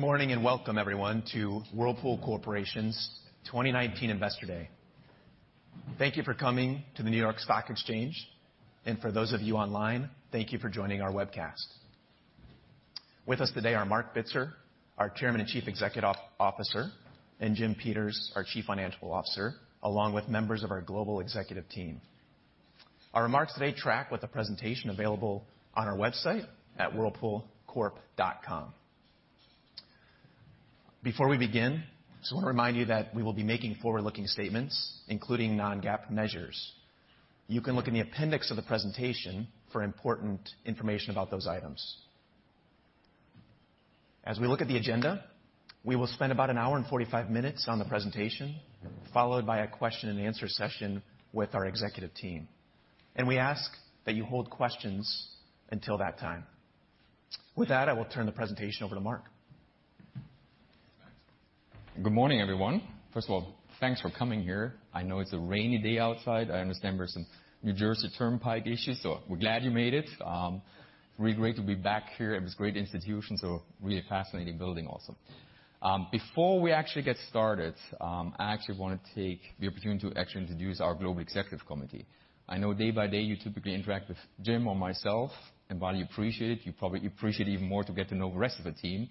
Good morning, welcome everyone to Whirlpool Corporation's 2019 Investor Day. Thank you for coming to the New York Stock Exchange, for those of you online, thank you for joining our webcast. With us today are Marc Bitzer, our Chairman and Chief Executive Officer, and Jim Peters, our Chief Financial Officer, along with members of our global executive team. Our remarks today track with a presentation available on our website at whirlpoolcorp.com. Before we begin, just want to remind you that we will be making forward-looking statements, including non-GAAP measures. You can look in the appendix of the presentation for important information about those items. As we look at the agenda, we will spend about an hour and 45 minutes on the presentation, followed by a question and answer session with our executive team. We ask that you hold questions until that time. With that, I will turn the presentation over to Marc. Good morning, everyone. First of all, thanks for coming here. I know it's a rainy day outside. I understand there's some New Jersey Turnpike issues, we're glad you made it. Really great to be back here at this great institution. Really fascinating building also. Before we actually get started, I actually want to take the opportunity to actually introduce our global executive committee. I know day by day, you typically interact with Jim or myself, while you appreciate it, you probably appreciate even more to get to know the rest of the team,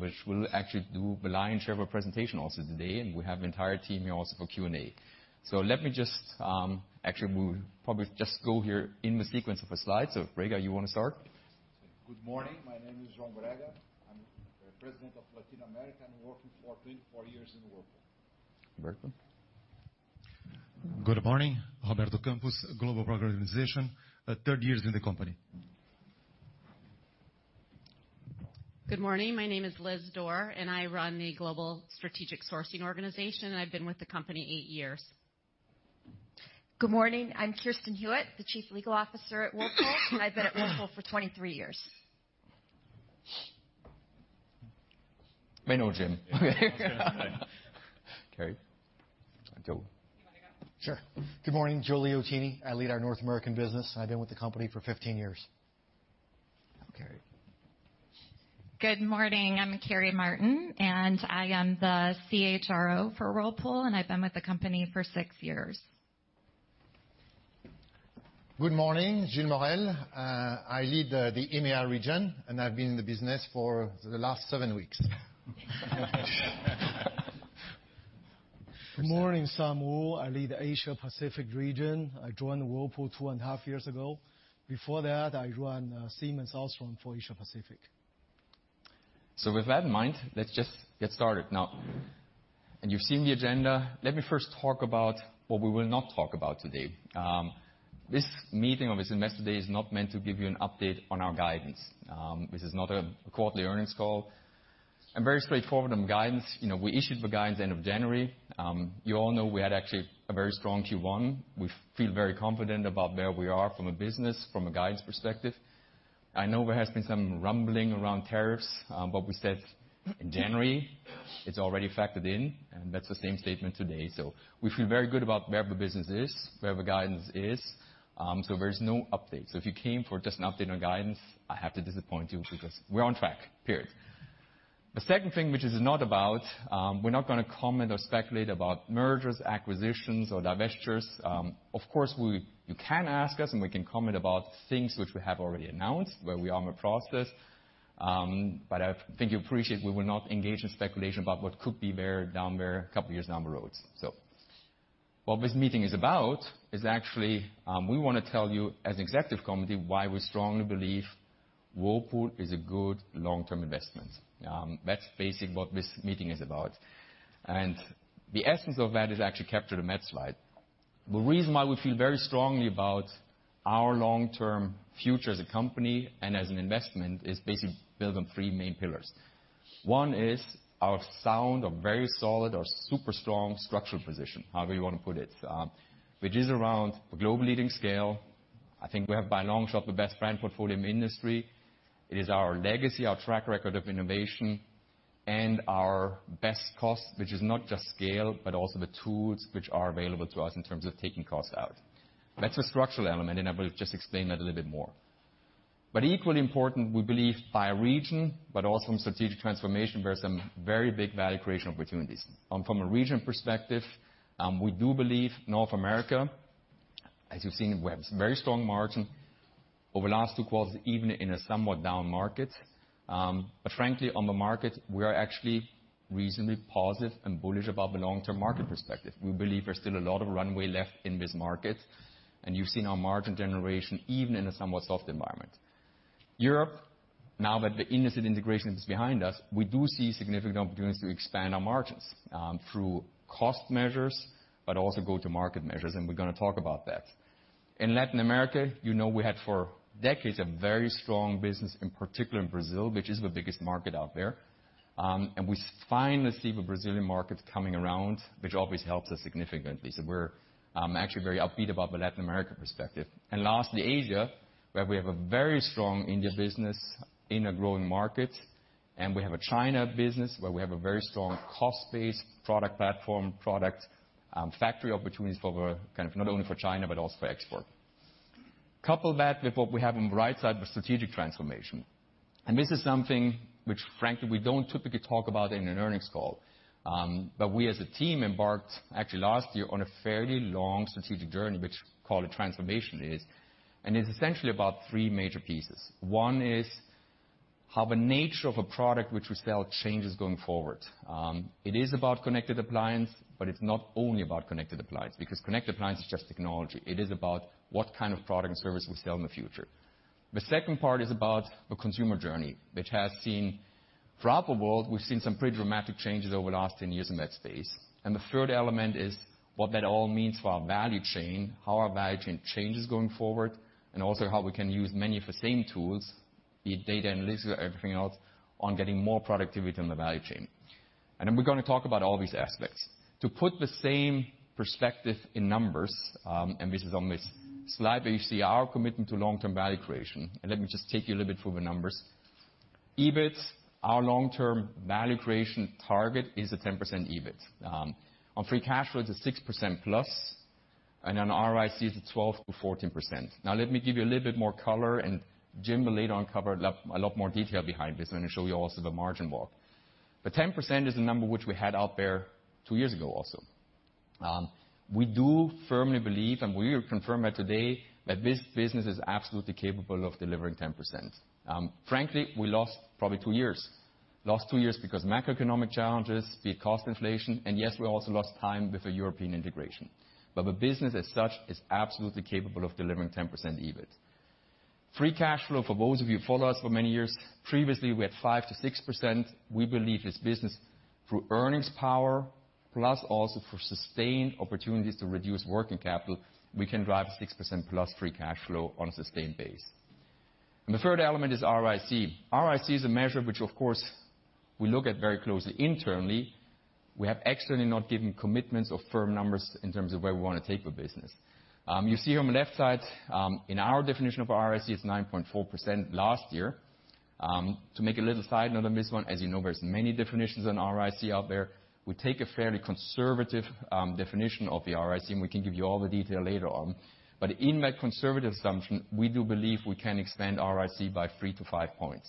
which will actually rely and share a presentation also today, we have the entire team here also for Q&A. Let me just, actually, we'll probably just go here in the sequence of the slides. Brega, you want to start? Good morning. My name is João Brega. I'm the president of Latin America, working for 24 years in Whirlpool. Roberto. Good morning. Roberto Campos, Global Program Organization, three years in the company. Good morning. My name is Liz Door. I run the Global Strategic Sourcing Organization. I've been with the company eight years. Good morning. I'm Kirsten Hewitt, the Chief Legal Officer at Whirlpool. I've been at Whirlpool for 23 years. I know Jim. Carey. Go. You want to go? Sure. Good morning. Joe Liotine. I lead our North American business. I've been with the company for 15 years. Carey. Good morning. I'm Carey Martin, and I am the CHRO for Whirlpool, and I've been with the company for six years. Good morning. Gilles Morel. I lead the EMEA region, and I've been in the business for the last seven weeks. Good morning. Sam Wu. I lead Asia Pacific region. I joined Whirlpool two and a half years ago. Before that, I ran Siemens also for Asia Pacific. With that in mind, let's just get started now. You've seen the agenda. Let me first talk about what we will not talk about today. This meeting of this Investor Day is not meant to give you an update on our guidance. This is not a quarterly earnings call. I'm very straightforward on guidance. We issued the guidance end of January. You all know we had actually a very strong Q1. We feel very confident about where we are from a business, from a guidance perspective. I know there has been some rumbling around tariffs. What we said in January, it's already factored in, and that's the same statement today. We feel very good about where the business is, where the guidance is. There is no update. If you came for just an update on guidance, I have to disappoint you because we're on track, period. The second thing, which is not about, we're not going to comment or speculate about mergers, acquisitions, or divestitures. Of course, you can ask us and we can comment about things which we have already announced, where we are in the process. I think you appreciate we will not engage in speculation about what could be there down there a couple years down the road. What this meeting is about is actually, we want to tell you as executive committee why we strongly believe Whirlpool is a good long-term investment. That's basically what this meeting is about. The essence of that is actually captured in that slide. The reason why we feel very strongly about our long-term future as a company and as an investment is basically built on three main pillars. One is our sound or very solid or super strong structural position, however you want to put it, which is around a global leading scale. I think we have by long shot the best brand portfolio in the industry. It is our legacy, our track record of innovation, and our best cost, which is not just scale, but also the tools which are available to us in terms of taking costs out. That's a structural element, I will just explain that a little bit more. Equally important, we believe by region, also in strategic transformation, there are some very big value creation opportunities. From a region perspective, we do believe North America, as you've seen, we have very strong margin over the last two quarters, even in a somewhat down market. Frankly, on the market, we are actually reasonably positive and bullish about the long-term market perspective. We believe there's still a lot of runway left in this market, and you've seen our margin generation even in a somewhat soft environment. Europe, now that the Indesit integration is behind us, we do see significant opportunities to expand our margins, through cost measures, but also go-to-market measures, we're going to talk about that. In Latin America, you know we had for decades a very strong business, in particular in Brazil, which is the biggest market out there. We finally see the Brazilian market coming around, which always helps us significantly. We're actually very upbeat about the Latin American perspective. Lastly, Asia, where we have a very strong India business in a growing market, we have a China business where we have a very strong cost base, product platform, product factory opportunities for kind of not only for China but also for export. Couple that with what we have on the right side with strategic transformation. This is something which frankly we don't typically talk about in an earnings call. We as a team embarked, actually last year, on a fairly long strategic journey, which call it transformation is, it's essentially about three major pieces. One is how the nature of a product which we sell changes going forward. It is about connected appliance, but it's not only about connected appliance, because connected appliance is just technology. It is about what kind of product and service we sell in the future. The second part is about the consumer journey, which has seen, throughout the world, we've seen some pretty dramatic changes over the last 10 years in that space. The third element is what that all means for our value chain, how our value chain changes going forward, and also how we can use many of the same tools, be it data analysis or everything else, on getting more productivity in the value chain. Then we're going to talk about all these aspects. To put the same perspective in numbers, this is on this slide where you see our commitment to long-term value creation, and let me just take you a little bit through the numbers. EBIT, our long-term value creation target is a 10% EBIT. On free cash flow, it's a 6% plus, and then ROIC is a 12%-14%. Now let me give you a little bit more color, Jim will later on cover a lot more detail behind this. Let me show you also the margin more. 10% is the number which we had out there two years ago also. We do firmly believe, and we confirm it today, that this business is absolutely capable of delivering 10%. Frankly, we lost probably two years. Lost two years because macroeconomic challenges, be it cost inflation, and yes, we also lost time with the European integration. The business as such is absolutely capable of delivering 10% EBIT. Free cash flow for those of you who follow us for many years, previously we had 5%-6%. We believe this business, through earnings power, plus also for sustained opportunities to reduce working capital, we can drive 6% plus free cash flow on a sustained base. The third element is ROIC. ROIC is a measure which, of course, we look at very closely internally. We have externally not given commitments or firm numbers in terms of where we want to take the business. You see here on the left side, in our definition of ROIC, it's 9.4% last year. To make a little side note on this one, as you know, there's many definitions on ROIC out there. We take a fairly conservative definition of the ROIC, we can give you all the detail later on. In that conservative assumption, we do believe we can expand ROIC by three to five points.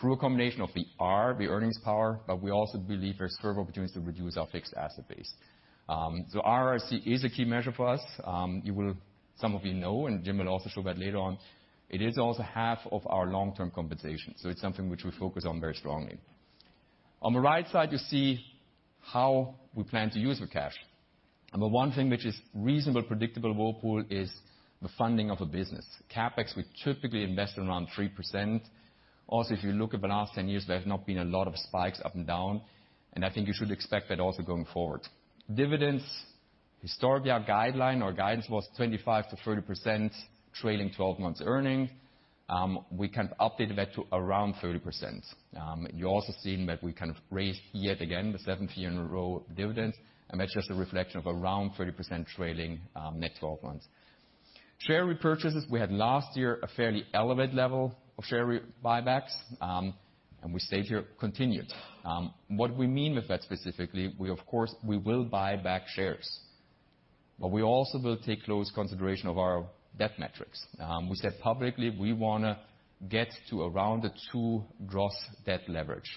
Through a combination of the R, the earnings power, we also believe there's several opportunities to reduce our fixed asset base. ROIC is a key measure for us. Some of you know, Jim will also show that later on, it is also half of our long-term compensation. It's something which we focus on very strongly. On the right side, you see how we plan to use the cash. The one thing which is reasonable, predictable at Whirlpool is the funding of a business. CapEx, we typically invest around 3%. Also, if you look at the last 10 years, there's not been a lot of spikes up and down, I think you should expect that also going forward. Dividends, historically our guideline, our guidance was 25%-30% trailing 12 months earnings. We can update that to around 30%. You're also seeing that we kind of raised yet again the seventh year in a row of dividends, that's just a reflection of around 30% trailing net 12 months. Share repurchases. We had last year a fairly elevated level of share buybacks, and we say here continued. What we mean with that specifically, we of course will buy back shares. We also will take close consideration of our debt metrics. We said publicly, we want to get to around the two gross debt leverage.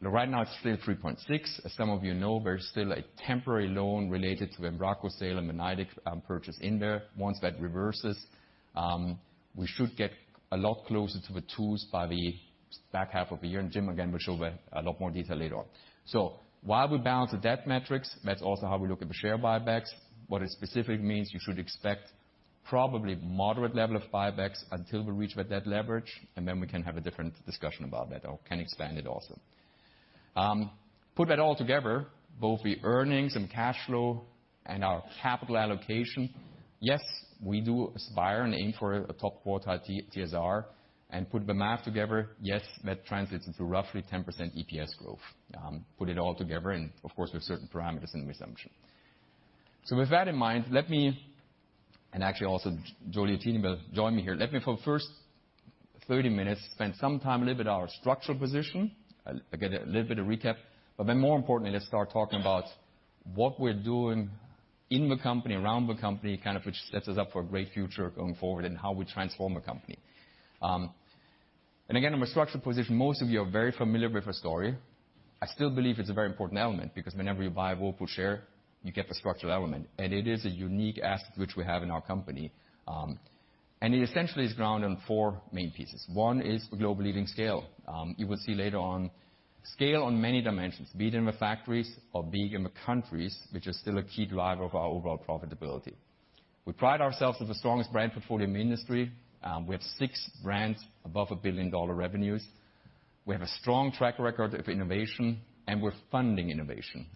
Right now it's still 3.6. As some of you know, there's still a temporary loan related to Embraco sale and the Indesit purchase in there. Once that reverses, we should get a lot closer to the 2s by the back half of the year. Jim, again, will show that a lot more detail later on. While we balance the debt metrics, that's also how we look at the share buybacks. What it specifically means, you should expect probably moderate level of buybacks until we reach that leverage, and then we can have a different discussion about that or can expand it also. Put that all together, both the earnings and cash flow and our capital allocation. Yes, we do aspire and aim for a top quartile TSR and put the math together. Yes, that translates into roughly 10% EPS growth. Put it all together and, of course, with certain parameters and assumptions. With that in mind, let me, and actually also Giulio Teni will join me here. Let me for the first 30 minutes spend some time a little bit our structural position, again, a little bit of recap. More importantly, let's start talking about what we're doing in the company, around the company, which sets us up for a great future going forward and how we transform the company. Again, on the structural position, most of you are very familiar with our story. I still believe it's a very important element because whenever you buy a Whirlpool share, you get the structural element. It is a unique asset which we have in our company. It essentially is grounded on four main pieces. One is the global leading scale. You will see later on scale on many dimensions, be it in the factories or be it in the countries, which is still a key driver of our overall profitability. We pride ourselves as the strongest brand portfolio in the industry. We have six brands above a billion-dollar revenues. We have a strong track record of innovation, and we're funding innovation.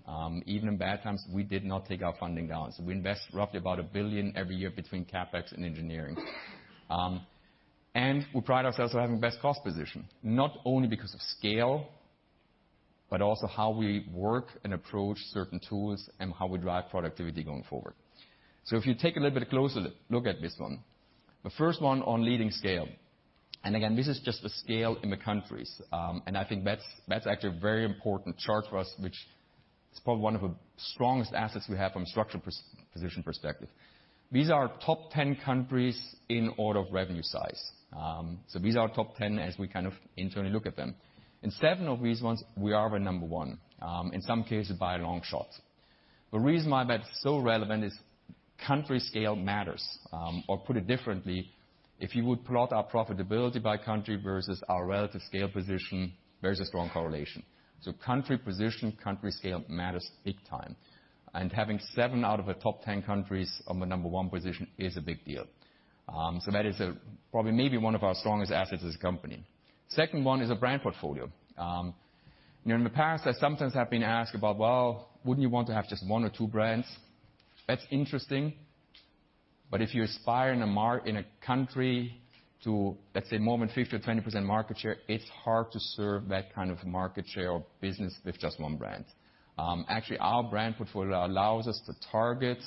Even in bad times, we did not take our funding down. We invest roughly about $1 billion every year between CapEx and engineering. We pride ourselves on having best cost position, not only because of scale, but also how we work and approach certain tools and how we drive productivity going forward. If you take a little bit closer look at this one. The first one on leading scale. Again, this is just the scale in the countries. I think that's actually a very important chart for us which. It's probably one of the strongest assets we have from a structural position perspective. These are our top 10 countries in order of revenue size. These are our top 10 as we internally look at them. In seven of these ones, we are the number one, in some cases by a long shot. The reason why that's so relevant is country scale matters. Put it differently, if you would plot our profitability by country versus our relative scale position, there's a strong correlation. Country position, country scale matters big time. Having seven out of the top 10 countries on the number one position is a big deal. That is probably maybe one of our strongest assets as a company. Second one is a brand portfolio. In the past, I sometimes have been asked about, "Well, wouldn't you want to have just one or two brands?" That's interesting, but if you aspire in a country to, let's say, more than 50%, 20% market share, it's hard to serve that kind of market share or business with just one brand. Actually, our brand portfolio allows us to target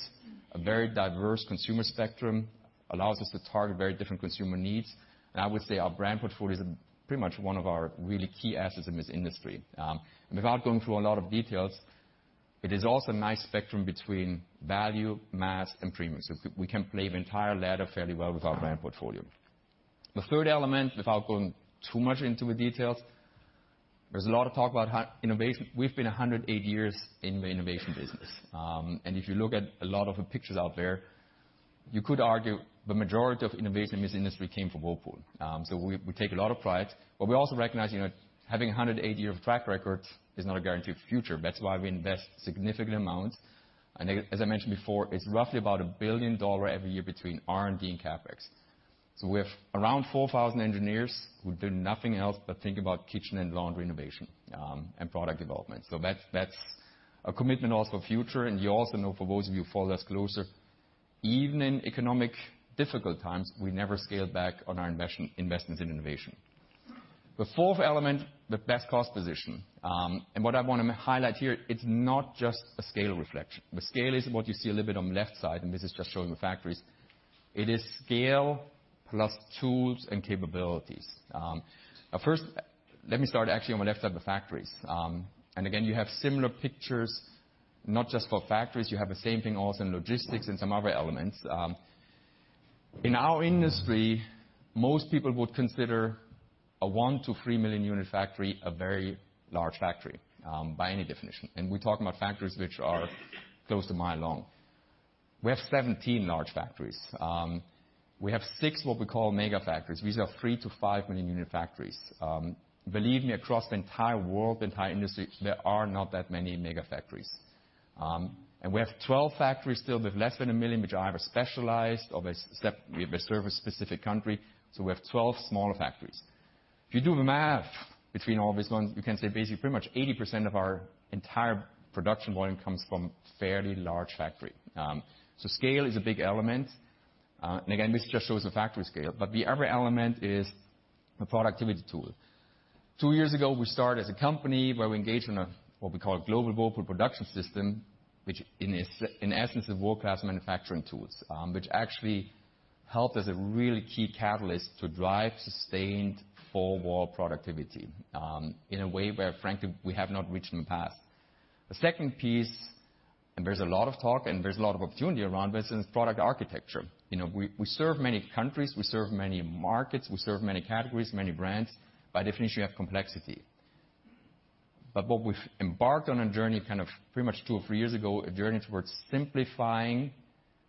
a very diverse consumer spectrum, allows us to target very different consumer needs, and I would say our brand portfolio is pretty much one of our really key assets in this industry. Without going through a lot of details, it is also a nice spectrum between value, mass, and premium. We can play the entire ladder fairly well with our brand portfolio. The third element, without going too much into the details, there's a lot of talk about innovation. We've been 108 years in the innovation business. If you look at a lot of the pictures out there, you could argue the majority of innovation in this industry came from Whirlpool. We take a lot of pride, but we also recognize, having 108 years of track record is not a guarantee of the future. That's why we invest significant amount. As I mentioned before, it's roughly about $1 billion every year between R&D and CapEx. We have around 4,000 engineers who do nothing else but think about kitchen and laundry innovation, and product development. That's a commitment also for future. You also know, for those of you who follow us closer, even in economic difficult times, we never scaled back on our investments in innovation. The fourth element, the best cost position. What I want to highlight here, it's not just a scale reflection. The scale is what you see a little bit on the left side, and this is just showing the factories. It is scale plus tools and capabilities. First, let me start actually on the left side with factories. Again, you have similar pictures, not just for factories, you have the same thing also in logistics and some other elements. In our industry, most people would consider a 1 million-3 million unit factory a very large factory, by any definition. We're talking about factories which are close to a mile long. We have 17 large factories. We have six what we call mega factories. These are 3 million-5 million unit factories. Believe me, across the entire world, the entire industry, there are not that many mega factories. We have 12 factories still with less than a million, which are either specialized or we serve a specific country. We have 12 smaller factories. If you do the math between all these ones, you can say basically pretty much 80% of our entire production volume comes from fairly large factory. Scale is a big element. Again, this just shows the factory scale, but the other element is the productivity tool. Two years ago, we started as a company where we engaged in a, what we call a global Whirlpool Production System, which in essence is world-class manufacturing tools, which actually helped as a really key catalyst to drive sustained forward productivity, in a way where frankly, we have not reached in the past. The second piece, there's a lot of talk and there's a lot of opportunity around this, is product architecture. We serve many countries, we serve many markets, we serve many categories, many brands. By definition, you have complexity. What we've embarked on a journey kind of pretty much two or three years ago, a journey towards simplifying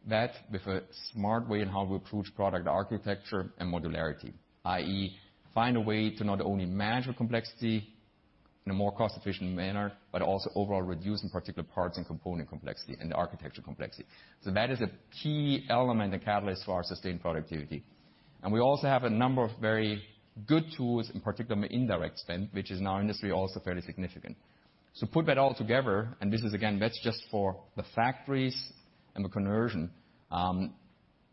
that with a smart way in how we approach product architecture and modularity, i.e., find a way to not only manage the complexity in a more cost-efficient manner, but also overall reduce in particular parts and component complexity and the architecture complexity. That is a key element and catalyst for our sustained productivity. We also have a number of very good tools, in particular on the indirect spend, which is in our industry also fairly significant. Put that all together, and this is again, that's just for the factories and the conversion.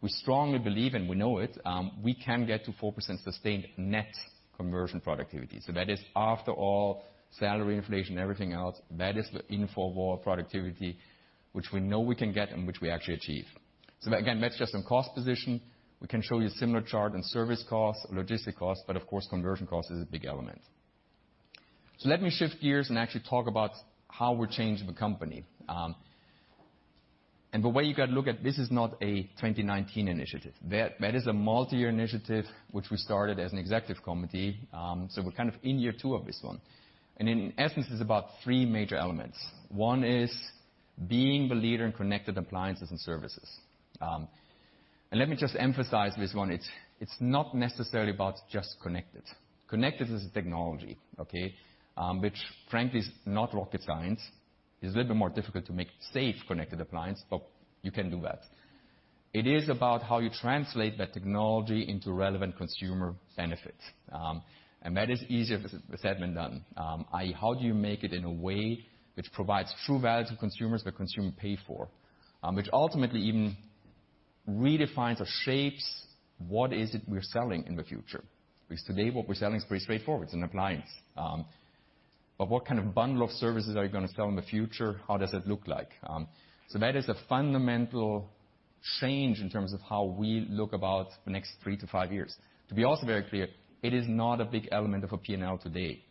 We strongly believe and we know it, we can get to 4% sustained net conversion productivity. That is after all, salary inflation, everything else, that is in forward productivity, which we know we can get and which we actually achieve. Again, that's just on cost position. We can show you a similar chart in service costs or logistic costs, but of course, conversion cost is a big element. Let me shift gears and actually talk about how we're changing the company. The way you got to look at this is not a 2019 initiative. That is a multi-year initiative which we started as an Executive Committee. We're in year two of this one. In essence, it's about three major elements. One is being the leader in connected appliances and services. Let me just emphasize this one. It's not necessarily about just connected. Connected is a technology, okay? Which frankly is not rocket science. It's a little bit more difficult to make safe connected appliance, but you can do that. It is about how you translate that technology into relevant consumer benefits. That is easier said than done. I.e., how do you make it in a way which provides true value to consumers that consumer pay for? Which ultimately even redefines or shapes what is it we're selling in the future. Because today what we're selling is pretty straightforward. It's an appliance. What kind of bundle of services are you going to sell in the future? How does it look like? That is a fundamental change in terms of how we look about the next three to five years. To be also very clear, it is not a big element of a P&L today,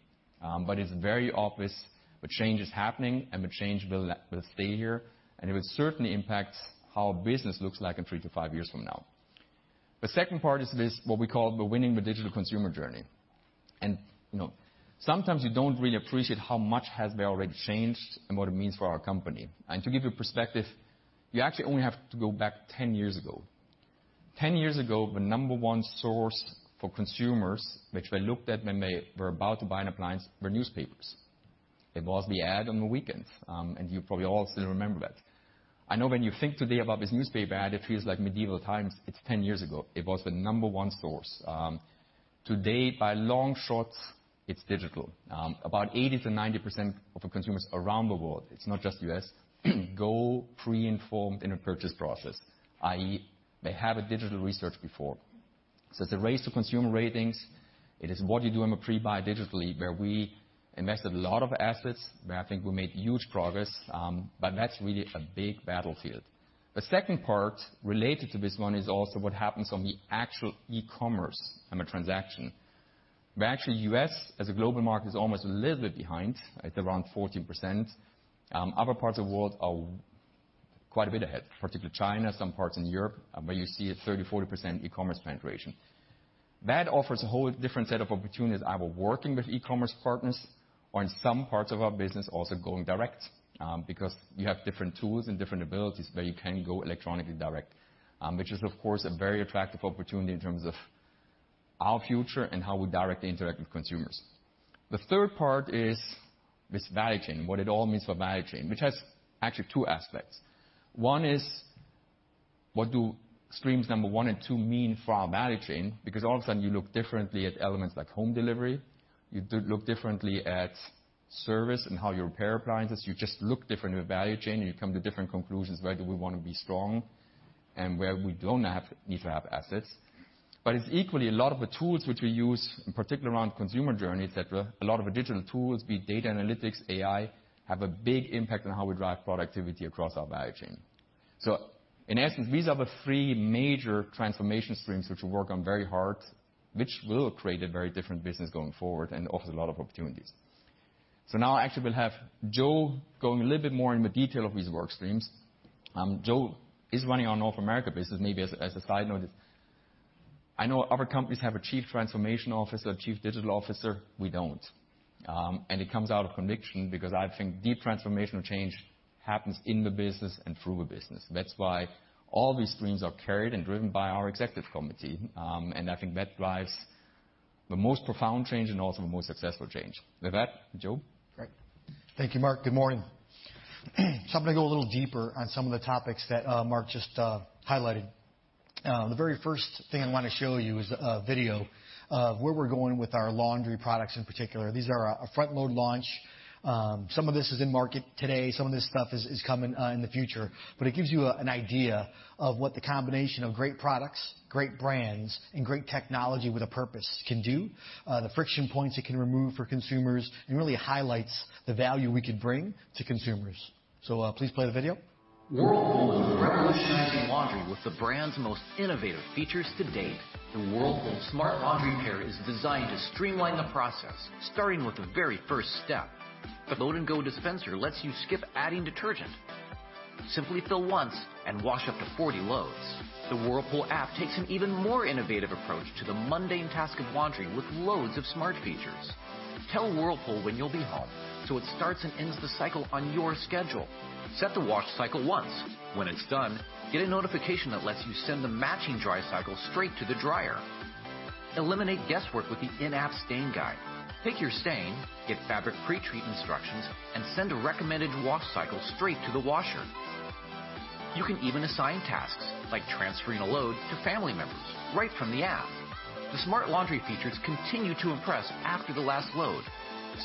but it's very obvious the change is happening, and the change will stay here, and it will certainly impact how business looks like in three to five years from now. The second part is this, what we call the winning the digital consumer journey. Sometimes you don't really appreciate how much has already changed and what it means for our company. To give you perspective, you actually only have to go back 10 years ago. 10 years ago, the number one source for consumers, which they looked at when they were about to buy an appliance, were newspapers. It was the ad on the weekend. You probably all still remember that. I know when you think today about this newspaper ad, it feels like medieval times. It's 10 years ago. It was the number 1 source. Today, by long shots, it's digital. About 80%-90% of consumers around the world, it's not just U.S., go pre-informed in a purchase process, i.e., they have a digital research before. It's a race to consumer ratings. It is what you do in the pre-buy digitally, where we invested a lot of assets, where I think we made huge progress, but that's really a big battlefield. The second part related to this one is also what happens on the actual e-commerce and the transaction. Actually, U.S., as a global market, is almost a little bit behind. It's around 14%. Other parts of the world are quite a bit ahead, particularly China, some parts in Europe, where you see a 30%-40% e-commerce penetration. That offers a whole different set of opportunities, either working with e-commerce partners or in some parts of our business also going direct, because you have different tools and different abilities where you can go electronically direct, which is, of course, a very attractive opportunity in terms of our future and how we directly interact with consumers. The third part is this value chain, what it all means for value chain, which has actually 2 aspects. One is what do streams number 1 and 2 mean for our value chain? All of a sudden, you look differently at elements like home delivery. You look differently at service and how you repair appliances. You just look different at value chain, and you come to different conclusions where do we want to be strong and where we don't need to have assets. It's equally a lot of the tools which we use, in particular around consumer journey, et cetera, a lot of the digital tools, be it data analytics, AI, have a big impact on how we drive productivity across our value chain. In essence, these are the 3 major transformation streams which we work on very hard, which will create a very different business going forward and offers a lot of opportunities. Now actually we'll have Joe going a little bit more into detail of these work streams. Joe is running our North America business. Maybe as a side note, I know other companies have a chief transformation officer, chief digital officer. We don't. It comes out of conviction because I think deep transformational change happens in the business and through the business. That's why all these streams are carried and driven by our executive committee, and I think that drives the most profound change and also the most successful change. With that, Joe? Great. Thank you, Marc. Good morning. I'm going to go a little deeper on some of the topics that Marc just highlighted. The very first thing I want to show you is a video of where we're going with our laundry products in particular. These are our front-load launch. Some of this is in market today. Some of this stuff is coming in the future. It gives you an idea of what the combination of great products, great brands, and great technology with a purpose can do, the friction points it can remove for consumers, and really highlights the value we can bring to consumers. Please play the video. Whirlpool is revolutionizing laundry with the brand's most innovative features to date. The Whirlpool Smart Laundry pair is designed to streamline the process, starting with the very first step. The Load & Go dispenser lets you skip adding detergent. Simply fill once and wash up to 40 loads. The Whirlpool app takes an even more innovative approach to the mundane task of laundry with loads of smart features. Tell Whirlpool when you'll be home, so it starts and ends the cycle on your schedule. Set the wash cycle once. When it's done, get a notification that lets you send the matching dry cycle straight to the dryer. Eliminate guesswork with the in-app stain guide. Pick your stain, get fabric pre-treat instructions, and send a recommended wash cycle straight to the washer. You can even assign tasks, like transferring a load to family members, right from the app. The smart laundry features continue to impress after the last load.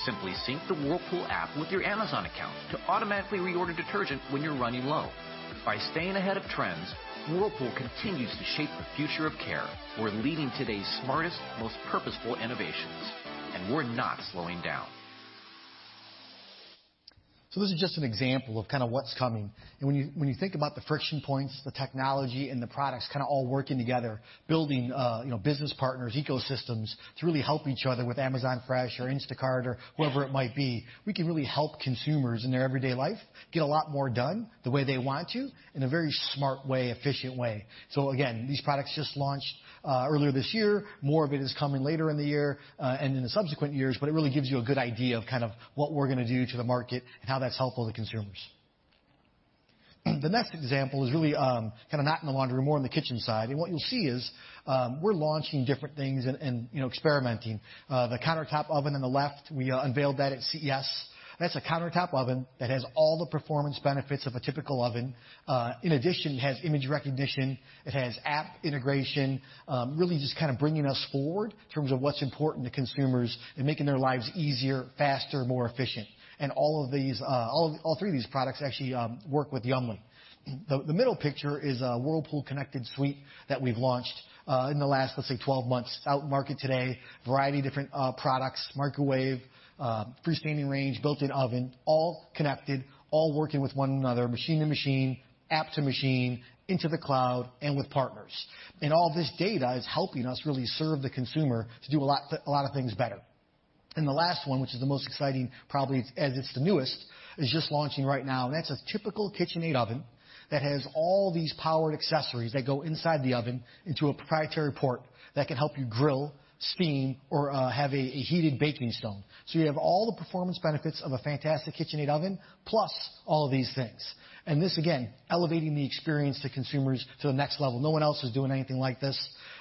Simply sync the Whirlpool app with your Amazon account to automatically reorder detergent when you're running low. By staying ahead of trends, Whirlpool continues to shape the future of care. We're leading today's smartest, most purposeful innovations, we're not slowing down. This is just an example of kind of what's coming. When you think about the friction points, the technology, and the products kind of all working together, building business partners, ecosystems, to really help each other with Amazon Fresh or Instacart or whoever it might be, we can really help consumers in their everyday life get a lot more done the way they want to in a very smart way, efficient way. Again, these products just launched earlier this year. More of it is coming later in the year, and in the subsequent years, it really gives you a good idea of kind of what we're going to do to the market and how that's helpful to consumers. The next example is really kind of not in the laundry, more on the kitchen side. What you'll see is we're launching different things and experimenting. The countertop oven on the left, we unveiled that at CES. That's a countertop oven that has all the performance benefits of a typical oven. In addition, it has image recognition, it has app integration, really just kind of bringing us forward in terms of what's important to consumers and making their lives easier, faster, more efficient. All three of these products actually work with Yummly. The middle picture is a Whirlpool connected suite that we've launched in the last, let's say, 12 months. Out in market today. Variety of different products, microwave, freestanding range, built-in oven, all connected, all working with one another, machine to machine, app to machine, into the cloud, and with partners. All this data is helping us really serve the consumer to do a lot of things better. The last one, which is the most exciting probably as it's the newest, is just launching right now. That's a typical KitchenAid oven that has all these powered accessories that go inside the oven into a proprietary port that can help you grill, steam, or have a heated baking stone. You have all the performance benefits of a fantastic KitchenAid oven plus all of these things. This again, elevating the experience to consumers to the next level. No one else is doing anything like this.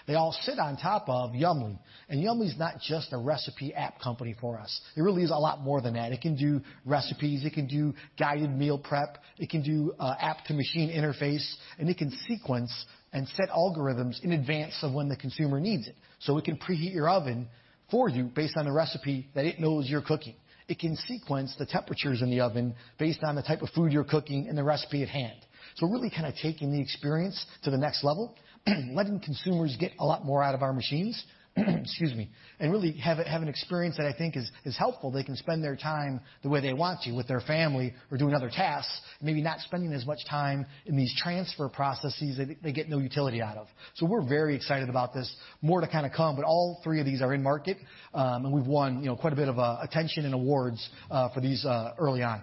They all sit on top of Yummly, and Yummly is not just a recipe app company for us. It really is a lot more than that. It can do recipes, it can do guided meal prep, it can do app-to-machine interface, it can sequence and set algorithms in advance of when the consumer needs it. It can preheat your oven for you based on the recipe that it knows you're cooking. It can sequence the temperatures in the oven based on the type of food you're cooking and the recipe at hand. Really kind of taking the experience to the next level, letting consumers get a lot more out of our machines, excuse me, really have an experience that I think is helpful. They can spend their time the way they want to with their family or doing other tasks, maybe not spending as much time in these transfer processes that they get no utility out of. We're very excited about this. More to kind of come, all three of these are in market, and we've won quite a bit of attention and awards for these early on.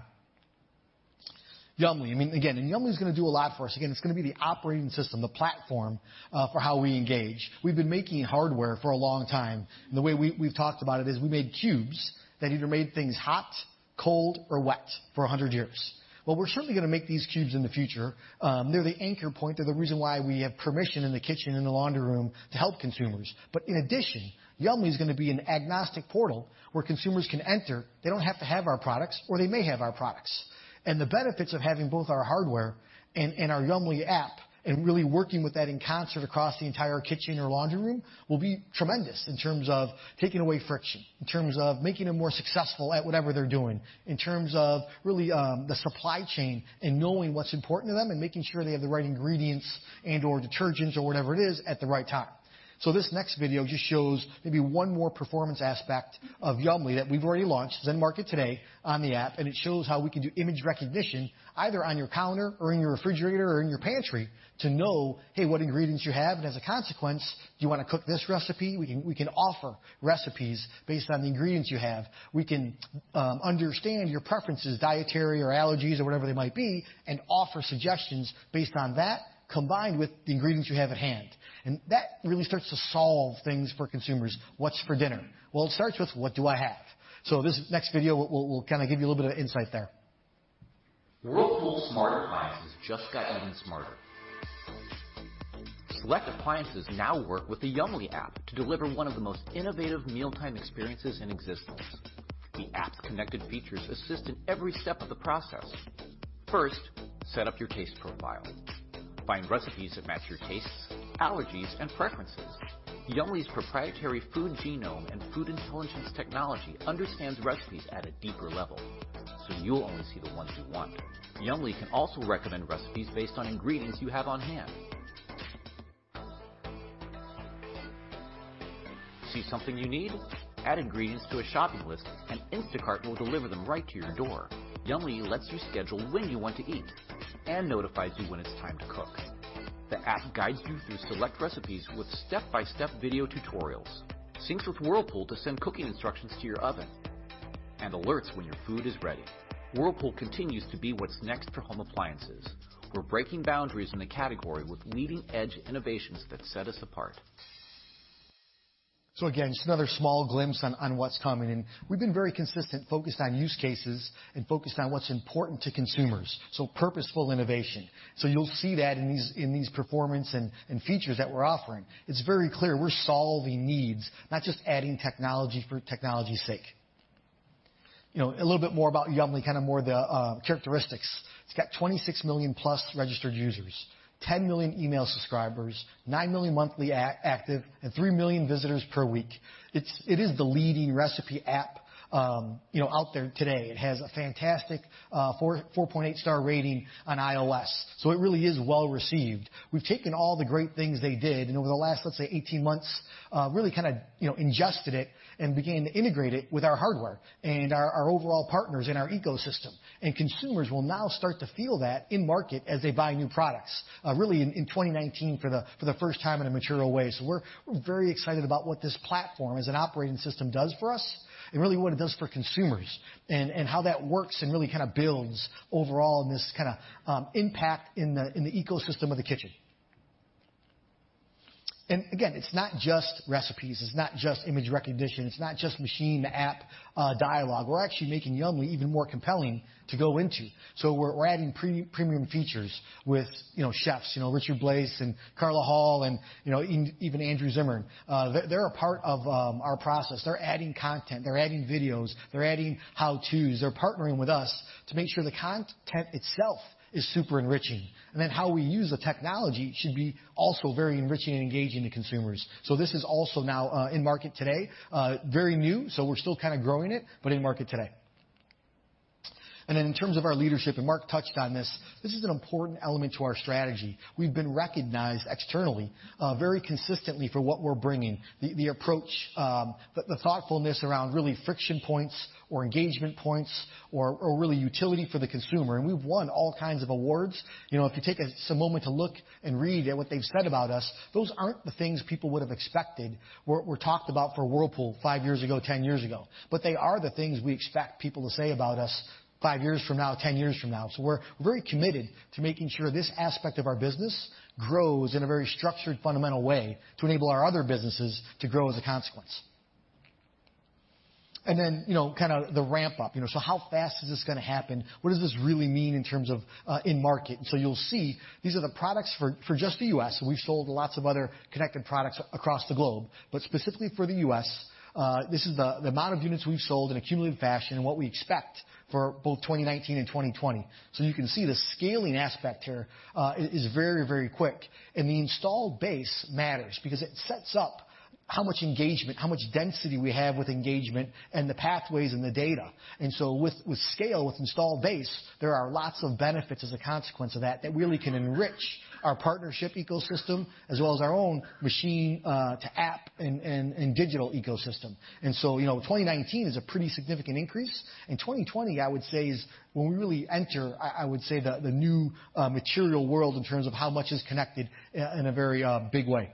Yummly. Yummly is going to do a lot for us. It's going to be the operating system, the platform for how we engage. We've been making hardware for a long time, the way we've talked about it is we made cubes that either made things hot, cold, or wet for 100 years. While we're certainly going to make these cubes in the future, they're the anchor point. They're the reason why we have permission in the kitchen and the laundry room to help consumers. In addition, Yummly is going to be an agnostic portal where consumers can enter. They don't have our products, or they may have our products. The benefits of having both our hardware and our Yummly app and really working with that in concert across the entire kitchen or laundry room will be tremendous in terms of taking away friction, in terms of making them more successful at whatever they're doing, in terms of really the supply chain and knowing what's important to them and making sure they have the right ingredients and/or detergents or whatever it is at the right time. This next video just shows maybe one more performance aspect of Yummly that we've already launched. It's in market today on the app, it shows how we can do image recognition either on your counter or in your refrigerator or in your pantry to know, hey, what ingredients you have, and as a consequence, do you want to cook this recipe? We can offer recipes based on the ingredients you have. We can understand your preferences, dietary or allergies or whatever they might be, offer suggestions based on that, combined with the ingredients you have at hand. That really starts to solve things for consumers. What's for dinner? Well, it starts with, what do I have? This next video will kind of give you a little bit of insight there. Whirlpool smart appliances just got even smarter. Select appliances now work with the Yummly app to deliver one of the most innovative mealtime experiences in existence. The app's connected features assist in every step of the process. First, set up your taste profile. Find recipes that match your tastes, allergies, and preferences. Yummly's proprietary food genome and food intelligence technology understands recipes at a deeper level, you'll only see the ones you want. Yummly can also recommend recipes based on ingredients you have on hand. See something you need? Add ingredients to a shopping list, Instacart will deliver them right to your door. Yummly lets you schedule when you want to eat and notifies you when it's time to cook. The app guides you through select recipes with step-by-step video tutorials, syncs with Whirlpool to send cooking instructions to your oven, alerts when your food is ready. Whirlpool continues to be what's next for home appliances. We're breaking boundaries in the category with leading-edge innovations that set us apart. Again, just another small glimpse on what's coming in. We've been very consistent, focused on use cases, and focused on what's important to consumers, so purposeful innovation. You'll see that in these performance and features that we're offering. It's very clear we're solving needs, not just adding technology for technology's sake. A little bit more about Yummly, kind of more the characteristics. It's got 26 million-plus registered users, 10 million email subscribers, nine million monthly active, and three million visitors per week. It is the leading recipe app out there today. It has a fantastic 4.8 star rating on iOS. It really is well-received. We've taken all the great things they did, and over the last, let's say, 18 months, really kind of ingested it and began to integrate it with our hardware and our overall partners in our ecosystem. Consumers will now start to feel that in market as they buy new products, really in 2019 for the first time in a material way. We're very excited about what this platform as an operating system does for us and really what it does for consumers and how that works and really kind of builds overall in this kind of impact in the ecosystem of the kitchen. Again, it's not just recipes, it's not just image recognition, it's not just machine-app dialogue. We're actually making Yummly even more compelling to go into. We're adding premium features with chefs, Richard Blais and Carla Hall and even Andrew Zimmern. They're a part of our process. They're adding content, they're adding videos, they're adding how-tos. They're partnering with us to make sure the content itself is super enriching. How we use the technology should be also very enriching and engaging to consumers. This is also now in market today. Very new, so we're still kind of growing it, but in market today. In terms of our leadership, Marc touched on this. This is an important element to our strategy. We've been recognized externally very consistently for what we're bringing. The approach, the thoughtfulness around really friction points or engagement points or really utility for the consumer, and we've won all kinds of awards. If you take a moment to look and read at what they've said about us, those aren't the things people would have expected were talked about for Whirlpool five years ago, 10 years ago. They are the things we expect people to say about us five years from now, 10 years from now. We're very committed to making sure this aspect of our business grows in a very structured, fundamental way to enable our other businesses to grow as a consequence. The ramp-up. How fast is this going to happen? What does this really mean in terms of in market? You'll see these are the products for just the U.S. We've sold lots of other connected products across the globe. Specifically for the U.S., this is the amount of units we've sold in accumulative fashion and what we expect for both 2019 and 2020. You can see the scaling aspect here is very quick, and the installed base matters because it sets up how much engagement, how much density we have with engagement, and the pathways and the data. With scale, with installed base, there are lots of benefits as a consequence of that that really can enrich our partnership ecosystem as well as our own machine to app and digital ecosystem. 2019 is a pretty significant increase, and 2020, I would say, is when we really enter the new material world in terms of how much is connected in a very big way.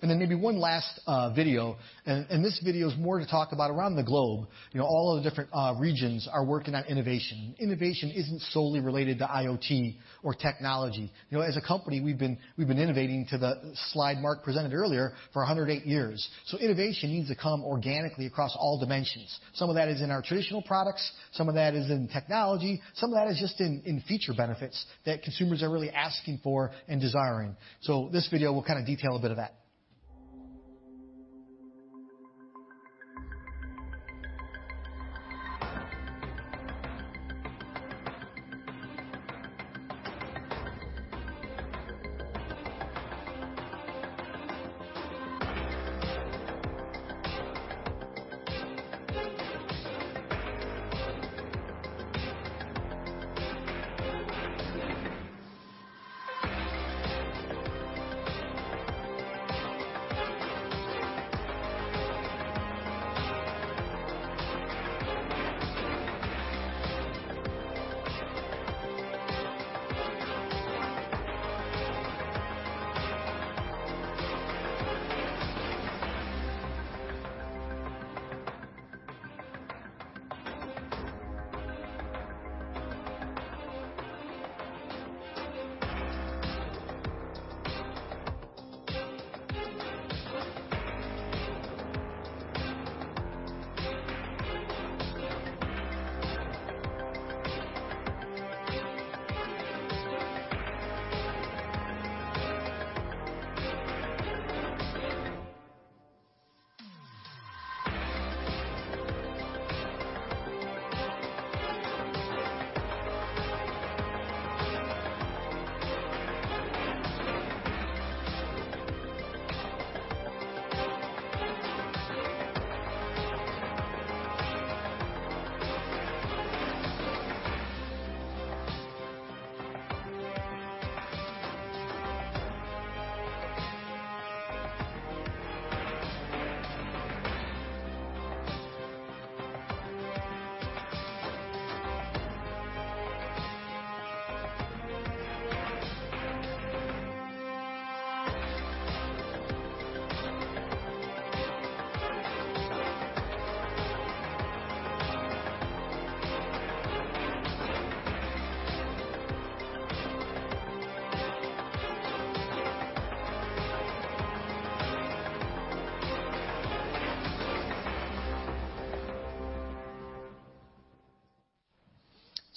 Maybe one last video, and this video is more to talk about around the globe. All of the different regions are working on innovation. Innovation isn't solely related to IoT or technology. As a company, we've been innovating to the slide Marc presented earlier for 108 years. Innovation needs to come organically across all dimensions. Some of that is in our traditional products, some of that is in technology, some of that is just in feature benefits that consumers are really asking for and desiring. This video will detail a bit of that.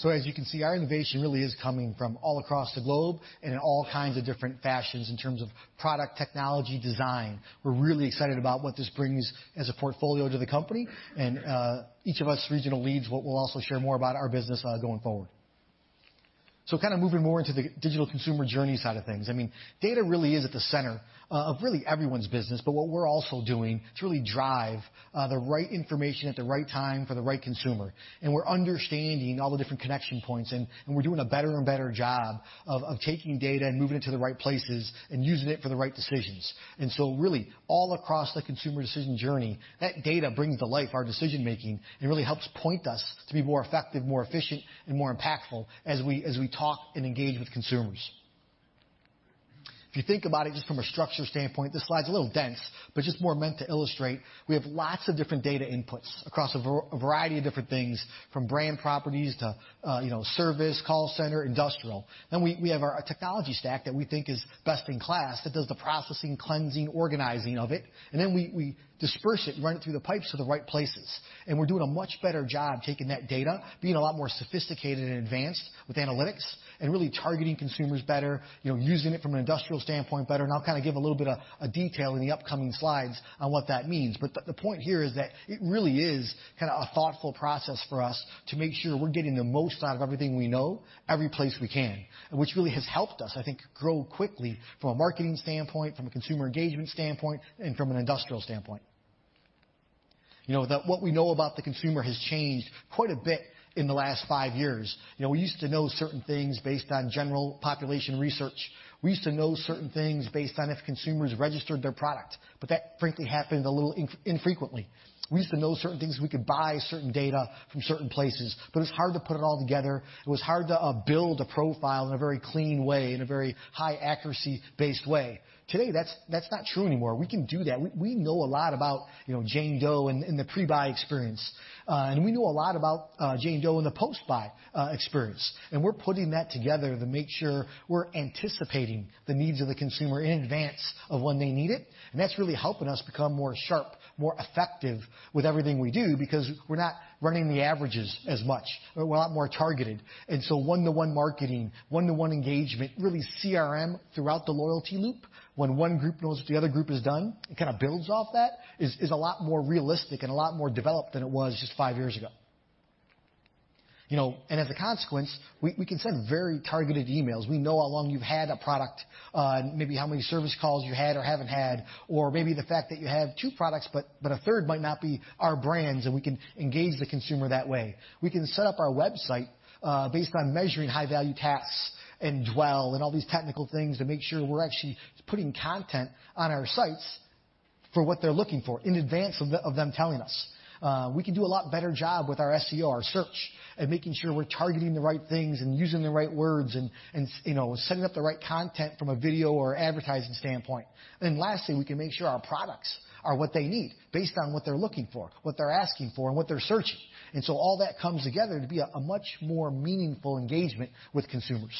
As you can see, our innovation really is coming from all across the globe and in all kinds of different fashions in terms of product technology design. We're really excited about what this brings as a portfolio to the company and each of us regional leads will also share more about our business going forward. Moving more into the digital consumer journey side of things. Data really is at the center of really everyone's business. What we're also doing to really drive the right information at the right time for the right consumer, and we're understanding all the different connection points, and we're doing a better and better job of taking data and moving it to the right places and using it for the right decisions. Really all across the consumer decision journey, that data brings to life our decision-making and really helps point us to be more effective, more efficient, and more impactful as we talk and engage with consumers. If you think about it just from a structure standpoint, this slide is a little dense, but just more meant to illustrate we have lots of different data inputs across a variety of different things, from brand properties to service, call center, industrial. We have our technology stack that we think is best in class that does the processing, cleansing, organizing of it, and then we disperse it and run it through the pipes to the right places. We're doing a much better job taking that data, being a lot more sophisticated and advanced with analytics and really targeting consumers better, using it from an industrial standpoint better, and I'll give a little bit of a detail in the upcoming slides on what that means. The point here is that it really is a thoughtful process for us to make sure we're getting the most out of everything we know, every place we can, which really has helped us, I think, grow quickly from a marketing standpoint, from a consumer engagement standpoint, and from an industrial standpoint. That what we know about the consumer has changed quite a bit in the last five years. We used to know certain things based on general population research. We used to know certain things based on if consumers registered their product, but that frankly happened a little infrequently. We used to know certain things, we could buy certain data from certain places, but it was hard to put it all together. It was hard to build a profile in a very clean way, in a very high accuracy-based way. Today, that's not true anymore. We can do that. We know a lot about Jane Doe in the pre-buy experience. We know a lot about Jane Doe in the post-buy experience. We're putting that together to make sure we're anticipating the needs of the consumer in advance of when they need it, and that's really helping us become more sharp, more effective with everything we do because we're not running the averages as much. We're a lot more targeted. One-to-one marketing, one-to-one engagement, really CRM throughout the loyalty loop, when one group knows what the other group has done, it kind of builds off that. It's a lot more realistic and a lot more developed than it was just five years ago. As a consequence, we can send very targeted emails. We know how long you've had a product, maybe how many service calls you had or haven't had, or maybe the fact that you have two products, but a third might not be our brands, and we can engage the consumer that way. We can set up our website, based on measuring high-value tasks and dwell and all these technical things to make sure we're actually putting content on our sites for what they're looking for in advance of them telling us. We can do a lot better job with our SEO, our search, and making sure we're targeting the right things and using the right words and setting up the right content from a video or advertising standpoint. Lastly, we can make sure our products are what they need based on what they're looking for, what they're asking for, and what they're searching. all that comes together to be a much more meaningful engagement with consumers.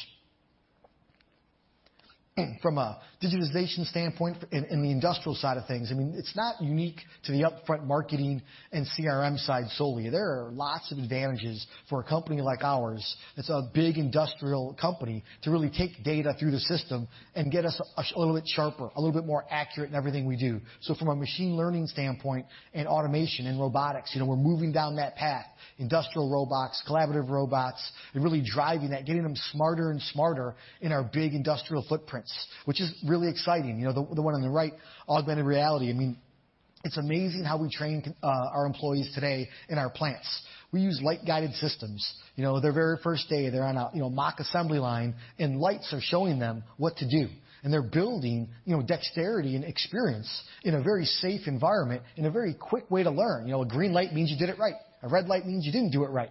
From a digitization standpoint in the industrial side of things, it's not unique to the upfront marketing and CRM side solely. There are lots of advantages for a company like ours that's a big industrial company to really take data through the system and get us a little bit sharper, a little bit more accurate in everything we do. From a machine learning standpoint and automation and robotics, we're moving down that path, industrial robots, collaborative robots, and really driving that, getting them smarter and smarter in our big industrial footprints, which is really exciting. The one on the right, augmented reality. It's amazing how we train our employees today in our plants. We use light-guided systems. Their very first day, they're on a mock assembly line, and lights are showing them what to do. They're building dexterity and experience in a very safe environment in a very quick way to learn. A green light means you did it right. A red light means you didn't do it right.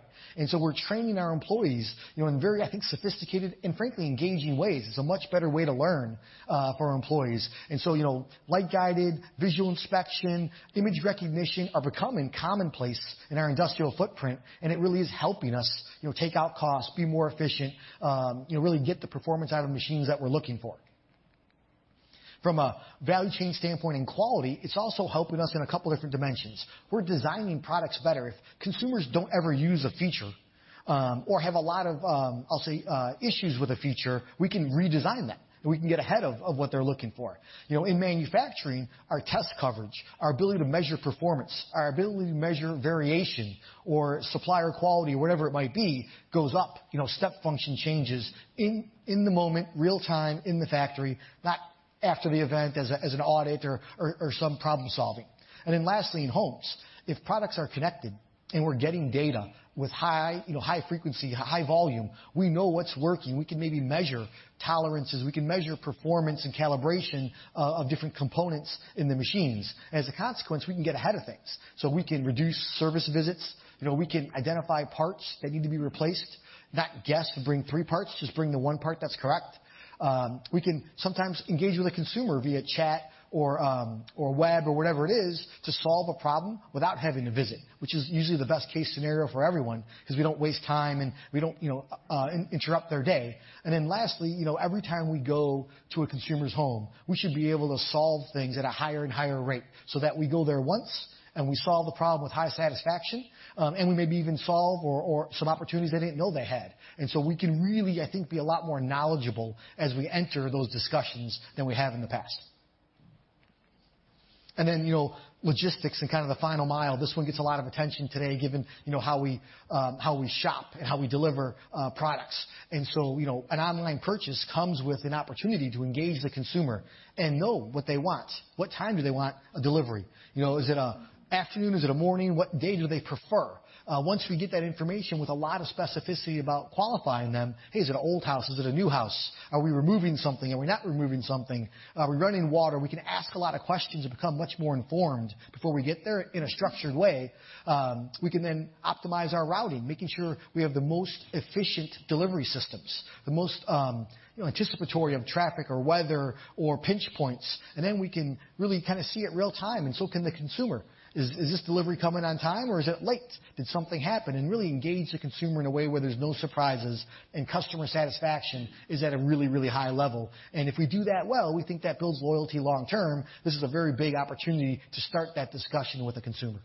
We're training our employees in very, I think, sophisticated and frankly, engaging ways. It's a much better way to learn for our employees. Light-guided, visual inspection, image recognition are becoming commonplace in our industrial footprint, and it really is helping us take out costs, be more efficient, really get the performance out of machines that we're looking for. From a value chain standpoint and quality, it's also helping us in a couple different dimensions. We're designing products better. If consumers don't ever use a feature, or have a lot of, I'll say, issues with a feature, we can redesign that, and we can get ahead of what they're looking for. In manufacturing, our test coverage, our ability to measure performance, our ability to measure variation or supplier quality, whatever it might be, goes up. Step function changes in the moment, real-time in the factory, not after the event as an audit or some problem-solving. Lastly, in homes, if products are connected and we're getting data with high frequency, high volume, we know what's working. We can maybe measure tolerances. We can measure performance and calibration of different components in the machines. As a consequence, we can get ahead of things. We can reduce service visits. We can identify parts that need to be replaced, not guess to bring three parts, just bring the one part that's correct. We can sometimes engage with a consumer via chat or web or whatever it is to solve a problem without having to visit, which is usually the best-case scenario for everyone because we don't waste time, and we don't interrupt their day. Lastly, every time we go to a consumer's home, we should be able to solve things at a higher and higher rate so that we go there once and we solve the problem with high satisfaction, and we maybe even solve or some opportunities they didn't know they had. We can really, I think, be a lot more knowledgeable as we enter those discussions than we have in the past. Logistics and kind of the final mile. An online purchase comes with an opportunity to engage the consumer and know what they want. What time do they want a delivery? Is it an afternoon? Is it a morning? What day do they prefer? Once we get that information with a lot of specificity about qualifying them, "Hey, is it an old house? Is it a new house? Are we removing something? Are we not removing something? Are we running water?" We can ask a lot of questions and become much more informed before we get there in a structured way. We can optimize our routing, making sure we have the most efficient delivery systems, the most anticipatory of traffic or weather or pinch points. We can really kind of see it real-time and so can the consumer. Is this delivery coming on time, or is it late? Did something happen? Really engage the consumer in a way where there's no surprises and customer satisfaction is at a really, really high level. If we do that well, we think that builds loyalty long term. This is a very big opportunity to start that discussion with the consumer.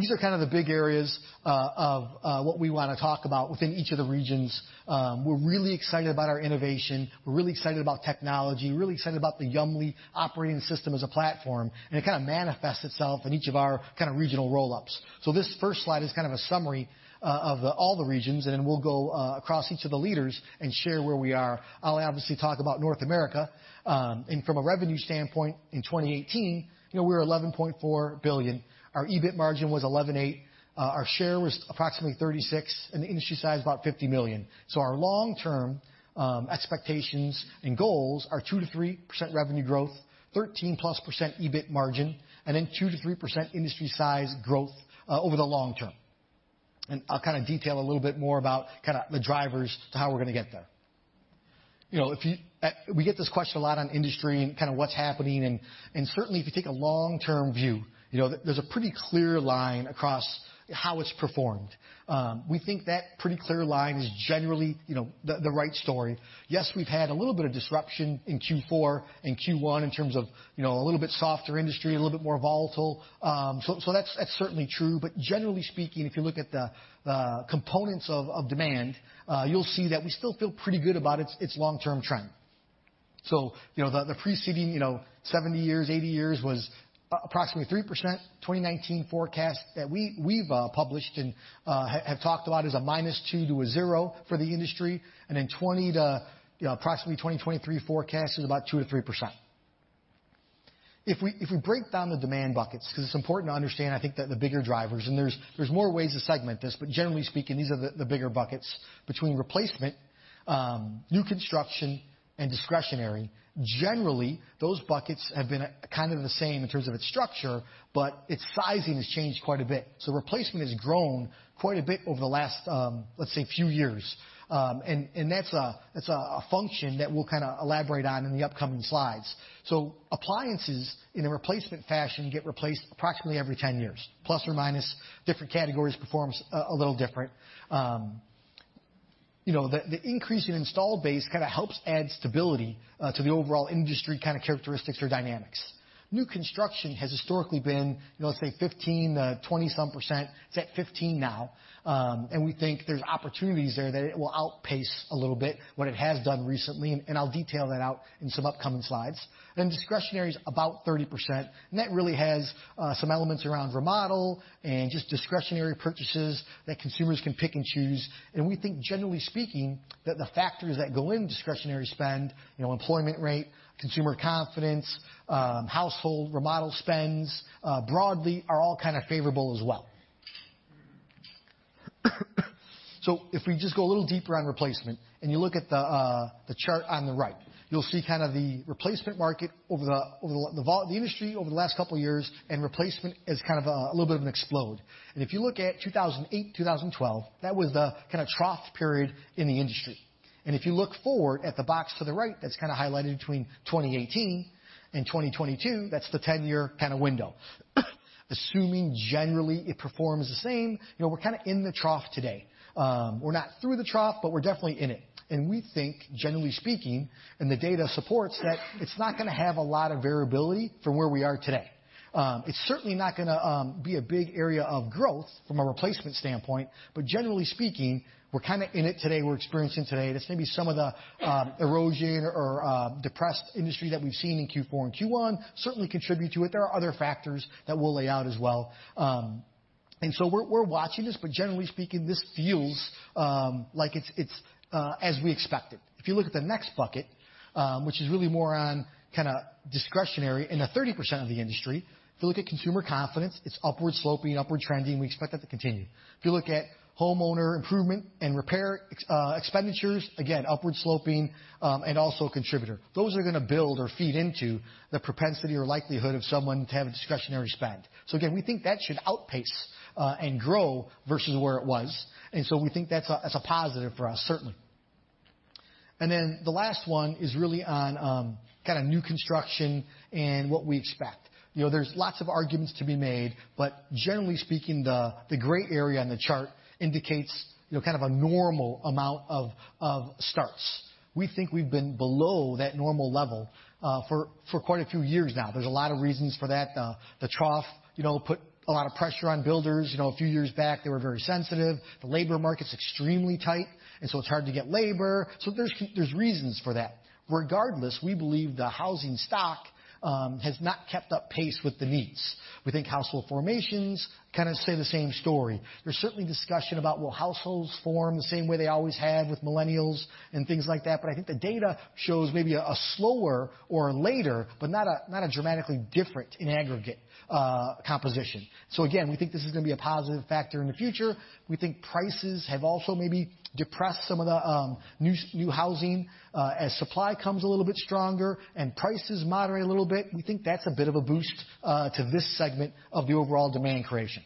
These are kind of the big areas of what we want to talk about within each of the regions. We're really excited about our innovation, we're really excited about technology, we're really excited about the Yummly operating system as a platform, and it kind of manifests itself in each of our regional roll-ups. This first slide is kind of a summary of all the regions, and then we'll go across each of the leaders and share where we are. I'll obviously talk about North America. From a revenue standpoint, in 2018, we were $11.4 billion. Our EBIT margin was 11.8%. Our share was approximately 36%, and the industry size, about 50 million. Our long-term expectations and goals are 2%-3% revenue growth, 13%+ EBIT margin, and 2%-3% industry size growth over the long term. I'll kind of detail a little bit more about the drivers to how we're going to get there. We get this question a lot on industry and kind of what's happening, certainly, if you take a long-term view, there's a pretty clear line across how it's performed. We think that pretty clear line is generally the right story. Yes, we've had a little bit of disruption in Q4 and Q1 in terms of a little bit softer industry, a little bit more volatile. That's certainly true, but generally speaking, if you look at the components of demand, you'll see that we still feel pretty good about its long-term trend. The preceding 70 years, 80 years was approximately 3%. 2019 forecast that we've published and have talked about is a -2% to 0% for the industry. Approximately 2023 forecast is about 2%-3%. If we break down the demand buckets, because it's important to understand, I think, the bigger drivers, and there's more ways to segment this, but generally speaking, these are the bigger buckets between replacement, new construction, and discretionary. Generally, those buckets have been kind of the same in terms of its structure, but its sizing has changed quite a bit. Replacement has grown quite a bit over the last, let's say, few years. That's a function that we'll kind of elaborate on in the upcoming slides. Appliances, in a replacement fashion, get replaced approximately every 10 years, plus or minus, different categories perform a little different. The increase in install base kind of helps add stability to the overall industry kind of characteristics or dynamics. New construction has historically been, let's say, 15% to 20-some percent. It's at 15% now. We think there's opportunities there that it will outpace a little bit what it has done recently, and I'll detail that out in some upcoming slides. Discretionary's about 30%, that really has some elements around remodel and just discretionary purchases that consumers can pick and choose. We think, generally speaking, that the factors that go into discretionary spend, employment rate, consumer confidence, household remodel spends, broadly, are all kind of favorable as well. If we just go a little deeper on replacement and you look at the chart on the right, you'll see kind of the replacement market over the vault of the industry over the last couple of years, replacement is kind of a little bit of an explode. If you look at 2008, 2012, that was the kind of trough period in the industry. If you look forward at the box to the right that's kind of highlighted between 2018 and 2022, that's the 10-year kind of window. Assuming generally it performs the same, we're kind of in the trough today. We're not through the trough, but we're definitely in it. We think, generally speaking, and the data supports, that it's not going to have a lot of variability from where we are today. It's certainly not going to be a big area of growth from a replacement standpoint. Generally speaking, we're kind of in it today. We're experiencing today. There's going to be some of the erosion or depressed industry that we've seen in Q4 and Q1 certainly contribute to it. There are other factors that we'll lay out as well. We're watching this, but generally speaking, this feels like it's as we expected. If you look at the next bucket, which is really more on kind of discretionary and the 30% of the industry, if you look at consumer confidence, it's upward sloping, upward trending. We expect that to continue. If you look at homeowner improvement and repair expenditures, again, upward sloping and also a contributor. Those are going to build or feed into the propensity or likelihood of someone to have a discretionary spend. Again, we think that should outpace and grow versus where it was. We think that's a positive for us, certainly. The last one is really on kind of new construction and what we expect. There's lots of arguments to be made, but generally speaking, the gray area on the chart indicates kind of a normal amount of starts. We think we've been below that normal level for quite a few years now. There's a lot of reasons for that. The trough put a lot of pressure on builders. A few years back, they were very sensitive. The labor market's extremely tight, it's hard to get labor. There's reasons for that. Regardless, we believe the housing stock has not kept up pace with the needs. We think household formations kind of say the same story. There's certainly discussion about will households form the same way they always have with millennials and things like that, I think the data shows maybe a slower or later, but not a dramatically different in aggregate composition. Again, we think this is going to be a positive factor in the future. We think prices have also maybe depressed some of the new housing. As supply comes a little bit stronger and prices moderate a little bit, we think that's a bit of a boost to this segment of the overall demand creation.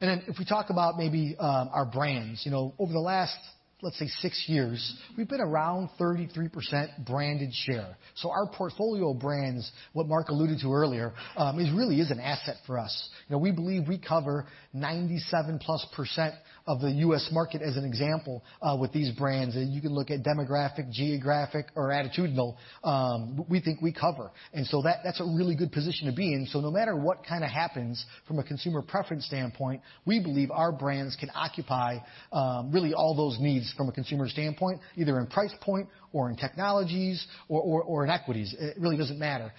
If we talk about maybe our brands. Over the last, let's say, 6 years, we've been around 33% branded share. Our portfolio of brands, what Marc alluded to earlier, is really is an asset for us. We believe we cover 97% plus of the U.S. market, as an example, with these brands. You can look at demographic, geographic or attitudinal, we think we cover. That's a really good position to be in. No matter what kind of happens from a consumer preference standpoint, we believe our brands can occupy, really all those needs from a consumer standpoint, either in price point or in technologies or in equities. It really doesn't matter.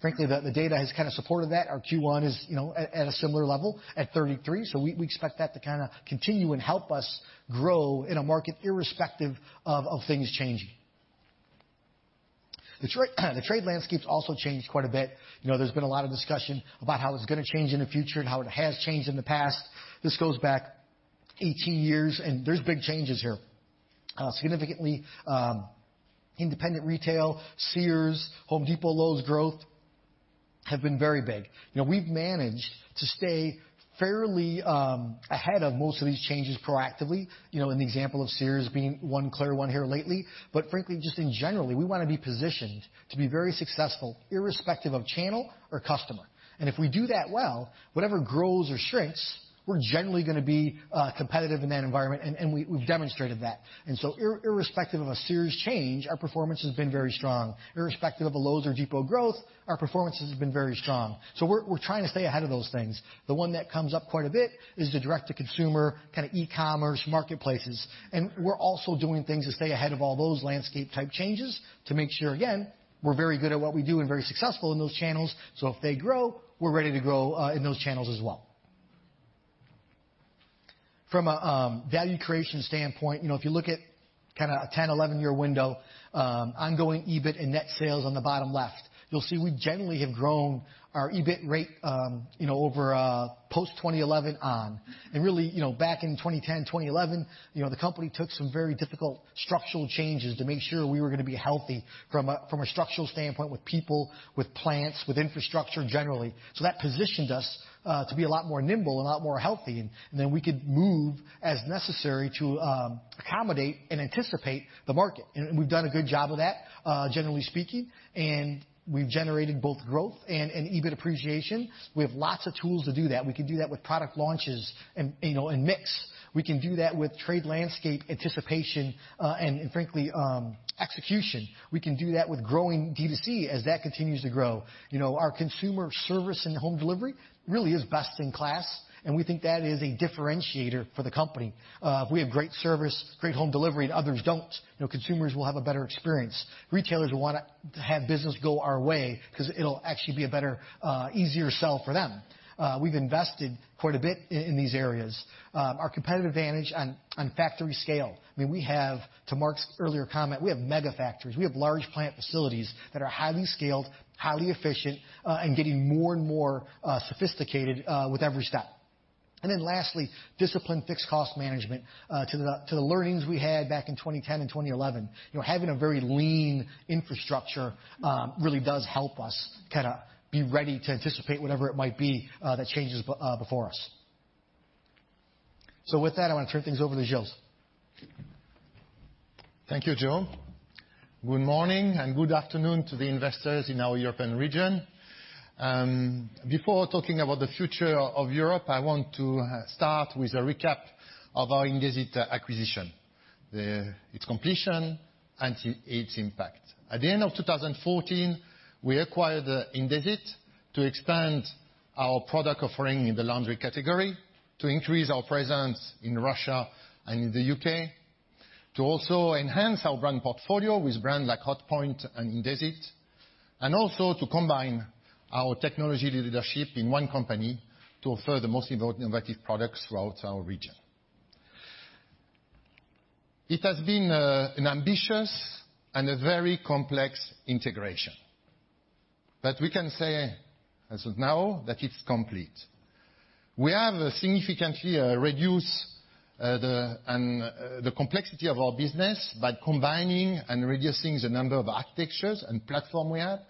Frankly, the data has kind of supported that. Our Q1 is at a similar level, at 33%. We expect that to kind of continue and help us grow in a market, irrespective of things changing. The trade landscape's also changed quite a bit. There's been a lot of discussion about how this is going to change in the future and how it has changed in the past. This goes back 18 years, there's big changes here. Significantly, independent retail, Sears, Home Depot, Lowe's growth, have been very big. We've managed to stay fairly ahead of most of these changes proactively. In the example of Sears being one clear one here lately. Frankly, just in general, we want to be positioned to be very successful, irrespective of channel or customer. If we do that well, whatever grows or shrinks, we're generally going to be competitive in that environment, and we've demonstrated that. Irrespective of a Sears change, our performance has been very strong. Irrespective of a Lowe's or Depot growth, our performance has been very strong. We're trying to stay ahead of those things. The one that comes up quite a bit is the direct-to-consumer kind of e-commerce marketplaces. We're also doing things to stay ahead of all those landscape-type changes to make sure, again, we're very good at what we do and very successful in those channels. If they grow, we're ready to grow in those channels as well. From a value creation standpoint, if you look at kind of a 10, 11-year window, ongoing EBIT and net sales on the bottom left, you'll see we generally have grown our EBIT rate over post-2011 on. Really, back in 2010, 2011, the company took some very difficult structural changes to make sure we were going to be healthy from a structural standpoint with people, with plants, with infrastructure generally. That positioned us to be a lot more nimble and a lot more healthy, then we could move as necessary to accommodate and anticipate the market. We've done a good job of that, generally speaking. We've generated both growth and EBIT appreciation. We have lots of tools to do that. We can do that with product launches and mix. We can do that with trade landscape anticipation, and frankly, execution. We can do that with growing D2C as that continues to grow. Our consumer service and home delivery really is best in class, and we think that is a differentiator for the company. If we have great service, great home delivery and others don't, consumers will have a better experience. Retailers will want to have business go our way because it'll actually be a better, easier sell for them. We've invested quite a bit in these areas. Our competitive advantage on factory scale. To Marc's earlier comment, we have mega factories. We have large plant facilities that are highly scaled, highly efficient, and getting more and more sophisticated with every step. Then lastly, disciplined fixed cost management to the learnings we had back in 2010 and 2011. Having a very lean infrastructure really does help us kind of be ready to anticipate whatever it might be that changes before us. With that, I want to turn things over to Gilles. Thank you, Joe. Good morning and good afternoon to the investors in our European region. Before talking about the future of Europe, I want to start with a recap of our Indesit acquisition, its completion and its impact. At the end of 2014, we acquired Indesit to expand our product offering in the laundry category, to increase our presence in Russia and in the U.K., to also enhance our brand portfolio with brands like Hotpoint and Indesit, and also to combine our technology leadership in one company to offer the most innovative products throughout our region. It has been an ambitious and a very complex integration, but we can say as of now that it's complete. We have significantly reduced the complexity of our business by combining and reducing the number of architectures and platform we have,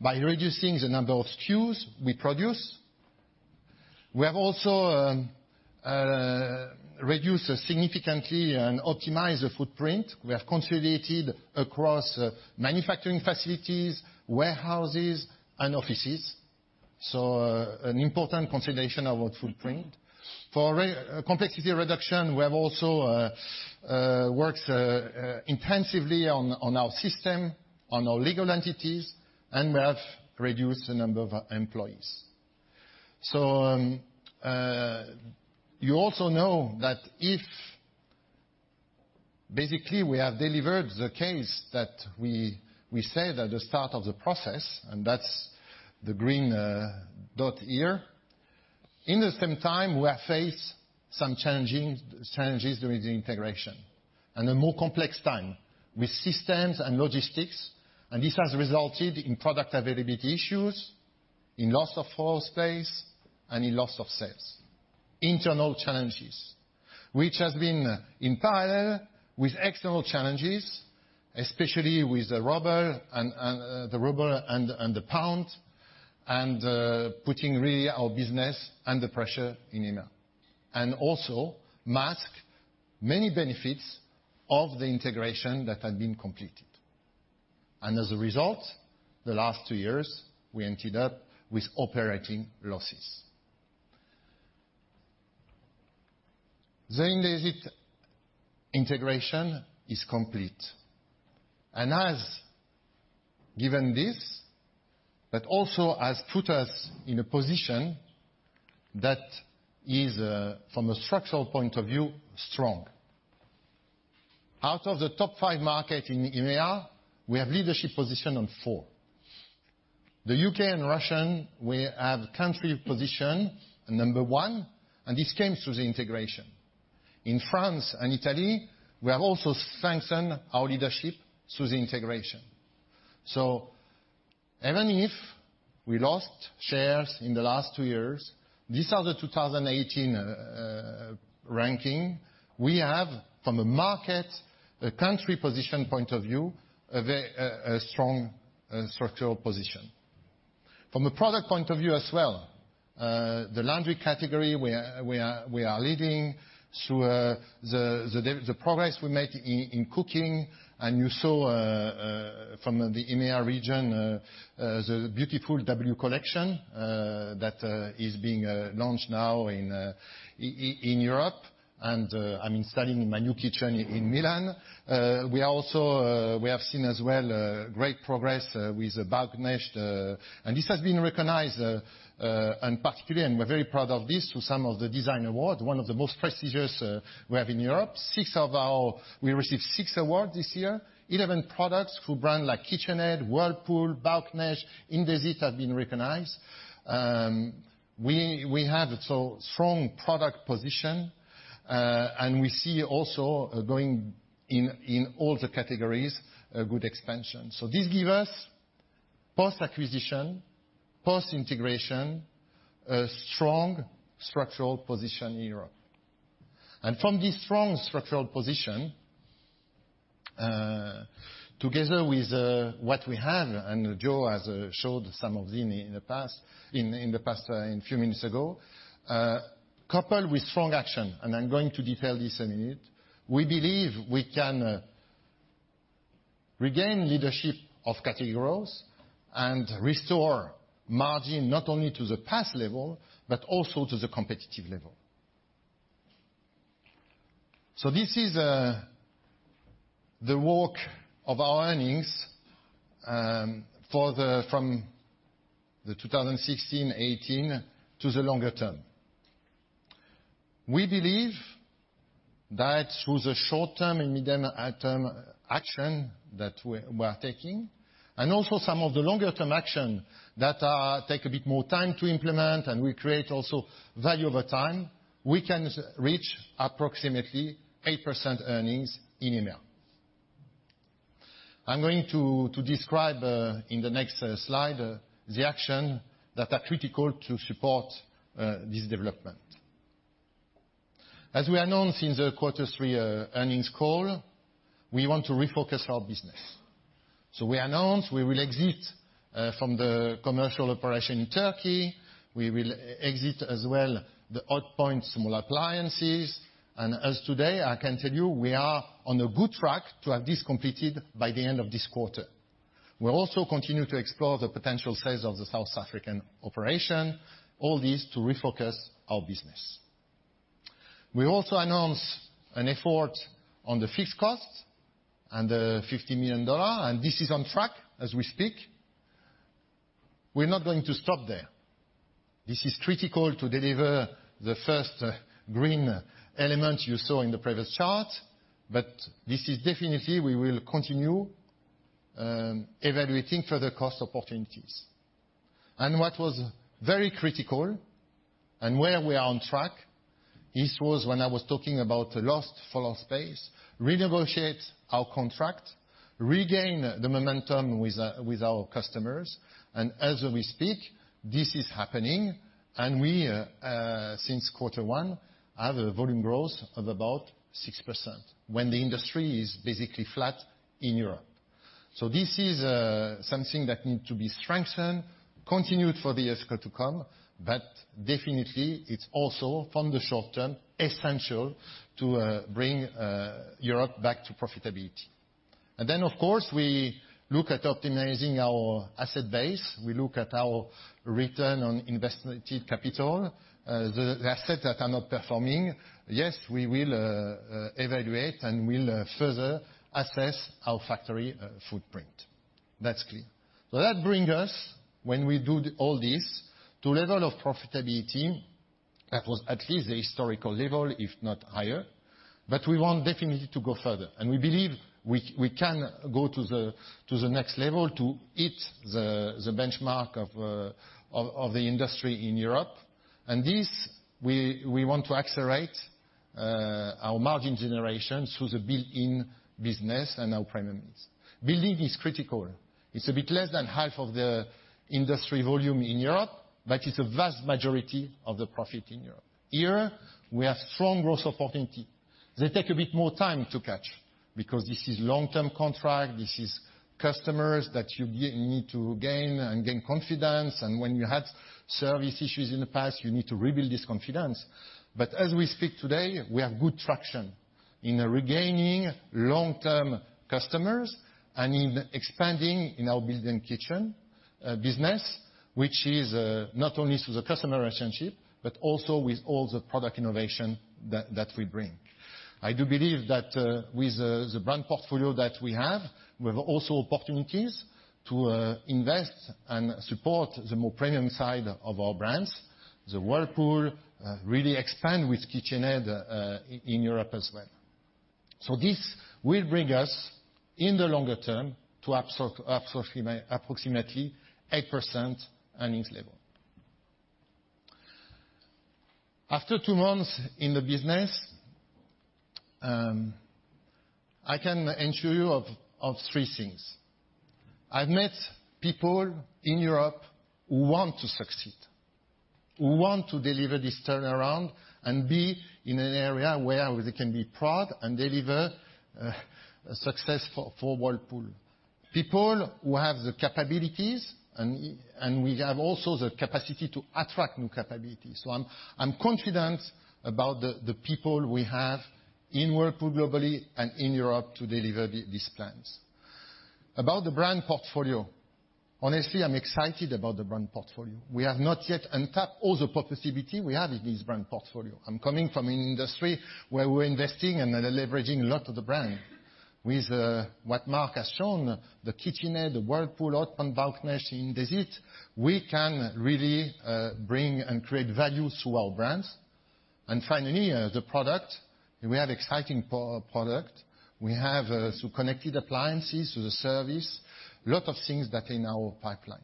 by reducing the number of SKUs we produce. We have also reduced significantly and optimized the footprint. We have consolidated across manufacturing facilities, warehouses and offices. An important consolidation of our footprint. For complexity reduction, we have also worked intensively on our system, on our legal entities, and we have reduced the number of employees. You also know that if basically we have delivered the case that we said at the start of the process, and that's the green dot here. In the same time, we have faced some challenges during the integration and a more complex time with systems and logistics, and this has resulted in product availability issues, in loss of floor space and in loss of sales. Internal challenges. Which has been in parallel with external challenges, especially with the ruble and the pound, and putting really our business under pressure in EMEA. Also mask many benefits of the integration that had been completed. As a result, the last two years, we ended up with operating losses. The Indesit integration is complete, has given this, but also has put us in a position that is, from a structural point of view, strong. Out of the top five market in EMEA, we have leadership position on four. The U.K. and Russia, we have country position number one, and this came through the integration. In France and Italy, we have also strengthened our leadership through the integration. Even if we lost shares in the last two years, these are the 2018 ranking. We have, from a market, a country position point of view, a very strong structural position. From a product point of view as well, the laundry category, we are leading through the progress we make in cooking, and you saw, from the EMEA region, the beautiful W Collection that is being launched now in Europe, and I mean, starting in my new kitchen in Milan. We have seen as well great progress with Bauknecht, and this has been recognized, particularly, and we're very proud of this, through some of the design awards, one of the most prestigious we have in Europe. We received six awards this year. 11 products through brands like KitchenAid, Whirlpool, Bauknecht, Indesit, have been recognized. We have a strong product position, and we see also going in all the categories, good expansion. This give us post-acquisition, post-integration, a strong structural position in Europe. From this strong structural position, together with what we have, and Joe has showed some of these in the past few minutes ago, coupled with strong action, and I'm going to detail this in a minute, we believe we can regain leadership of category growth and restore margin not only to the past level, but also to the competitive level. This is the work of our earnings from the 2016, 2018, to the longer term. We believe that through the short-term and midterm action that we are taking, also some of the longer-term action that take a bit more time to implement, and will create also value over time, we can reach approximately 8% earnings in EMEA. I'm going to describe in the next slide the action that are critical to support this development. As we announced in the quarter three earnings call, we want to refocus our business. We announced we will exit from the commercial operation in Turkey. We will exit as well the Hotpoint small appliances. As today, I can tell you, we are on a good track to have this completed by the end of this quarter. We'll also continue to explore the potential sales of the South African operation, all this to refocus our business. We also announced an effort on the fixed costs and the $50 million, and this is on track as we speak. We're not going to stop there. This is critical to deliver the first green element you saw in the previous chart, this is definitely we will continue evaluating further cost opportunities. What was very critical, and where we are on track, this was when I was talking about loss of floor space, renegotiate our contract, regain the momentum with our customers. As we speak, this is happening, and we, since quarter one, have a volume growth of about 6% when the industry is basically flat in Europe. This is something that need to be strengthened, continued for the years to come, but definitely, it's also, from the short term, essential to bring Europe back to profitability. Of course, we look at optimizing our asset base. We look at our Return on Invested Capital. The assets that are not performing, yes, we will evaluate and will further assess our factory footprint. That's clear. That bring us, when we do all this, to level of profitability that was at least the historical level, if not higher. We want definitely to go further. We believe we can go to the next level to hit the benchmark of the industry in Europe. This, we want to accelerate our margin generation through the built-in business and our premium mix. Built-in is critical. It's a bit less than half of the industry volume in Europe. It's a vast majority of the profit in Europe. Here, we have strong growth opportunity. They take a bit more time to catch because this is long-term contract, this is customers that you need to gain and gain confidence, and when you had service issues in the past, you need to rebuild this confidence. As we speak today, we have good traction in regaining long-term customers and in expanding in our built-in kitchen business, which is not only through the customer relationship, but also with all the product innovation that we bring. I do believe that with the brand portfolio that we have, we have also opportunities to invest and support the more premium side of our brands. The Whirlpool really expand with KitchenAid in Europe as well. This will bring us, in the longer term, to approximately 8% earnings level. After two months in the business, I can assure you of three things. I've met people in Europe who want to succeed, who want to deliver this turnaround and be in an area where they can be proud and deliver success for Whirlpool. People who have the capabilities and we have also the capacity to attract new capabilities. I'm confident about the people we have in Whirlpool globally and in Europe to deliver these plans. About the brand portfolio, honestly, I'm excited about the brand portfolio. We have not yet untapped all the possibility we have in this brand portfolio. I'm coming from an industry where we're investing and leveraging a lot of the brand. With what Marc has shown, the KitchenAid, the Whirlpool, Hotpoint, Bauknecht, Indesit, we can really bring and create value to our brands. Finally, the product. We have exciting product. We have, through connected appliances, through the service, lot of things that in our pipeline.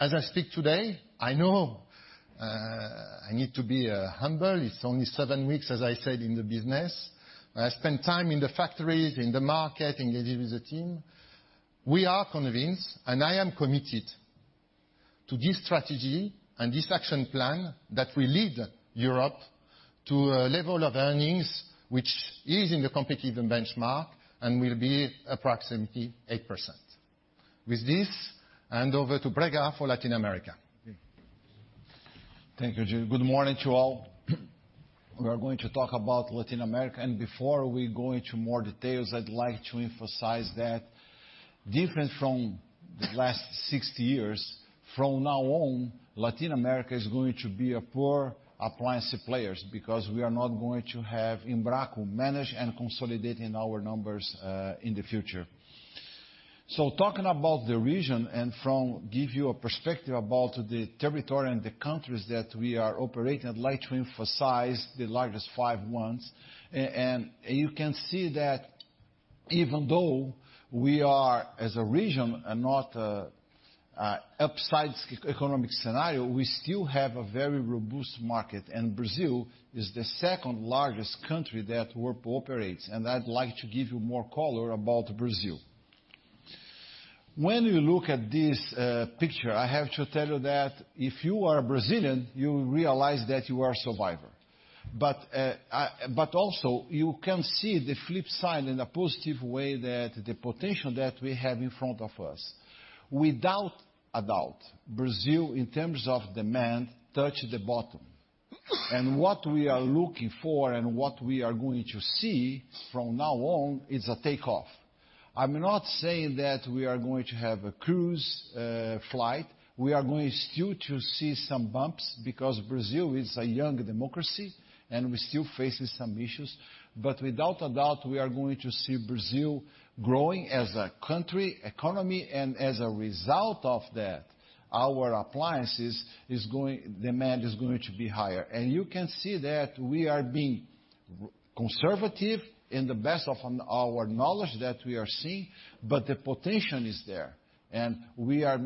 As I speak today, I know I need to be humble. It's only seven weeks, as I said, in the business. I spent time in the factories, in the market, engaging with the team. We are convinced, I am committed to this strategy and this action plan that will lead Europe to a level of earnings which is in the competitive benchmark and will be approximately 8%. With this, hand over to Brega for Latin America. Thank you, Gilles. Good morning to all. We are going to talk about Latin America, before we go into more details, I'd like to emphasize that different from the last 60 years, from now on, Latin America is going to be a pure appliance player, because we are not going to have Embraco manage and consolidating our numbers in the future. Talking about the region and give you a perspective about the territory and the countries that we are operating, I'd like to emphasize the largest five ones. You can see that even though we are, as a region, are not a upside economic scenario, we still have a very robust market. Brazil is the second-largest country that Whirlpool operates. I'd like to give you more color about Brazil. When you look at this picture, I have to tell you that if you are a Brazilian, you realize that you are a survivor. Also, you can see the flip side in a positive way that the potential that we have in front of us. Without a doubt, Brazil, in terms of demand, touched the bottom. What we are looking for and what we are going to see from now on is a takeoff. I'm not saying that we are going to have a cruise flight. We are going still to see some bumps because Brazil is a young democracy and we're still facing some issues, without a doubt, we are going to see Brazil growing as a country, economy, as a result of that, our appliances, demand is going to be higher. You can see that we are being conservative in the best of our knowledge that we are seeing, but the potential is there. We are,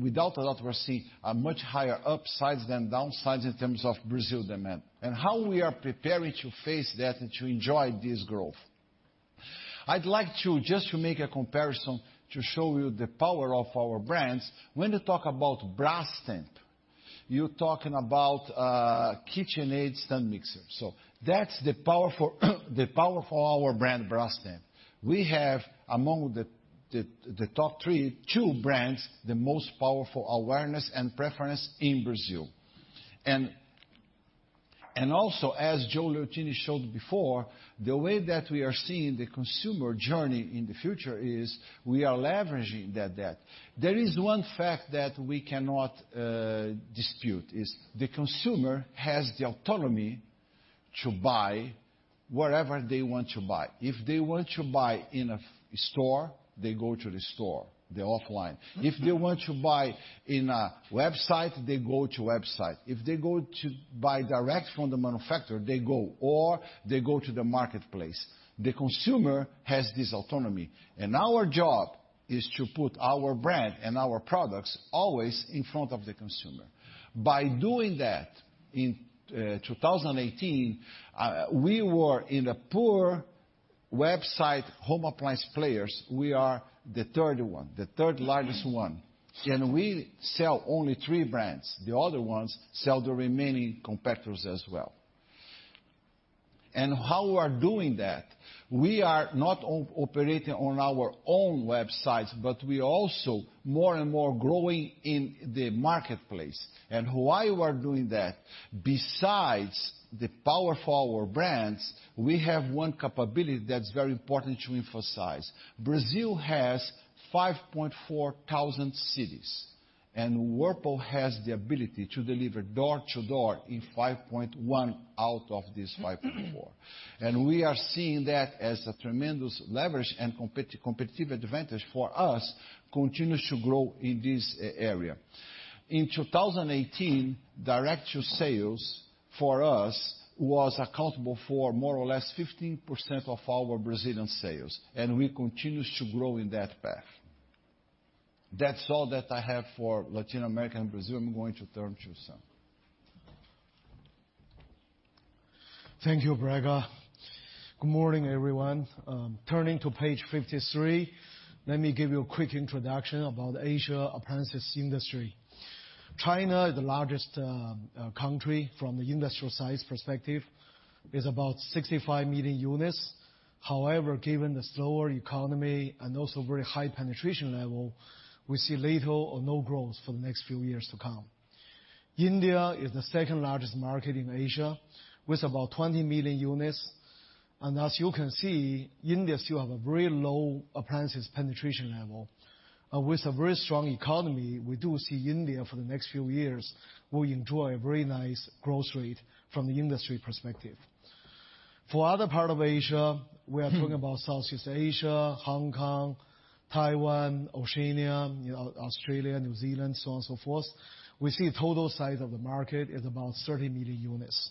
without a doubt, we're seeing a much higher upsides than downsides in terms of Brazil demand. How we are preparing to face that and to enjoy this growth. I'd like to just to make a comparison to show you the power of our brands. When you talk about Brastemp, you're talking about KitchenAid stand mixer. So that's the power for our brand, Brastemp. We have, among the top three, two brands, the most powerful awareness and preference in Brazil. Also, as Joseph Liotine showed before, the way that we are seeing the consumer journey in the future is we are leveraging that data. There is one fact that we cannot dispute is the consumer has the autonomy to buy whatever they want to buy. If they want to buy in a store, they go to the store, the offline. If they want to buy in a website, they go to website. If they go to buy direct from the manufacturer, they go, or they go to the marketplace. The consumer has this autonomy, and our job is to put our brand and our products always in front of the consumer. By doing that in 2018, we were in a top website home appliance players. We are the third one, the third largest one. We sell only three brands. The other ones sell the remaining competitors as well. How we are doing that? We are not operating on our own websites, but we also more and more growing in the marketplace. Why we are doing that? Besides the power of our brands, we have one capability that's very important to emphasize. Brazil has 5.4 thousand cities, and Whirlpool has the ability to deliver door to door in 5.1 out of this 5.4. We are seeing that as a tremendous leverage and competitive advantage for us, continues to grow in this area. In 2018, direct to sales for us was accountable for more or less 15% of our Brazilian sales, and we continues to grow in that path. That's all that I have for Latin America and Brazil. I'm going to turn to Sam. Thank you, Brega. Good morning, everyone. Turning to page 53, let me give you a quick introduction about Asia appliances industry. China is the largest country from the industrial size perspective, is about 65 million units. However, given the slower economy and also very high penetration level, we see little or no growth for the next few years to come. India is the second-largest market in Asia, with about 20 million units. As you can see, India still have a very low appliances penetration level. With a very strong economy, we do see India for the next few years will enjoy a very nice growth rate from the industry perspective. For other part of Asia, we are talking about Southeast Asia, Hong Kong, Taiwan, Oceania, Australia, New Zealand, so on and so forth. We see total size of the market is about 30 million units.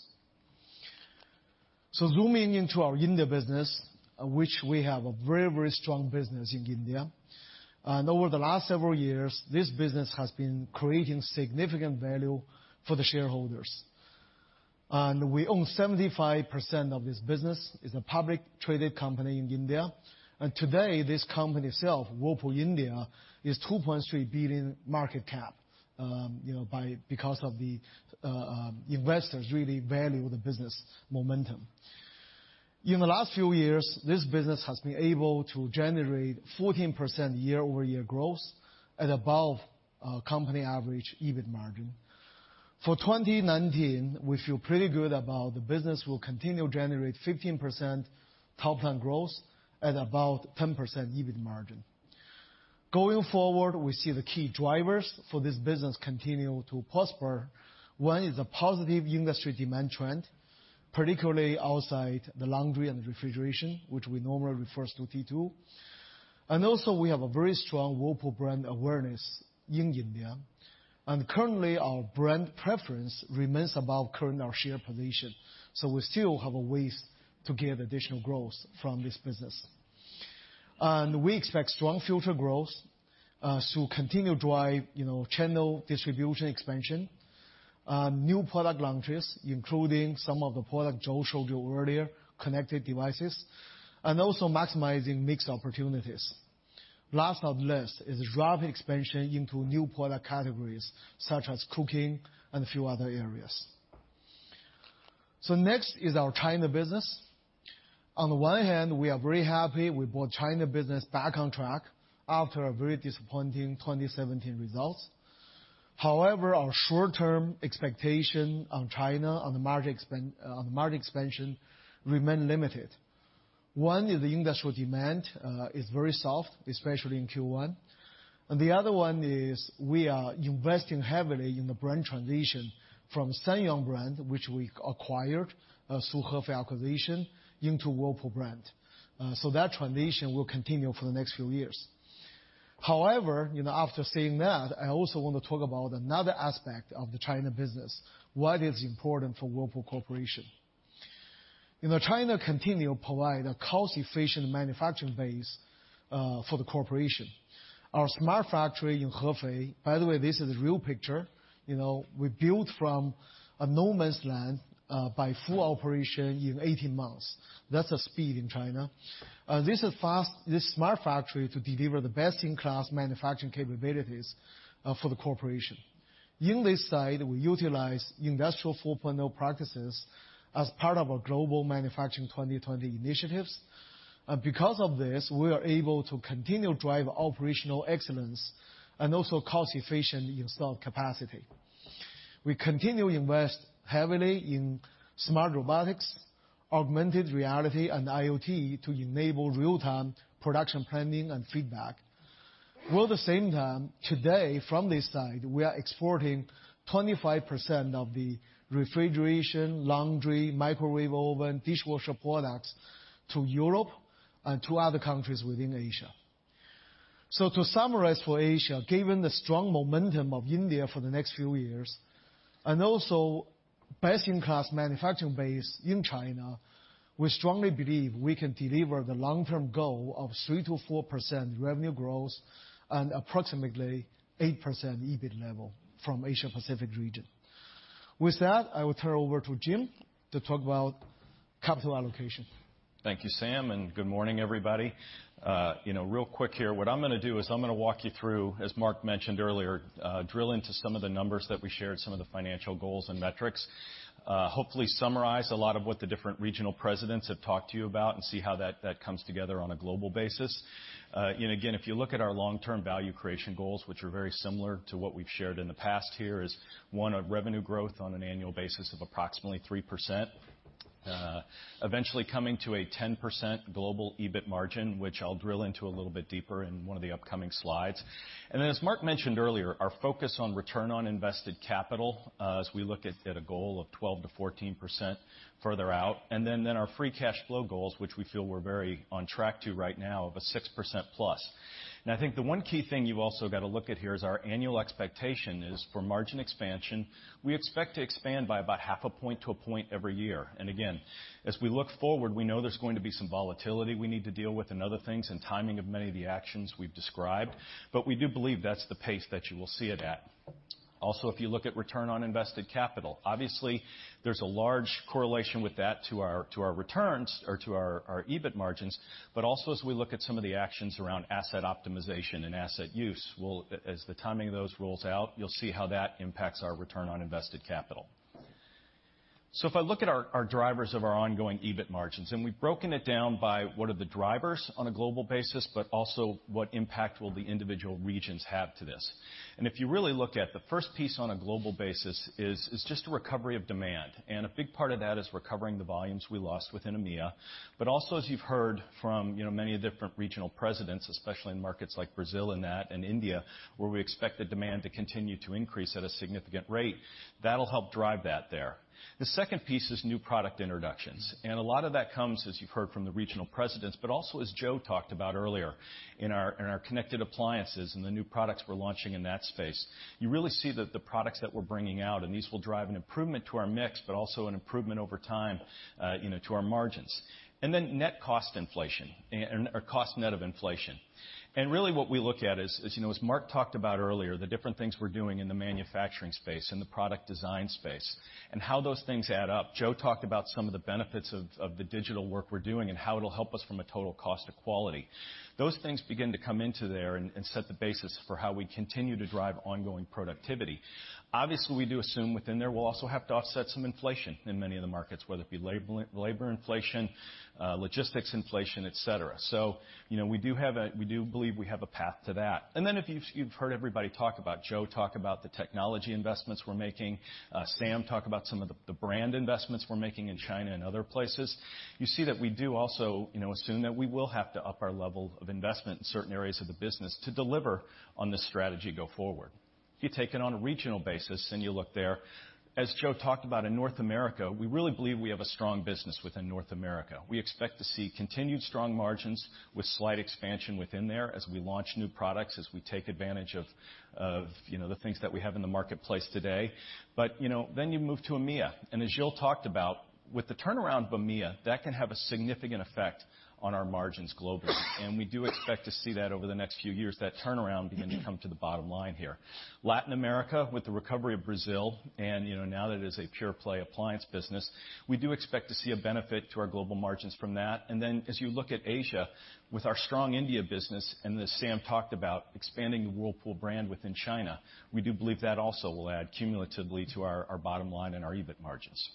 Zooming into our India business, which we have a very strong business in India. Over the last several years, this business has been creating significant value for the shareholders. We own 75% of this business, is a public traded company in India. Today, this company itself, Whirlpool India, is a $2.3 billion market cap. Because of the investors really value the business momentum. In the last few years, this business has been able to generate 14% year-over-year growth at above company average EBIT margin. For 2019, we feel pretty good about the business will continue generate 15% top-line growth at about 10% EBIT margin. Going forward, we see the key drivers for this business continue to prosper. One is a positive industry demand trend, particularly outside the laundry and refrigeration, which we normally refers to T2. Also, we have a very strong Whirlpool brand awareness in India. Currently, our brand preference remains above current our share position. We still have a ways to get additional growth from this business. We expect strong future growth, continue drive channel distribution expansion. New product launches, including some of the product Joe showed you earlier, connected devices. Also maximizing mixed opportunities. Last but not least, is rapid expansion into new product categories, such as cooking and a few other areas. Next is our China business. On the one hand, we are very happy we brought China business back on track after a very disappointing 2017 results. However, our short-term expectation on China on the market expansion remain limited. One is the industrial demand, is very soft, especially in Q1. The other one is we are investing heavily in the brand transition from Sanyo brand, which we acquired through Hefei acquisition, into Whirlpool brand. That transition will continue for the next few years. However, after saying that, I also want to talk about another aspect of the China business. Why it is important for Whirlpool Corporation. China continue provide a cost-efficient manufacturing base for the corporation. Our smart factory in Hefei, by the way, this is a real picture. We built from a no man's land by full operation in 18 months. That's a speed in China. This smart factory to deliver the best-in-class manufacturing capabilities for the corporation. In this site, we utilize Industry 4.0 practices as part of our global manufacturing 2020 initiatives. Because of this, we are able to continue drive operational excellence and also cost-efficient installed capacity. We continue invest heavily in smart robotics, augmented reality, and IoT to enable real-time production planning and feedback. While at the same time, today, from this side, we are exporting 25% of the refrigeration, laundry, microwave oven, dishwasher products to Europe and to other countries within Asia. To summarize for Asia, given the strong momentum of India for the next few years, and also best-in-class manufacturing base in China. We strongly believe we can deliver the long-term goal of 3%-4% revenue growth and approximately 8% EBIT level from Asia Pacific region. With that, I will turn over to Jim to talk about capital allocation. Thank you, Sam, and good morning, everybody. Real quick here, what I'm going to do is I'm going to walk you through, as Marc mentioned earlier, drill into some of the numbers that we shared, some of the financial goals and metrics. Hopefully summarize a lot of what the different regional presidents have talked to you about, and see how that comes together on a global basis. Again, if you look at our long-term value creation goals, which are very similar to what we've shared in the past here, is one of revenue growth on an annual basis of approximately 3%, eventually coming to a 10% global EBIT margin, which I'll drill into a little bit deeper in one of the upcoming slides. As Marc mentioned earlier, our focus on return on invested capital, as we look at a goal of 12%-14% further out, and then our free cash flow goals, which we feel we're very on track to right now of a 6%+. I think the one key thing you also got to look at here is our annual expectation is for margin expansion. We expect to expand by about half a point to a point every year. Again, as we look forward, we know there's going to be some volatility we need to deal with and other things and timing of many of the actions we've described. We do believe that's the pace that you will see it at. Also, if you look at return on invested capital, obviously there's a large correlation with that to our returns or to our EBIT margins. Also, as we look at some of the actions around asset optimization and asset use, as the timing of those rolls out, you'll see how that impacts our return on invested capital. If I look at our drivers of our ongoing EBIT margins, we've broken it down by what are the drivers on a global basis, but also what impact will the individual regions have to this. If you really look at the first piece on a global basis is just a recovery of demand. A big part of that is recovering the volumes we lost within EMEA. Also, as you've heard from many of the different regional presidents, especially in markets like Brazil and that, and India, where we expect the demand to continue to increase at a significant rate. That'll help drive that there. The second piece is new product introductions. A lot of that comes, as you've heard from the regional presidents, but also as Joe talked about earlier, in our connected appliances and the new products we're launching in that space. You really see that the products that we're bringing out, these will drive an improvement to our mix, but also an improvement over time to our margins. Net cost inflation, or cost net of inflation. Really what we look at is, as Marc talked about earlier, the different things we're doing in the manufacturing space, in the product design space, and how those things add up. Joe talked about some of the benefits of the digital work we're doing and how it'll help us from a total cost of quality. Those things begin to come into there and set the basis for how we continue to drive ongoing productivity. Obviously, we do assume within there we'll also have to offset some inflation in many of the markets, whether it be labor inflation, logistics inflation, et cetera. We do believe we have a path to that. If you've heard everybody talk about, Joe talk about the technology investments we're making, Sam talk about some of the brand investments we're making in China and other places. You see that we do also assume that we will have to up our level of investment in certain areas of the business to deliver on this strategy go forward. If you take it on a regional basis, you look there, as Joe talked about in North America, we really believe we have a strong business within North America. We expect to see continued strong margins with slight expansion within there as we launch new products, as we take advantage of the things that we have in the marketplace today. You move to EMEA. As Gilles talked about, with the turnaround of EMEA, that can have a significant effect on our margins globally. We do expect to see that over the next few years, that turnaround begin to come to the bottom line here. Latin America, with the recovery of Brazil, now that it is a pure play appliance business, we do expect to see a benefit to our global margins from that. As you look at Asia, with our strong India business, as Sam talked about expanding the Whirlpool brand within China, we do believe that also will add cumulatively to our bottom line and our EBIT margins.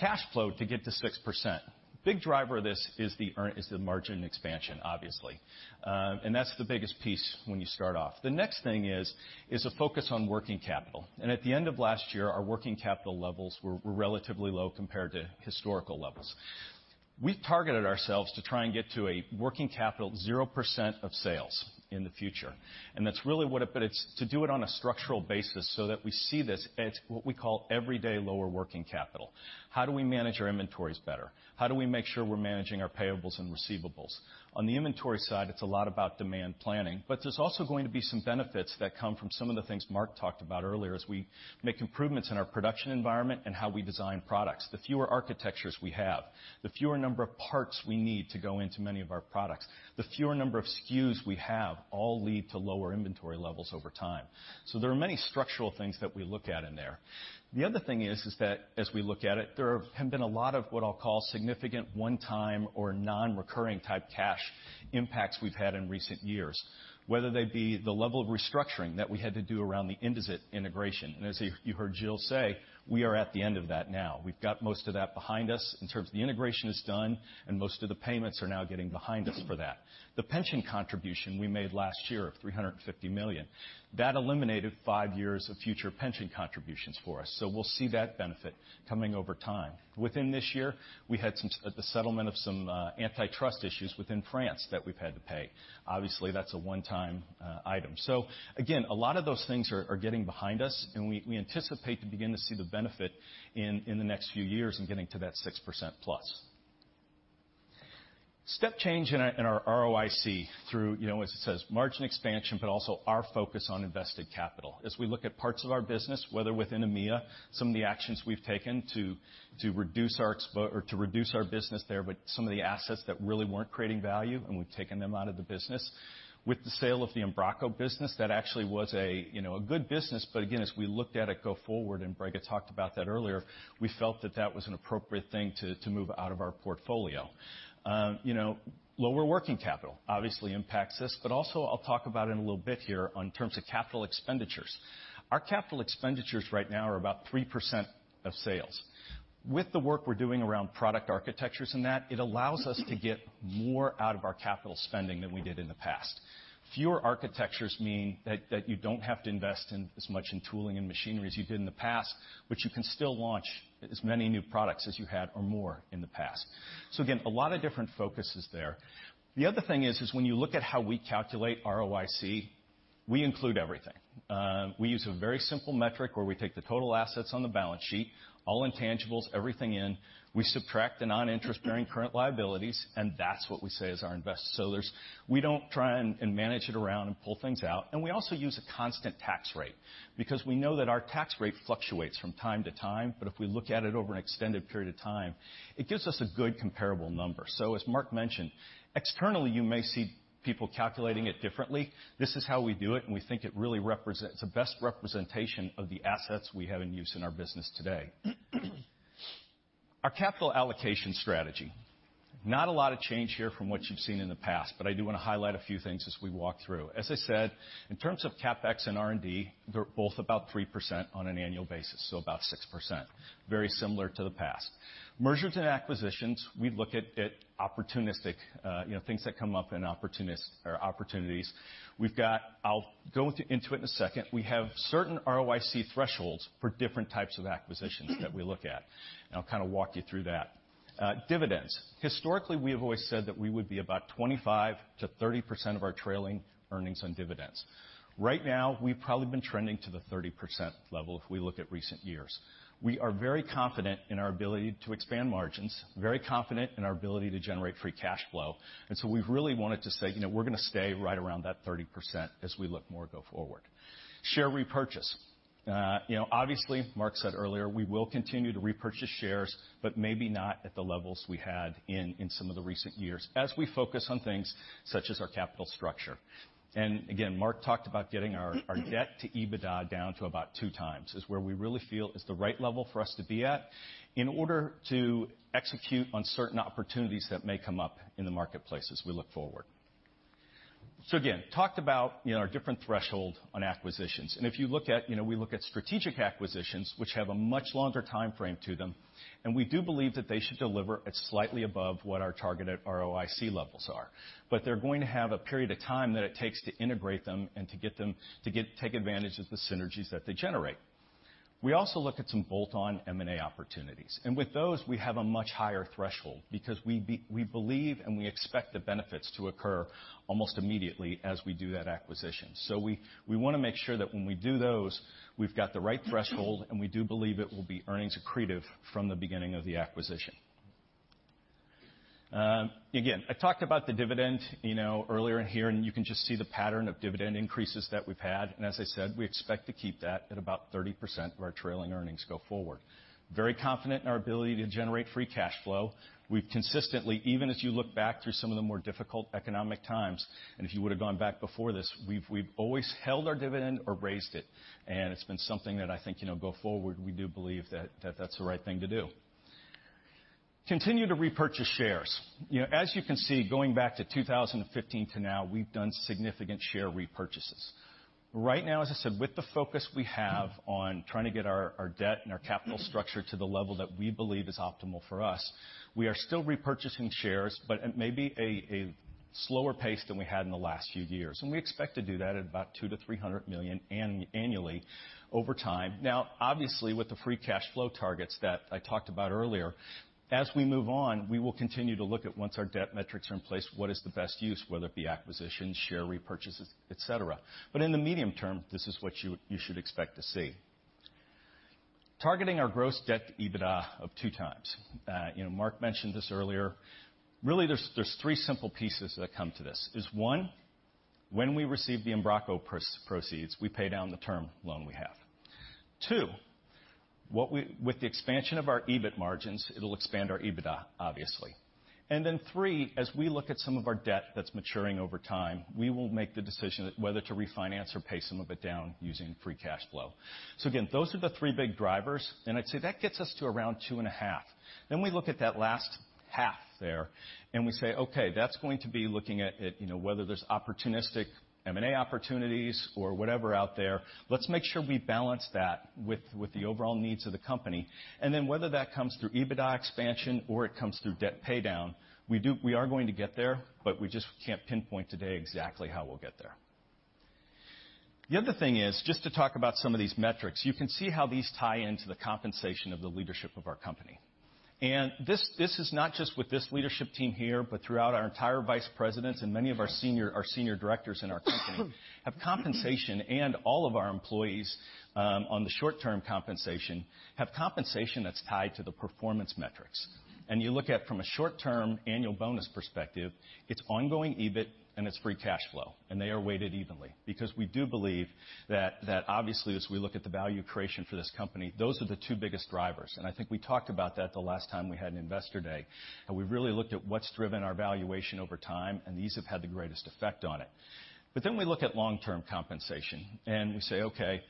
Cash flow to get to 6%. Big driver of this is the margin expansion, obviously. That's the biggest piece when you start off. The next thing is a focus on working capital. At the end of last year, our working capital levels were relatively low compared to historical levels. We've targeted ourselves to try and get to a working capital 0% of sales in the future. It's to do it on a structural basis so that we see this at what we call everyday lower working capital. How do we manage our inventories better? How do we make sure we're managing our payables and receivables? On the inventory side, it's a lot about demand planning, there's also going to be some benefits that come from some of the things Marc talked about earlier as we make improvements in our production environment and how we design products. The fewer architectures we have, the fewer number of parts we need to go into many of our products, the fewer number of SKUs we have all lead to lower inventory levels over time. There are many structural things that we look at in there. The other thing is that as we look at it, there have been a lot of what I'll call significant one-time or non-recurring type cash impacts we've had in recent years, whether they be the level of restructuring that we had to do around the Indesit integration. As you heard Gilles say, we are at the end of that now. We've got most of that behind us in terms of the integration is done, and most of the payments are now getting behind us for that. The pension contribution we made last year of $350 million, that eliminated five years of future pension contributions for us. We'll see that benefit coming over time. Within this year, we had the settlement of some antitrust issues within France that we've had to pay. Obviously, that's a one-time item. Again, a lot of those things are getting behind us, and we anticipate to begin to see the benefit in the next few years in getting to that 6% plus. Step change in our ROIC through, as it says, margin expansion, but also our focus on invested capital. As we look at parts of our business, whether within EMEA, some of the actions we've taken to reduce our business there with some of the assets that really weren't creating value, and we've taken them out of the business. With the sale of the Embraco business, that actually was a good business, but again, as we looked at it go forward, and Brega talked about that earlier, we felt that that was an appropriate thing to move out of our portfolio. Lower working capital obviously impacts this, but also I'll talk about in a little bit here on terms of capital expenditures. Our capital expenditures right now are about 3% of sales. With the work we're doing around product architectures and that, it allows us to get more out of our capital spending than we did in the past. Fewer architectures mean that you don't have to invest as much in tooling and machinery as you did in the past, but you can still launch as many new products as you had or more in the past. Again, a lot of different focuses there. The other thing is when you look at how we calculate ROIC, we include everything. We use a very simple metric where we take the total assets on the balance sheet, all intangibles, everything in, we subtract the non-interest-bearing current liabilities, and that's what we say is our invest. We don't try and manage it around and pull things out. We also use a constant tax rate, because we know that our tax rate fluctuates from time to time. If we look at it over an extended period of time, it gives us a good comparable number. As Marc mentioned, externally, you may see people calculating it differently. This is how we do it, and we think it's the best representation of the assets we have in use in our business today. Our capital allocation strategy. Not a lot of change here from what you've seen in the past, but I do want to highlight a few things as we walk through. As I said, in terms of CapEx and R&D, they're both about 3% on an annual basis, so about 6%. Very similar to the past. Mergers and acquisitions, we look at it opportunistic, things that come up in opportunities. I'll go into it in a second. We have certain ROIC thresholds for different types of acquisitions that we look at, and I'll kind of walk you through that. Dividends. Historically, we have always said that we would be about 25%-30% of our trailing earnings on dividends. Right now, we've probably been trending to the 30% level if we look at recent years. We are very confident in our ability to expand margins, very confident in our ability to generate free cash flow. We've really wanted to say, we're going to stay right around that 30% as we look more go forward. Share repurchase. Obviously, Marc said earlier, we will continue to repurchase shares, but maybe not at the levels we had in some of the recent years, as we focus on things such as our capital structure. Marc talked about getting our debt to EBITDA down to about 2 times is where we really feel is the right level for us to be at in order to execute on certain opportunities that may come up in the marketplace as we look forward. Talked about our different threshold on acquisitions. If you look at strategic acquisitions, which have a much longer timeframe to them, we do believe that they should deliver at slightly above what our targeted ROIC levels are. They're going to have a period of time that it takes to integrate them and to take advantage of the synergies that they generate. We also look at some bolt-on M&A opportunities. With those, we have a much higher threshold because we believe and we expect the benefits to occur almost immediately as we do that acquisition. We want to make sure that when we do those, we've got the right threshold, and we do believe it will be earnings accretive from the beginning of the acquisition. Again, I talked about the dividend earlier in here, you can just see the pattern of dividend increases that we've had. As I said, we expect to keep that at about 30% of our trailing earnings go forward. Very confident in our ability to generate free cash flow. We've consistently, even as you look back through some of the more difficult economic times, if you would've gone back before this, we've always held our dividend or raised it. It's been something that I think, go forward, we do believe that that's the right thing to do. Continue to repurchase shares. As you can see, going back to 2015 to now, we've done significant share repurchases. Right now, as I said, with the focus we have on trying to get our debt and our capital structure to the level that we believe is optimal for us, we are still repurchasing shares, but at maybe a slower pace than we had in the last few years. We expect to do that at about $200 million-$300 million annually over time. Obviously, with the free cash flow targets that I talked about earlier, as we move on, we will continue to look at once our debt metrics are in place, what is the best use, whether it be acquisitions, share repurchases, et cetera. In the medium term, this is what you should expect to see. Targeting our gross debt to EBITDA of 2 times. Marc mentioned this earlier. There's three simple pieces that come to this. One, when we receive the Embraco proceeds, we pay down the term loan we have. Two, with the expansion of our EBIT margins, it'll expand our EBITDA, obviously. Three, as we look at some of our debt that's maturing over time, we will make the decision whether to refinance or pay some of it down using free cash flow. Again, those are the three big drivers. I'd say that gets us to around 2.5. We look at that last half there and we say, "Okay, that's going to be looking at whether there's opportunistic M&A opportunities or whatever out there. Let's make sure we balance that with the overall needs of the company." Whether that comes through EBITDA expansion or it comes through debt paydown, we are going to get there, but we just can't pinpoint today exactly how we'll get there. The other thing is, just to talk about some of these metrics, you can see how these tie into the compensation of the leadership of our company. This is not just with this leadership team here, but throughout our entire vice presidents and many of our senior directors in our company have compensation, and all of our employees on the short-term compensation have compensation that's tied to the performance metrics. You look at from a short-term annual bonus perspective, it's ongoing EBIT and it's free cash flow, and they are weighted evenly. We do believe that obviously as we look at the value creation for this company, those are the two biggest drivers. I think we talked about that the last time we had an investor day, and we really looked at what's driven our valuation over time, and these have had the greatest effect on it. We look at long-term compensation, and we say, okay,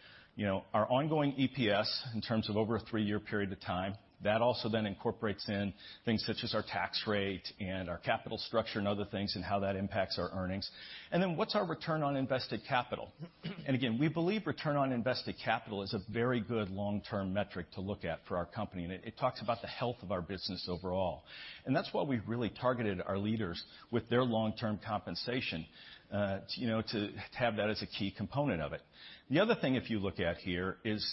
our ongoing EPS in terms of over a three-year period of time, that also then incorporates in things such as our tax rate and our capital structure and other things and how that impacts our earnings. What's our return on invested capital? Again, we believe return on invested capital is a very good long-term metric to look at for our company, and it talks about the health of our business overall. That's why we've really targeted our leaders with their long-term compensation, to have that as a key component of it. The other thing, if you look at here, is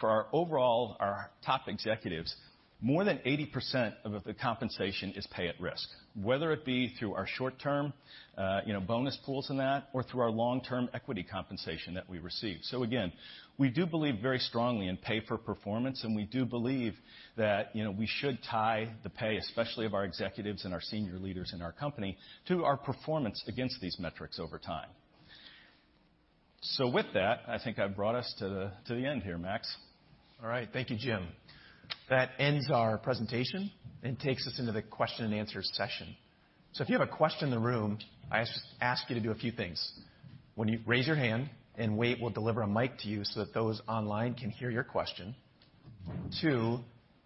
for our top executives, more than 80% of the compensation is pay at risk, whether it be through our short-term bonus pools and that, or through our long-term equity compensation that we receive. Again, we do believe very strongly in pay for performance, and we do believe that we should tie the pay, especially of our executives and our senior leaders in our company, to our performance against these metrics over time. With that, I think I've brought us to the end here, Max. Thank you, Jim. That ends our presentation and takes us into the question and answer session. If you have a question in the room, I just ask you to do a few things. One, raise your hand and wait. We'll deliver a mic to you so that those online can hear your question. Two,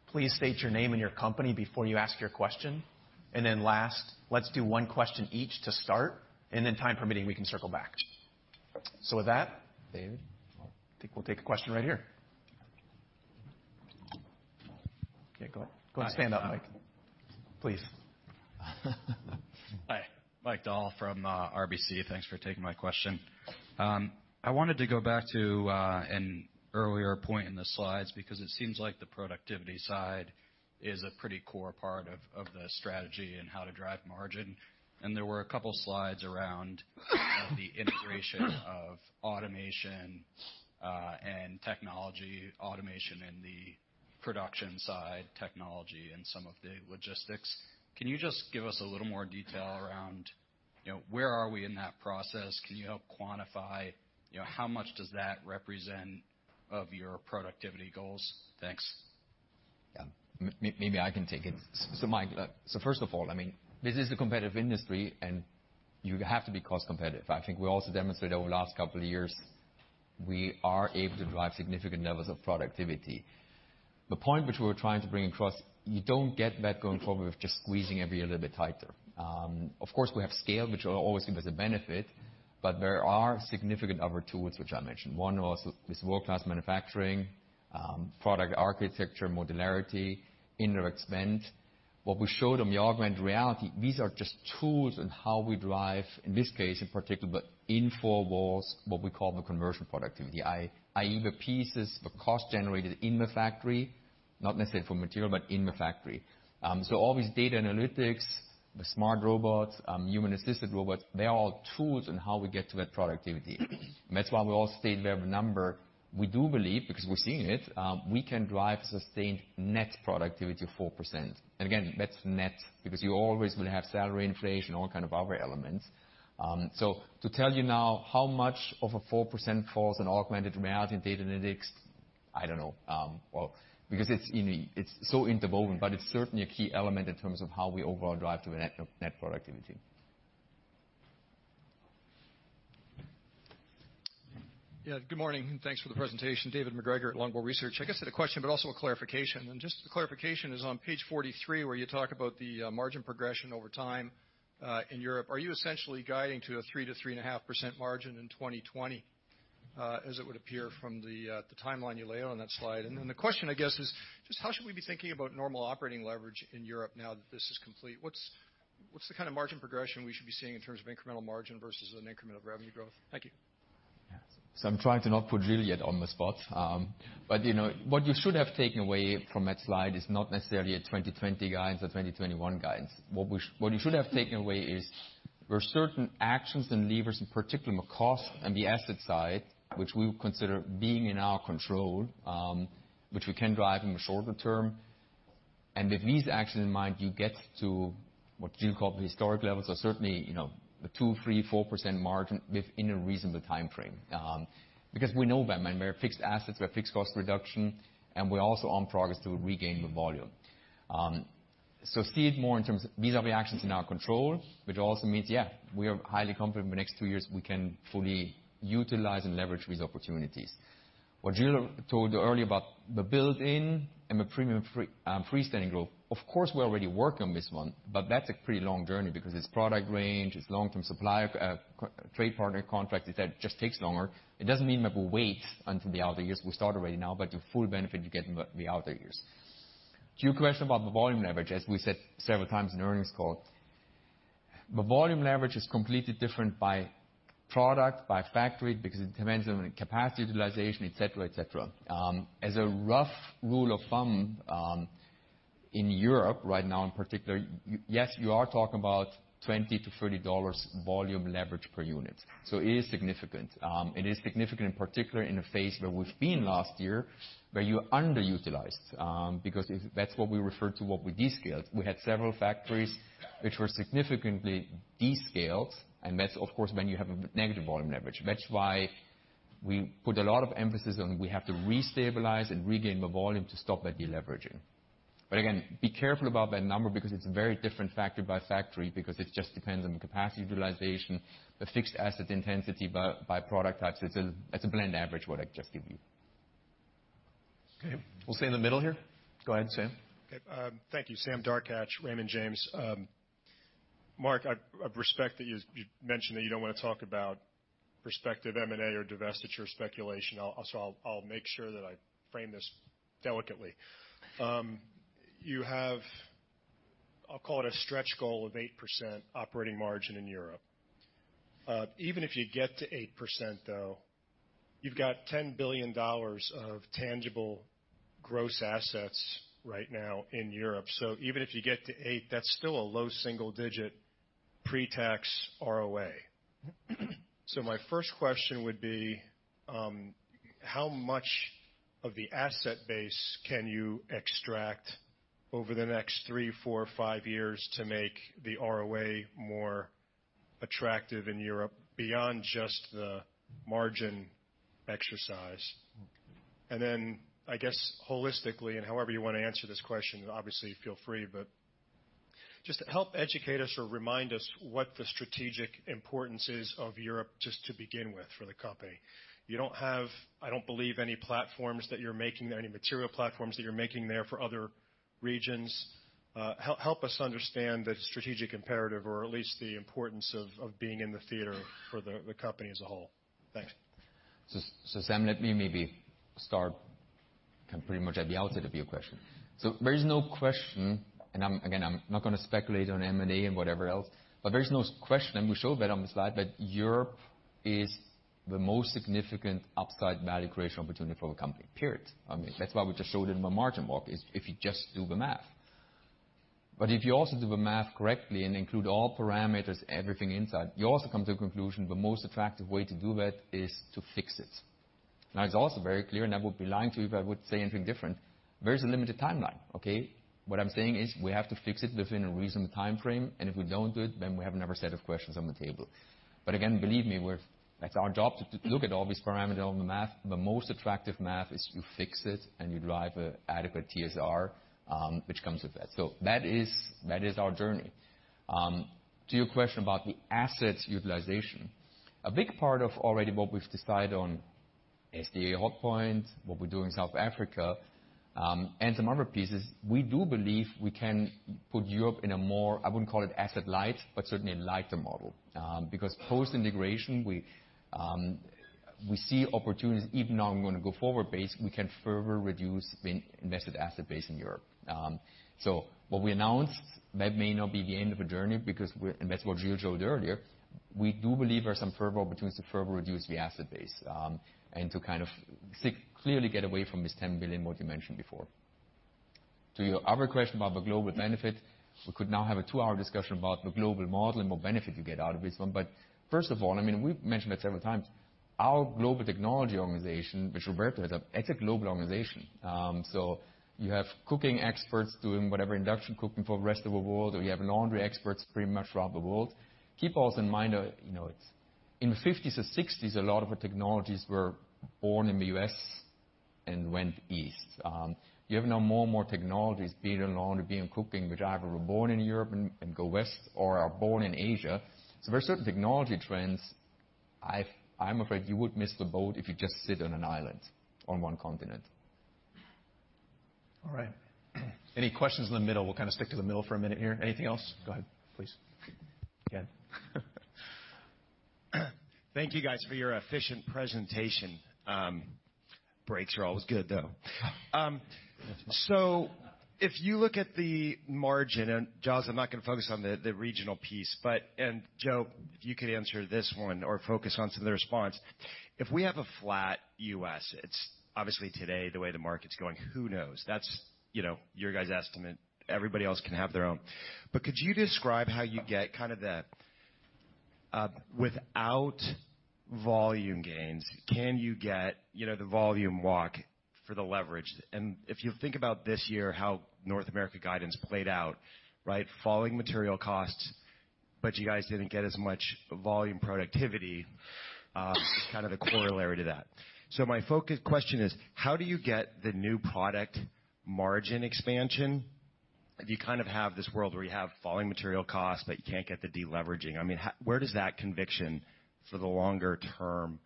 please state your name and your company before you ask your question. Last, let's do one question each to start, and then time permitting, we can circle back. With that, David, I think we'll take a question right here. Okay, go ahead. Go and stand on mic, please. Hi. Mike Dahl from RBC. Thanks for taking my question. I wanted to go back to an earlier point in the slides because it seems like the productivity side is a pretty core part of the strategy and how to drive margin, and there were a couple slides around the integration of automation and technology, automation in the production side, technology, and some of the logistics. Can you just give us a little more detail around where are we in that process? Can you help quantify how much does that represent of your productivity goals? Thanks. Yeah. Maybe I can take it. Mike, first of all, this is a competitive industry, and you have to be cost competitive. I think we also demonstrated over the last couple of years, we are able to drive significant levels of productivity. The point which we're trying to bring across, you don't get that going forward with just squeezing every little bit tighter. Of course, we have scale, which will always give us a benefit, but there are significant other tools which I mentioned. One was with world-class manufacturing, product architecture, modularity, indirect spend. What we showed on the augmented reality, these are just tools on how we drive, in this case in particular, in four walls, what we call the conversion productivity, i.e., the pieces, the cost generated in the factory, not necessarily for material, but in the factory. All these data analytics, the smart robots, human-assisted robots, they're all tools on how we get to that productivity. That's why we all state we have a number. We do believe, because we're seeing it, we can drive sustained net productivity of 4%. Again, that's net because you always will have salary inflation, all kind of other elements. To tell you now how much of a 4% falls on augmented reality and data analytics, I don't know. Well, because it's so interwoven, but it's certainly a key element in terms of how we overall drive to the net productivity. Good morning, and thanks for the presentation. David MacGregor at Longbow Research. I guess I had a question, but also a clarification. Just the clarification is on page 43, where you talk about the margin progression over time in Europe. Are you essentially guiding to a 3%-3.5% margin in 2020, as it would appear from the timeline you lay out on that slide? The question, I guess, is just how should we be thinking about normal operating leverage in Europe now that this is complete? What's the kind of margin progression we should be seeing in terms of incremental margin versus an incremental revenue growth? Thank you. I'm trying to not put Gilles on the spot. What you should have taken away from that slide is not necessarily a 2020 guidance, a 2021 guidance. What you should have taken away is there are certain actions and levers, in particular on the cost and the asset side, which we would consider being in our control, which we can drive in the shorter term. With these actions in mind, you get to what Gilles called the historic levels or certainly, the 2%, 3%, 4% margin within a reasonable timeframe. Because we know that, we have fixed assets, we have fixed cost reduction, and we're also on progress to regain the volume. See it more in terms of these are reactions in our control, which also means, we are highly confident in the next two years we can fully utilize and leverage these opportunities. What Gilles told you earlier about the built-in and the premium freestanding growth, of course, we already work on this one, but that's a pretty long journey because it's product range, it's long-term supply, trade partner contracts. It just takes longer. It doesn't mean that we wait until the outer years. We start already now, but the full benefit you get in the outer years. To your question about the volume leverage, as we said several times in the earnings call The volume leverage is completely different by product, by factory, because it depends on capacity utilization, et cetera. As a rough rule of thumb, in Europe right now in particular, you are talking about $20-$30 volume leverage per unit. It is significant. It is significant in particular in the phase where we've been last year, where you underutilized, because that's what we refer to what we descaled. We had several factories which were significantly descaled, and that's of course when you have a negative volume leverage. That's why we put a lot of emphasis on we have to restabilize and regain the volume to stop that deleveraging. Again, be careful about that number because it's very different factory by factory because it just depends on the capacity utilization, the fixed asset intensity by product types. It's a blend average what I just give you. Okay. We'll stay in the middle here. Go ahead, Sam. Okay. Thank you. Sam Darkatsh, Raymond James. Marc, I respect that you mentioned that you don't want to talk about prospective M&A or divestiture speculation, I'll make sure that I frame this delicately. You have, I'll call it a stretch goal of 8% operating margin in Europe. Even if you get to 8%, though, you've got $10 billion of tangible gross assets right now in Europe. Even if you get to eight, that's still a low single-digit pre-tax ROA. My first question would be, how much of the asset base can you extract over the next three, four, five years to make the ROA more attractive in Europe beyond just the margin exercise? I guess holistically and however you want to answer this question, obviously feel free, just help educate us or remind us what the strategic importance is of Europe just to begin with for the company. You don't have, I don't believe, any material platforms that you're making there for other regions. Help us understand the strategic imperative or at least the importance of being in the theater for the company as a whole. Thanks. Sam, let me maybe start pretty much at the outset of your question. There is no question, again, I'm not going to speculate on M&A and whatever else, there is no question, we showed that on the slide, that Europe is the most significant upside value creation opportunity for the company, period. That's why we just showed it in the margin walk is if you just do the math. If you also do the math correctly and include all parameters, everything inside, you also come to the conclusion, the most attractive way to do that is to fix it. It's also very clear, I would be lying to you if I would say anything different. There is a limited timeline, okay? What I'm saying is we have to fix it within a reasonable time frame. If we don't do it, then we have another set of questions on the table. Again, believe me, that's our job to look at all these parameters on the math. The most attractive math is you fix it and you drive an adequate TSR, which comes with that. That is our journey. To your question about the assets utilization. A big part of already what we've decided on SDA Hotpoint, what we do in South Africa, and some other pieces, we do believe we can put Europe in a more, I wouldn't call it asset light, but certainly a lighter model. Because post-integration, we see opportunities even now when we go forward base, we can further reduce the invested asset base in Europe. What we announced may not be the end of a journey because, that's what Giulio showed earlier, we do believe there are some opportunities to further reduce the asset base, and to kind of clearly get away from this $10 billion what you mentioned before. To your other question about the global benefit, we could now have a two-hour discussion about the global model and what benefit you get out of it. First of all, we've mentioned it several times, our global technology organization, which Roberto has, it's a global organization. You have cooking experts doing whatever induction cooking for rest of the world, or you have laundry experts pretty much around the world. Keep also in mind, in the '50s and '60s, a lot of the technologies were born in the U.S. and went east. You have now more and more technologies be it laundry, be in cooking, which either were born in Europe and go west or are born in Asia. There are certain technology trends, I'm afraid you would miss the boat if you just sit on an island on one continent. All right. Any questions in the middle? We'll kind of stick to the middle for a minute here. Anything else? Go ahead, please. Again. Thank you guys for your efficient presentation. Breaks are always good, though. That's fine. If you look at the margin, Joe, I'm not going to focus on the regional piece, Joe, if you could answer this one or focus on some of the response. If we have a flat U.S., it's obviously today the way the market's going, who knows? That's your guys' estimate. Everybody else can have their own. Could you describe how you get kind of the, without volume gains, can you get the volume walk for the leverage? If you think about this year, how North America guidance played out, right? Falling material costs, but you guys didn't get as much volume productivity, kind of the corollary to that. My focus question is, how do you get the new product margin expansion? If you kind of have this world where you have falling material costs, but you can't get the deleveraging. Where does that conviction for the longer-term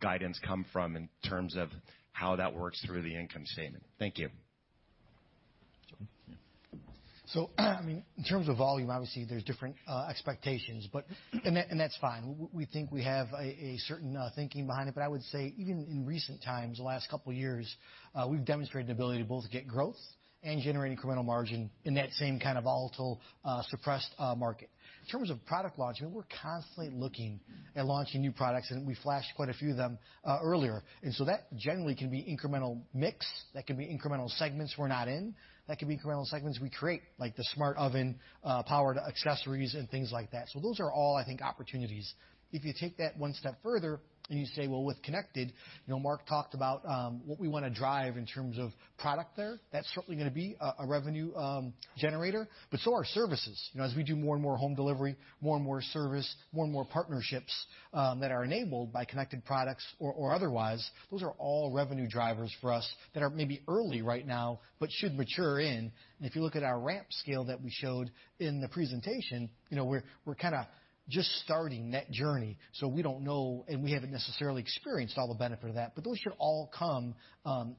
guidance come from in terms of how that works through the income statement? Thank you. In terms of volume, obviously, there's different expectations, and that's fine. We think we have a certain thinking behind it. I would say even in recent times, the last couple of years, we've demonstrated an ability to both get growth and generate incremental margin in that same kind of volatile, suppressed market. In terms of product launch, we're constantly looking at launching new products, and we flashed quite a few of them earlier. That generally can be incremental mix, that can be incremental segments we're not in. That can be incremental segments we create, like the smart oven, powered accessories, and things like that. Those are all, I think, opportunities. If you take that one step further and you say, well, with connected, Marc talked about what we want to drive in terms of product there. That's certainly going to be a revenue generator, but so are services. As we do more and more home delivery, more and more service, more and more partnerships that are enabled by connected products or otherwise, those are all revenue drivers for us that are maybe early right now, but should mature in. If you look at our ramp scale that we showed in the presentation, we're kind of just starting that journey. We don't know, and we haven't necessarily experienced all the benefit of that. Those should all come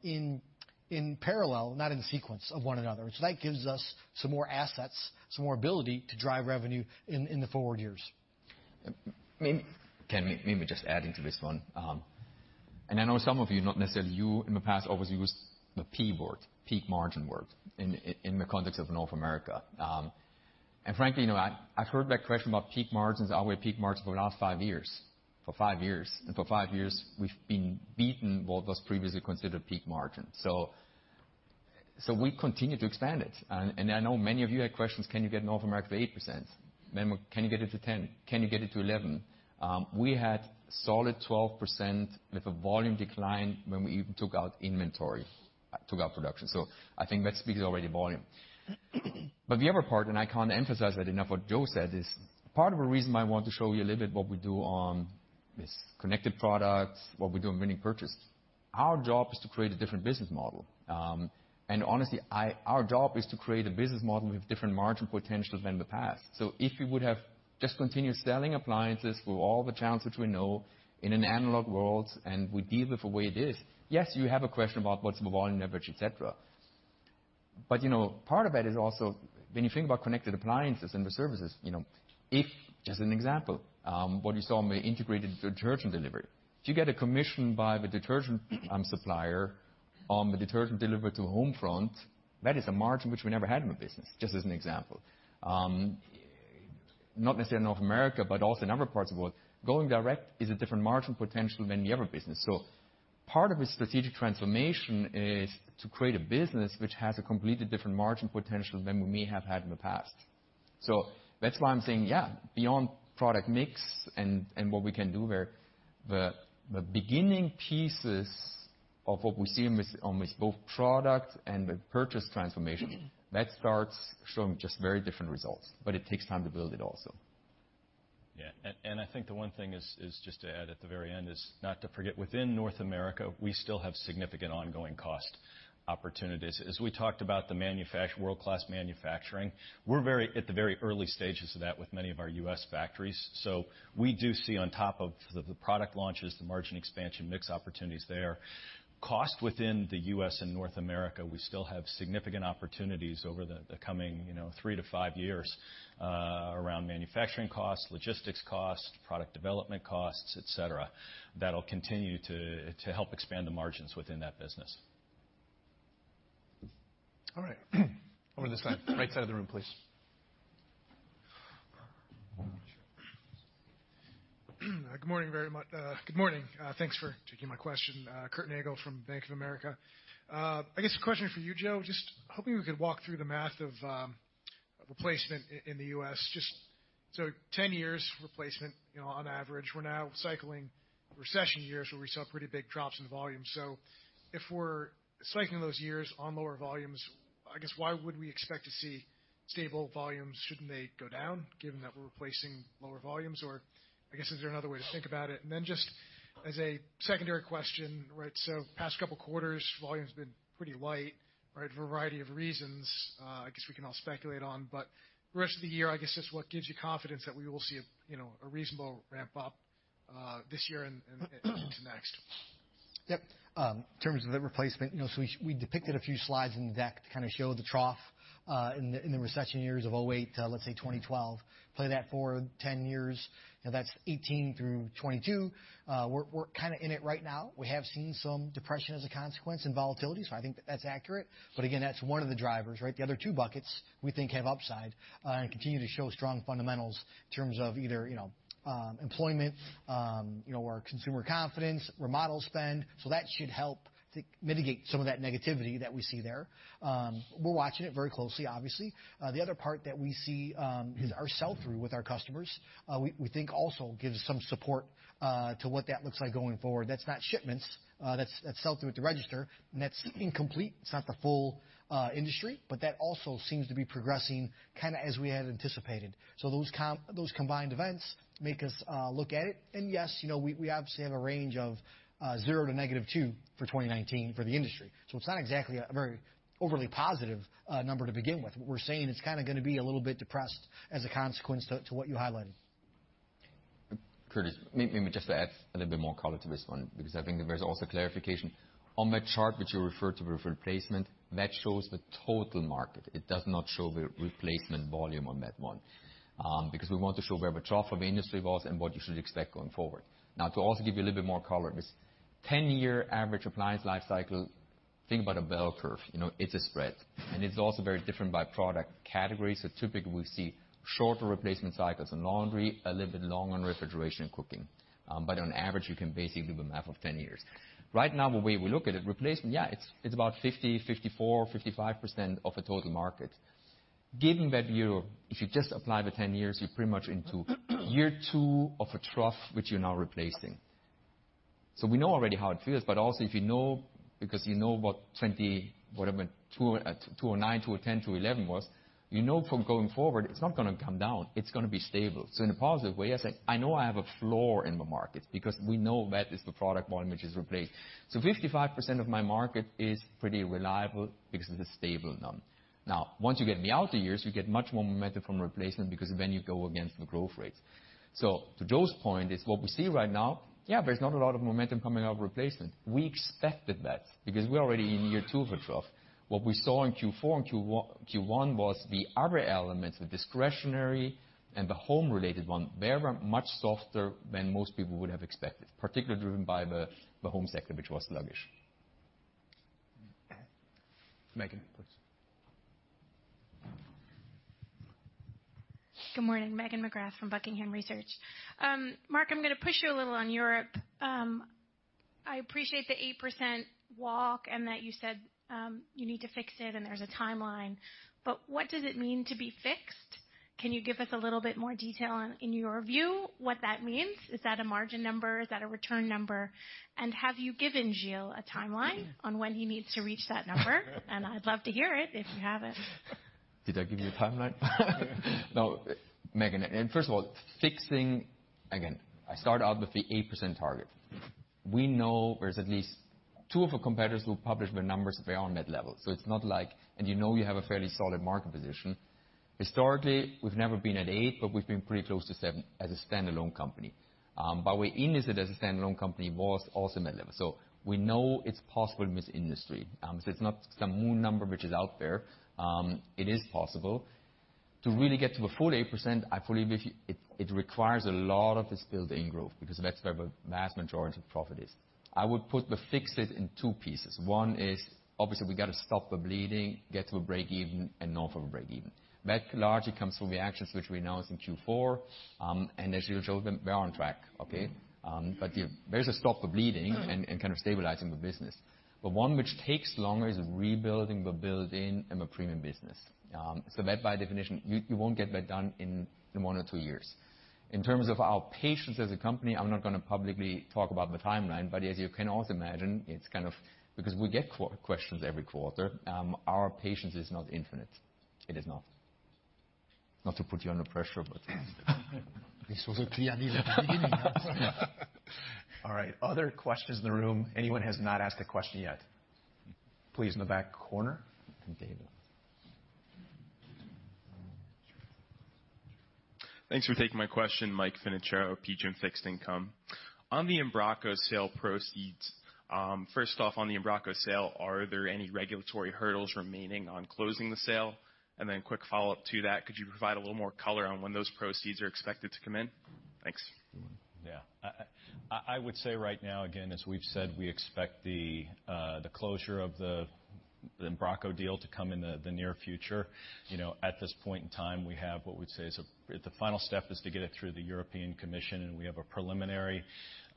in parallel, not in sequence of one another. That gives us some more assets, some more ability to drive revenue in the forward years. Ken, maybe just adding to this one. I know some of you, not necessarily you in the past, obviously, used the P word, peak margin word, in the context of North America. Frankly, I've heard that question about peak margins, are we at peak margins for the last five years. For five years, we've been beaten what was previously considered peak margin. We continue to expand it. I know many of you had questions, can you get North America to 8%? Can you get it to 10? Can you get it to 11? We had solid 12% with a volume decline when we even took out inventory, took out production. I think that speaks already volume. The other part, and I can't emphasize that enough, what Joe said is, part of the reason why I want to show you a little bit what we do on this connected product, what we do on winning purchase, our job is to create a different business model. Honestly, our job is to create a business model with different margin potential than the past. If we would have just continued selling appliances through all the channels which we know in an analog world, and we deal with the way it is, yes, you have a question about what's the volume leverage, et cetera. Part of that is also when you think about connected appliances and the services, just an example, what you saw on the integrated detergent delivery. If you get a commission by the detergent supplier on the detergent delivered to the home front, that is a margin which we never had in the business, just as an example. Not necessarily North America, but also a number of parts of the world. Going direct is a different margin potential than the other business. Part of a strategic transformation is to create a business which has a completely different margin potential than we may have had in the past. That's why I'm saying, yeah, beyond product mix and what we can do there, the beginning pieces of what we see on this, both product and the purchase transformation, that starts showing just very different results, but it takes time to build it also. Yeah. I think the one thing is, just to add at the very end, is not to forget within North America, we still have significant ongoing cost opportunities. As we talked about the world-class manufacturing, we're at the very early stages of that with many of our U.S. factories. We do see on top of the product launches, the margin expansion, mix opportunities there. Cost within the U.S. and North America, we still have significant opportunities over the coming three to five years around manufacturing costs, logistics costs, product development costs, et cetera, that'll continue to help expand the margins within that business. All right. Over this side. Right side of the room, please. Good morning. Thanks for taking my question. Curtis Nagle from Bank of America. I guess a question for you, Joe, just hoping we could walk through the math of replacement in the U.S. 10 years replacement on average. We're now cycling recession years where we saw pretty big drops in volume. If we're cycling those years on lower volumes, I guess why would we expect to see stable volumes? Shouldn't they go down given that we're replacing lower volumes? Or I guess, is there another way to think about it? Just as a secondary question, past couple quarters, volume's been pretty light. A variety of reasons I guess we can all speculate on. The rest of the year, I guess just what gives you confidence that we will see a reasonable ramp-up this year and into next? Yep. In terms of the replacement, we depicted a few slides in the deck to kind of show the trough, in the recession years of 2008 to, let's say, 2012. Play that forward 10 years, that's 2018 through 2022. We're kind of in it right now. We have seen some depression as a consequence and volatility, I think that's accurate, but again, that's one of the drivers. The other two buckets we think have upside and continue to show strong fundamentals in terms of either employment or consumer confidence, remodel spend. That should help to mitigate some of that negativity that we see there. We're watching it very closely, obviously. The other part that we see is our sell-through with our customers, we think also gives some support to what that looks like going forward. That's not shipments. That's sell-through at the register. That's incomplete. It's not the full industry. That also seems to be progressing kind of as we had anticipated. Those combined events make us look at it. Yes, we obviously have a range of 0% to -2% for 2019 for the industry. It's not exactly a very overly positive number to begin with. What we're saying, it's kind of going to be a little bit depressed as a consequence to what you highlighted. Curtis, maybe just to add a little bit more color to this one, because I think there's also clarification. On that chart which you referred to with replacement, that shows the total market. It does not show the replacement volume on that one, because we want to show where the trough of the industry was and what you should expect going forward. Now, to also give you a little bit more color, this 10-year average appliance life cycle, think about a bell curve. It's a spread. It's also very different by product category. Typically, we see shorter replacement cycles in laundry, a little bit longer in refrigeration and cooking. On average, you can basically do the math of 10 years. Right now, the way we look at it, replacement, yeah, it's about 50%, 54%, 55% of the total market. Given that view, if you just apply the 10 years, you're pretty much into year two of a trough, which you're now replacing. We know already how it feels, but also if you know, because you know what 2029, 2020, 2010, 2011 was. You know from going forward, it's not going to come down. It's going to be stable. In a positive way, I say, I know I have a floor in the market because we know that is the product volume, which is replaced. 55% of my market is pretty reliable because it's a stable number. Once you get in the outer years, we get much more momentum from replacement because then you go against the growth rates. To Joe's point is what we see right now, yeah, there's not a lot of momentum coming out of replacement. We expected that because we're already in year two of a trough. What we saw in Q4 and Q1 was the other elements, the discretionary and the home-related one, they were much softer than most people would have expected, particularly driven by the home sector, which was sluggish. Megan, please. Good morning. Megan McGrath from Buckingham Research. Marc, I'm going to push you a little on Europe. I appreciate the 8% walk and that you said, you need to fix it and there's a timeline. What does it mean to be fixed? Can you give us a little bit more detail on, in your view, what that means? Is that a margin number? Is that a return number? Have you given Gilles a timeline on when he needs to reach that number? I'd love to hear it if you have it. Did I give you a timeline? No. Megan, first of all, fixing. Again, I start out with the 8% target. We know there's at least two of our competitors who publish their numbers. They are on that level. It's not like, and you know you have a fairly solid market position. Historically, we've never been at 8%, but we've been pretty close to 7% as a standalone company. We're in as a standalone company was also mid-level. We know it's possible in this industry. It's not some moon number which is out there. It is possible. To really get to the full 8%, I believe it requires a lot of this built-in growth, because that's where the vast majority of the profit is. I would put the fixes in two pieces. One is, obviously, we got to stop the bleeding, get to a break even. That largely comes from the actions which we announced in Q4, and as Gilles showed them, we are on track. Okay. There is a stop the bleeding and kind of stabilizing the business. One which takes longer is rebuilding the built-in and the premium business. That, by definition, you won't get that done in one or two years. In terms of our patience as a company, I'm not going to publicly talk about the timeline, but as you can also imagine, it's kind of because we get questions every quarter, our patience is not infinite. It is not. This was a clear need at the beginning. All right, other questions in the room. Anyone who has not asked a question yet? Please, in the back corner. David. Thanks for taking my question. Michael Finucane of PGIM Fixed Income. On the Embraco sale proceeds, first off on the Embraco sale, are there any regulatory hurdles remaining on closing the sale? Quick follow-up to that, could you provide a little more color on when those proceeds are expected to come in? Thanks. Yeah. I would say right now, again, as we've said, we expect the closure of the Embraco deal to come in the near future. At this point in time, we have what we'd say is the final step is to get it through the European Commission, and we have a preliminary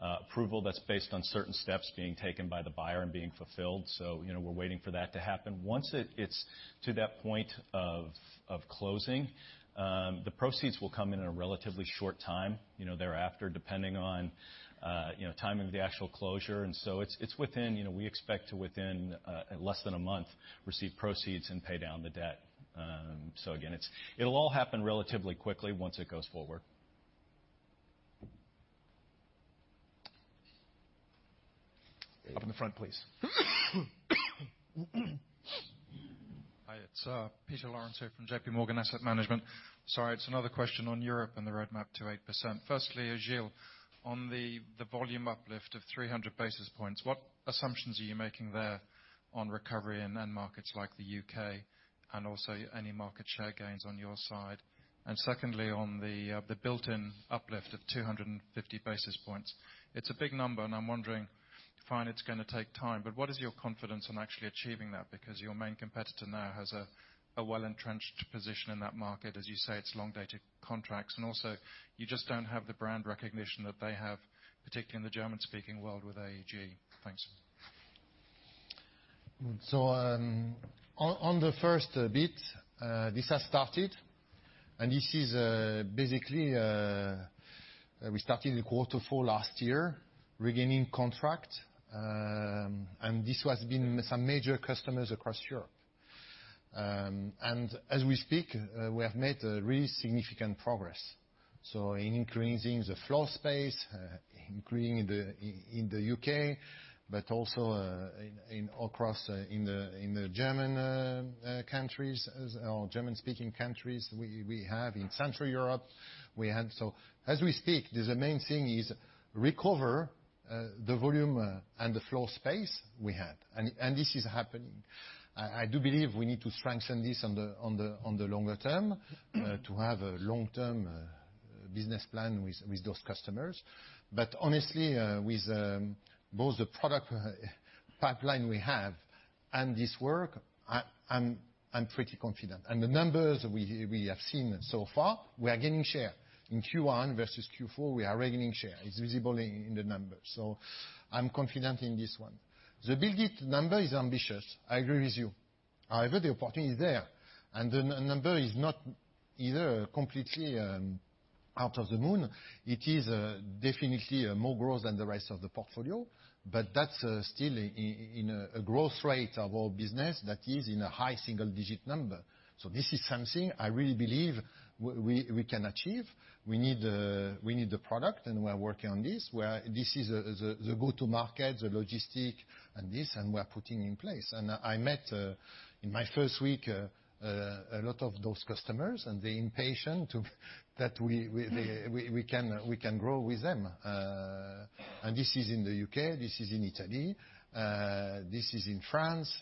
approval that's based on certain steps being taken by the buyer and being fulfilled. We're waiting for that to happen. Once it gets to that point of closing, the proceeds will come in a relatively short time thereafter, depending on timing of the actual closure. We expect to within less than a month, receive proceeds and pay down the debt. Again, it'll all happen relatively quickly once it goes forward. Up in the front, please. Hi, it's Peter Lawrence here from J.P. Morgan Asset Management. Sorry, it's another question on Europe and the roadmap to 8%. Firstly, Gilles, on the volume uplift of 300 basis points, what assumptions are you making there on recovery in end markets like the U.K. and also any market share gains on your side? Secondly, on the built-in uplift of 250 basis points, it's a big number, and I'm wondering, fine, it's going to take time, but what is your confidence on actually achieving that? Because your main competitor now has a well-entrenched position in that market. As you say, it's long-dated contracts, you just don't have the brand recognition that they have, particularly in the German-speaking world with AEG. Thanks. On the first bit, this has started, we started in quarter four last year, regaining contract, this has been some major customers across Europe. As we speak, we have made really significant progress. In increasing the floor space, increasing in the U.K., also in the German-speaking countries we have in Central Europe. As we speak, the main thing is recover the volume and the floor space we had. This is happening. I do believe we need to strengthen this on the longer term to have a long-term business plan with those customers. Honestly, with both the product pipeline we have and this work, I'm pretty confident. The numbers we have seen so far, we are gaining share. In Q1 versus Q4, we are gaining share. It's visible in the numbers. I'm confident in this one. The built-in number is ambitious, I agree with you. However, the opportunity is there, the number is not either completely out of the moon. It is definitely more growth than the rest of the portfolio. That's still in a growth rate of our business that is in a high single-digit number. This is something I really believe we can achieve. We need the product, we are working on this, where this is the go-to market, the logistic and this, we're putting in place. I met, in my first week, a lot of those customers, they're impatient that we can grow with them. This is in the U.K., this is in Italy, this is in France.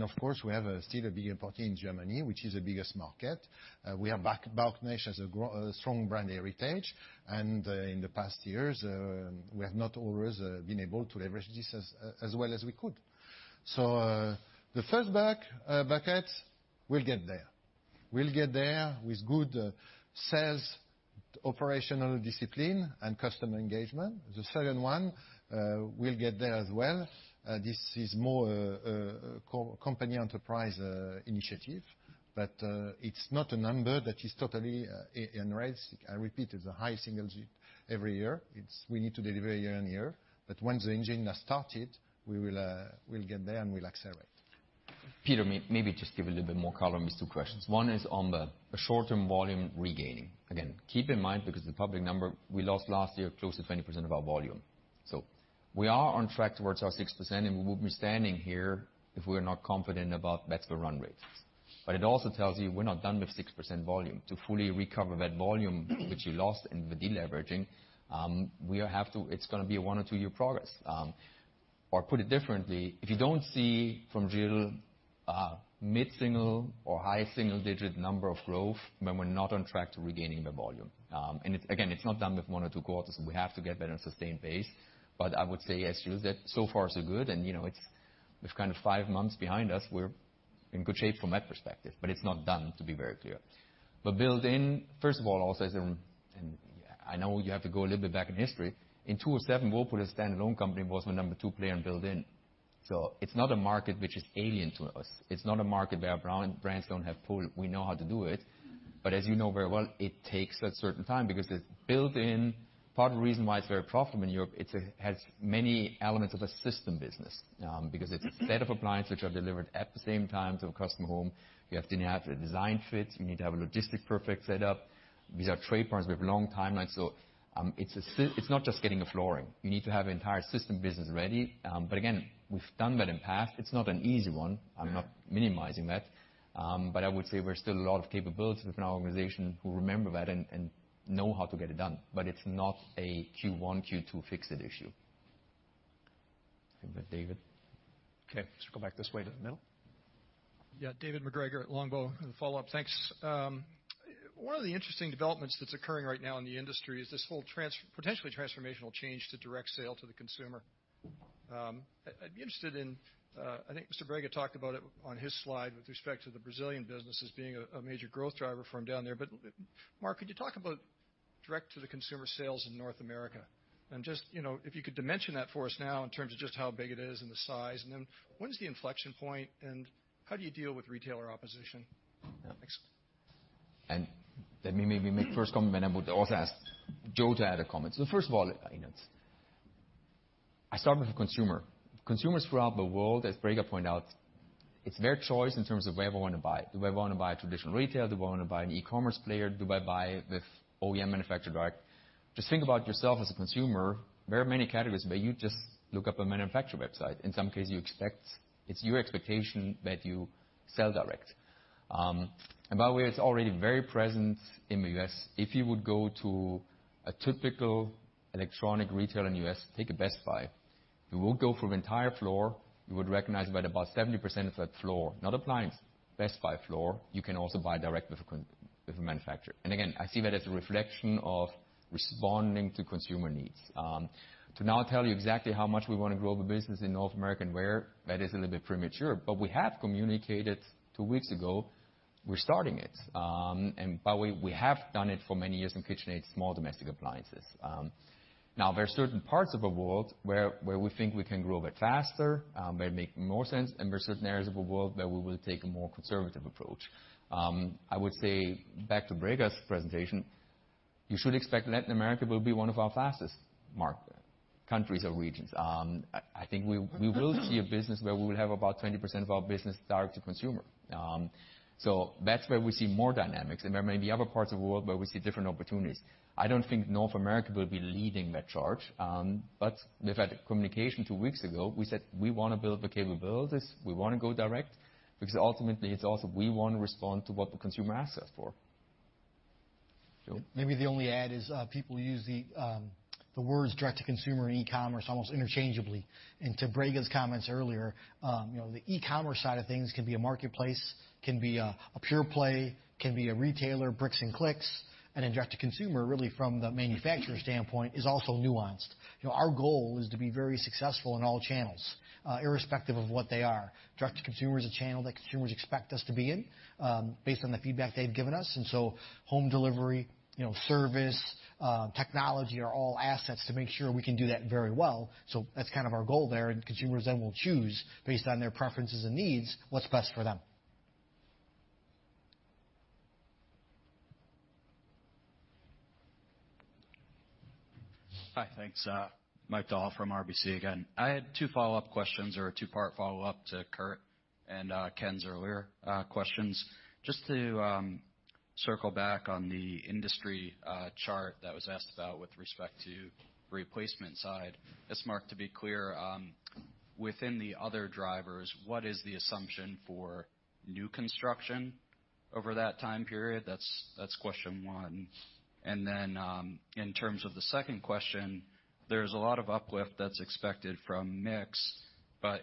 Of course, we have still a big opportunity in Germany, which is the biggest market. Bauknecht has a strong brand heritage, in the past years, we have not always been able to leverage this as well as we could. The first bucket, we'll get there. We'll get there with good sales, operational discipline, and customer engagement. The second one, we'll get there as well. This is more a company enterprise initiative, it's not a number that is totally unrealistic. I repeat, it's a high single digit every year. We need to deliver year on year. Once the engine has started, we'll get there, we'll accelerate. Peter Lawrence, maybe just give a little bit more color on these two questions. One is on the short-term volume regaining. Again, keep in mind, because the public number, we lost last year close to 20% of our volume. We are on track towards our 6%, and we wouldn't be standing here if we were not confident about better run rates. It also tells you we're not done with 6% volume. To fully recover that volume which we lost in the deleveraging, it's going to be a one- or two-year progress. Put it differently, if you don't see from Gilles Morel mid-single or high single-digit number of growth, then we're not on track to regaining the volume. Again, it's not done with one or two quarters. We have to get better and sustain pace. I would say, yes, Gilles Morel, that so far so good, and with five months behind us, we're in good shape from that perspective, but it's not done, to be very clear. Build-in, first of all, also, and I know you have to go a little bit back in history. In 2007, Whirlpool as a standalone company was the number 2 player in built-in. It's not a market which is alien to us. It's not a market where brands don't have pull. We know how to do it. As you know very well, it takes a certain time, because the built-in, part of the reason why it's very profitable in Europe, it has many elements of a system business. It's a set of appliances which are delivered at the same time to a customer home. You have to have the design fits. You need to have a logistics perfect set up. These are trade partners. We have long timelines. It's not just getting a flooring. You need to have an entire system business ready. Again, we've done that in the past. It's not an easy one. I'm not minimizing that. I would say there's still a lot of capabilities within our organization who remember that and know how to get it done. It's not a Q1, Q2 fixed issue. I think that David MacGregor. Okay. Let's go back this way to the middle. Yeah. David MacGregor at Longbow. A follow-up. Thanks. One of the interesting developments that's occurring right now in the industry is this whole potentially transformational change to direct sale to the consumer. I'd be interested in, I think Mr. Brega talked about it on his slide with respect to the Brazilian business as being a major growth driver for him down there. Mark, could you talk about direct to the consumer sales in North America? If you could dimension that for us now in terms of just how big it is and the size, then when is the inflection point, and how do you deal with retailer opposition? Thanks. Let me maybe make the first comment, I would also ask Joe to add a comment. First of all, I start with the consumer. Consumers throughout the world, as Brega pointed out, it's their choice in terms of where they want to buy. Do I want to buy a traditional retailer? Do I want to buy an e-commerce player? Do I buy with OEM manufacturer direct? Just think about yourself as a consumer. Very many categories where you just look up a manufacturer website. In some cases, it's your expectation that you sell direct. By the way, it's already very present in the U.S. If you would go to a typical electronic retailer in the U.S., take a Best Buy. You would go through the entire floor. You would recognize about 70% of that floor, not appliance, Best Buy floor, you can also buy direct with the manufacturer. Again, I see that as a reflection of responding to consumer needs. To now tell you exactly how much we want to grow the business in North America and where, that is a little bit premature. We have communicated two weeks ago we're starting it. By the way, we have done it for many years in KitchenAid small domestic appliances. There are certain parts of the world where we think we can grow a bit faster, where it makes more sense, and there are certain areas of the world where we will take a more conservative approach. I would say, back to Brega's presentation. You should expect Latin America will be one of our fastest countries or regions. I think we will see a business where we will have about 20% of our business direct to consumer. That's where we see more dynamics. There may be other parts of the world where we see different opportunities. I don't think North America will be leading that charge. We've had a communication two weeks ago. We said we want to build the capabilities. We want to go direct, because ultimately, it's also we want to respond to what the consumer asks us for. Joe? Maybe the only add is people use the words direct to consumer and e-commerce almost interchangeably. To Brega's comments earlier, the e-commerce side of things can be a marketplace, can be a pure play, can be a retailer, bricks and clicks. Direct to consumer, really from the manufacturer standpoint, is also nuanced. Our goal is to be very successful in all channels, irrespective of what they are. Direct to consumer is a channel that consumers expect us to be in, based on the feedback they've given us. Home delivery, service, technology are all assets to make sure we can do that very well. That's kind of our goal there. Consumers then will choose based on their preferences and needs, what's best for them. Hi, thanks. Mike Dahl from RBC again. I had two follow-up questions or a two-part follow-up to Curtis and Kenneth's earlier questions. Just to circle back on the industry chart that was asked about with respect to replacement side. Marc, to be clear, within the other drivers, what is the assumption for new construction over that time period? That's question one. In terms of the second question, there's a lot of uplift that's expected from mix.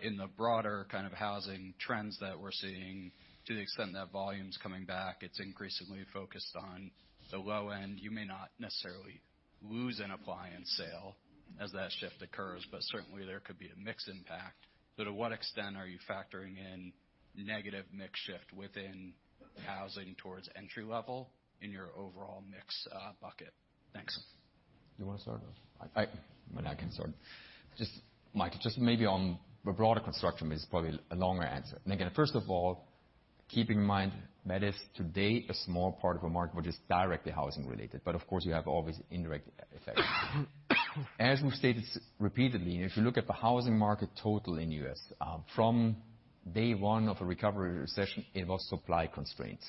In the broader kind of housing trends that we're seeing, to the extent that volume's coming back, it's increasingly focused on the low end. You may not necessarily lose an appliance sale as that shift occurs, but certainly there could be a mix impact. To what extent are you factoring in negative mix shift within housing towards entry-level in your overall mix bucket? Thanks. You want to start or? I can start. Mike, just maybe on the broader construction mix, probably a longer answer. Again, first of all, keeping in mind that is to date, a small part of a market which is directly housing related, but of course, you have all these indirect effects. As we've stated repeatedly, if you look at the housing market total in the U.S., from day one of the recovery recession, it was supply constraints.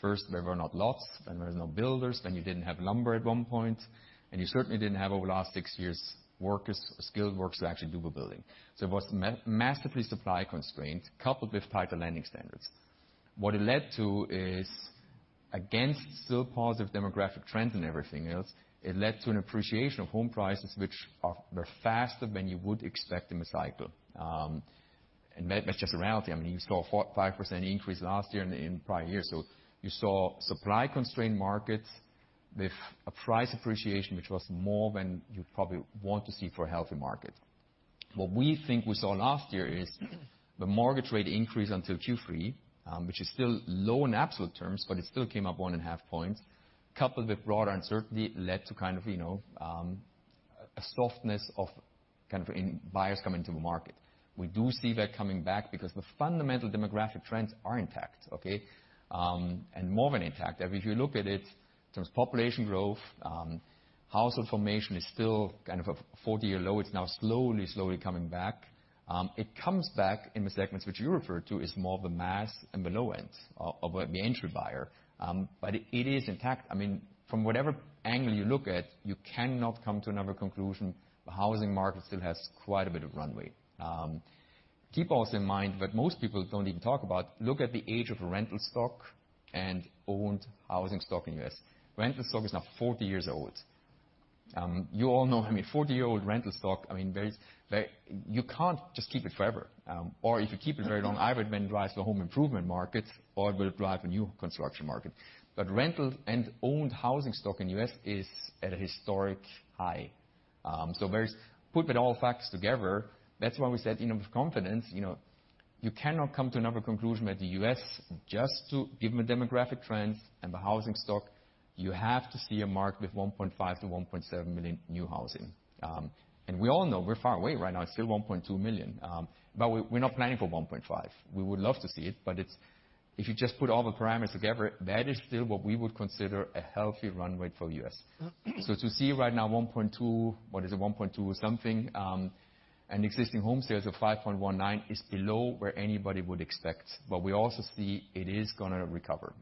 First, there were not lots. There was no builders. You didn't have lumber at one point. You certainly didn't have over the last six years, skilled workers to actually do the building. It was massively supply constrained, coupled with tighter lending standards. What it led to is, against still positive demographic trends and everything else, it led to an appreciation of home prices, which are faster than you would expect in the cycle. That's just the reality. You saw a 5% increase last year and in prior years. You saw supply-constrained markets with a price appreciation, which was more than you'd probably want to see for a healthy market. What we think we saw last year is the mortgage rate increase until Q3, which is still low in absolute terms, but it still came up one and a half points, coupled with broader uncertainty led to kind of a softness of buyers coming to the market. We do see that coming back because the fundamental demographic trends are intact, okay? More than intact. If you look at it in terms of population growth, household formation is still at a 40-year low. It's now slowly coming back. It comes back in the segments which you referred to as more of a mass and below ends of the entry buyer. It is intact. From whatever angle you look at, you cannot come to another conclusion. The housing market still has quite a bit of runway. Keep also in mind that most people don't even talk about, look at the age of rental stock and owned housing stock in the U.S. Rental stock is now 40 years old. You all know how many 40-year-old rental stock, you can't just keep it forever. If you keep it very long, either it then drives the home improvement market, or it will drive a new construction market. Rental and owned housing stock in the U.S. is at a historic high. Putting all facts together, that's why we said with confidence, you cannot come to another conclusion that the U.S. just to give them a demographic trend and the housing stock, you have to see a market with 1.5 million to 1.7 million new housing. We all know we're far away right now, it's still 1.2 million. We're not planning for 1.5. We would love to see it, but if you just put all the parameters together, that is still what we would consider a healthy runway for the U.S. To see right now 1.2, what is it, 1.2 something, and existing home sales of 5.19 is below where anybody would expect. We also see it is going to recover.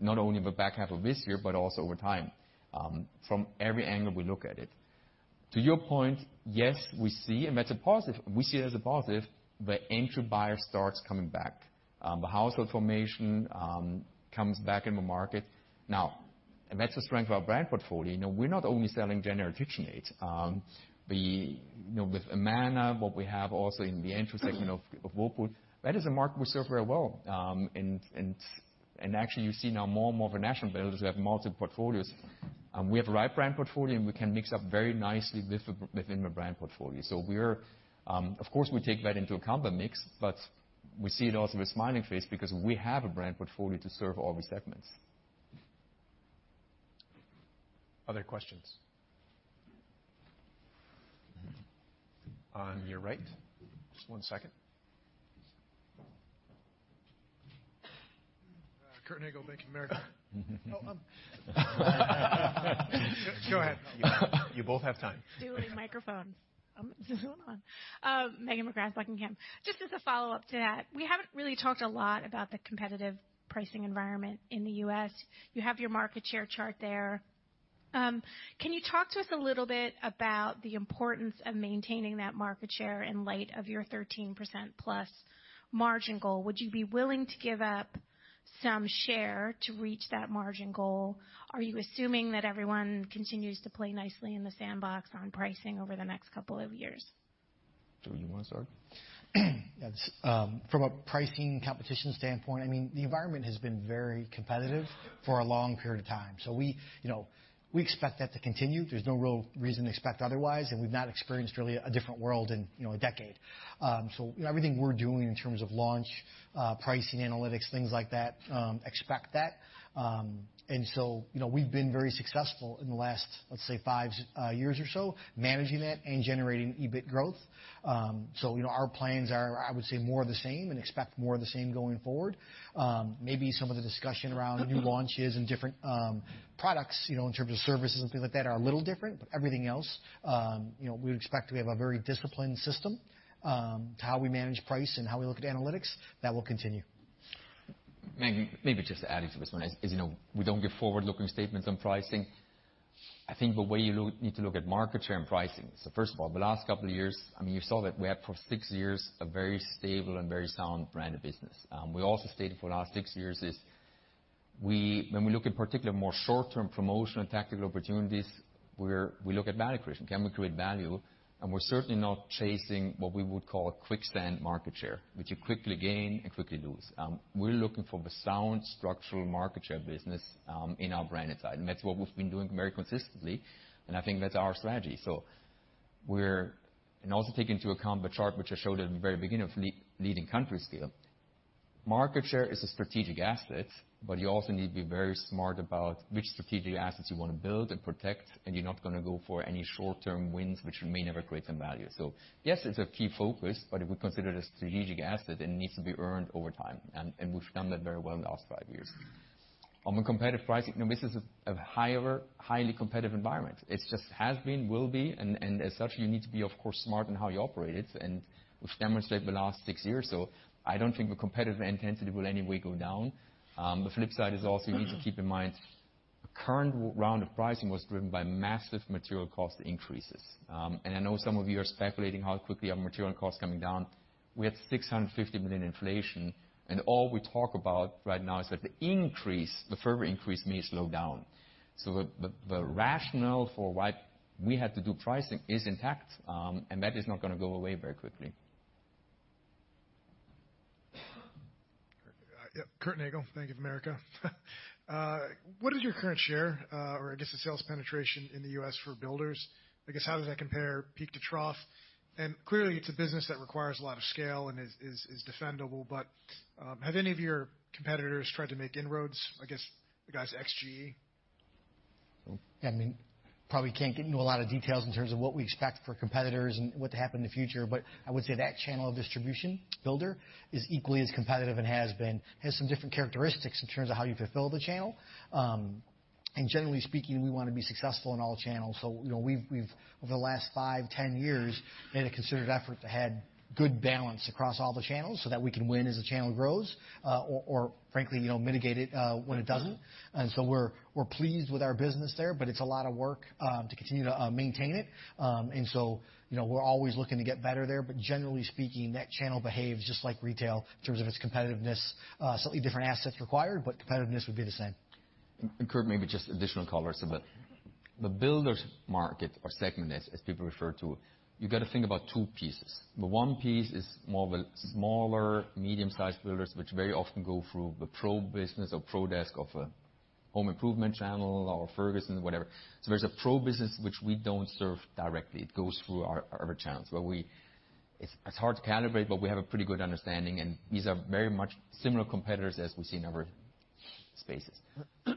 Not only in the back half of this year, but also over time. From every angle we look at it. To your point, yes, we see, and that's a positive. We see it as a positive, the entry buyer starts coming back. The household formation comes back in the market. Now, and that's the strength of our brand portfolio. We're not only selling general KitchenAid. With Amana, what we have also in the entry section of Whirlpool, that is a market we serve very well. Actually, you see now more and more of the national builders who have multiple portfolios. We have the right brand portfolio, and we can mix up very nicely within the brand portfolio. We're of course, we take that into account, the mix, but we see it also with a smiling face because we have a brand portfolio to serve all these segments. Other questions? On your right. Just one second. Curtis Nagle, Bank of America. Oh, Go ahead. You both have time. Dueling microphones. Megan McGrath, Bank of America. Just as a follow-up to that, we haven't really talked a lot about the competitive pricing environment in the U.S. You have your market share chart there. Can you talk to us a little bit about the importance of maintaining that market share in light of your 13%+ margin goal? Would you be willing to give up some share to reach that margin goal? Are you assuming that everyone continues to play nicely in the sandbox on pricing over the next couple of years? Do you want to start? Yes. From a pricing competition standpoint, the environment has been very competitive for a long period of time. We expect that to continue. There's no real reason to expect otherwise, and we've not experienced really a different world in a decade. Everything we're doing in terms of launch, pricing, analytics, things like that, expect that. We've been very successful in the last, let's say, five years or so, managing that and generating EBIT growth. Our plans are, I would say, more of the same and expect more of the same going forward. Maybe some of the discussion around new launches and different products, in terms of services and things like that are a little different. Everything else, we expect to have a very disciplined system to how we manage price and how we look at analytics. That will continue. Megan, maybe just to add into this one is, we don't give forward-looking statements on pricing. I think the way you need to look at market share and pricing. First of all, the last couple of years, you saw that we had for six years a very stable and very sound branded business. We also stated for the last six years is, when we look in particular more short-term promotional and tactical opportunities, we look at value creation. Can we create value? We're certainly not chasing what we would call a quicksand market share, which you quickly gain and quickly lose. We're looking for the sound structural market share business in our branded side, and that's what we've been doing very consistently, and I think that's our strategy. Also take into account the chart, which I showed at the very beginning of leading countries here. Market share is a strategic asset, but you also need to be very smart about which strategic assets you want to build and protect, and you're not going to go for any short-term wins, which may never create any value. Yes, it's a key focus, but if we consider it a strategic asset, it needs to be earned over time, and we've done that very well in the last five years. On competitive pricing, this is a highly competitive environment. It just has been, will be, and as such, you need to be, of course, smart in how you operate it, and we've demonstrated the last six years. I don't think the competitive intensity will any way go down. The flip side is also you need to keep in mind the current round of pricing was driven by massive material cost increases. I know some of you are speculating how quickly are material costs coming down. We had $650 million inflation, and all we talk about right now is that the further increase may slow down. The rationale for why we had to do pricing is intact, and that is not going to go away very quickly. Curtis Nagle, Bank of America. What is your current share, or I guess the sales penetration in the U.S. for builders? I guess how does that compare peak to trough? Clearly, it's a business that requires a lot of scale and is defendable, but, have any of your competitors tried to make inroads, I guess the guys ex-GE? Yeah, probably can't get into a lot of details in terms of what we expect for competitors and what to happen in the future, but I would say that channel of distribution, builder, is equally as competitive and has been, has some different characteristics in terms of how you fulfill the channel. Generally speaking, we want to be successful in all channels. We've, over the last five, 10 years, made a considered effort to have good balance across all the channels so that we can win as the channel grows, or frankly, mitigate it when it doesn't. We're pleased with our business there, but it's a lot of work to continue to maintain it. We're always looking to get better there, but generally speaking, that channel behaves just like retail in terms of its competitiveness. Slightly different assets required, but competitiveness would be the same. Curtis, maybe just additional color. The builders market or segment as people refer to, you got to think about two pieces. The one piece is more of a smaller, medium-sized builders, which very often go through the pro business or pro desk of a home improvement channel or a Ferguson, whatever. There's a pro business which we don't serve directly. It goes through our channels. It's hard to calibrate, but we have a pretty good understanding, and these are very much similar competitors as we see in other spaces.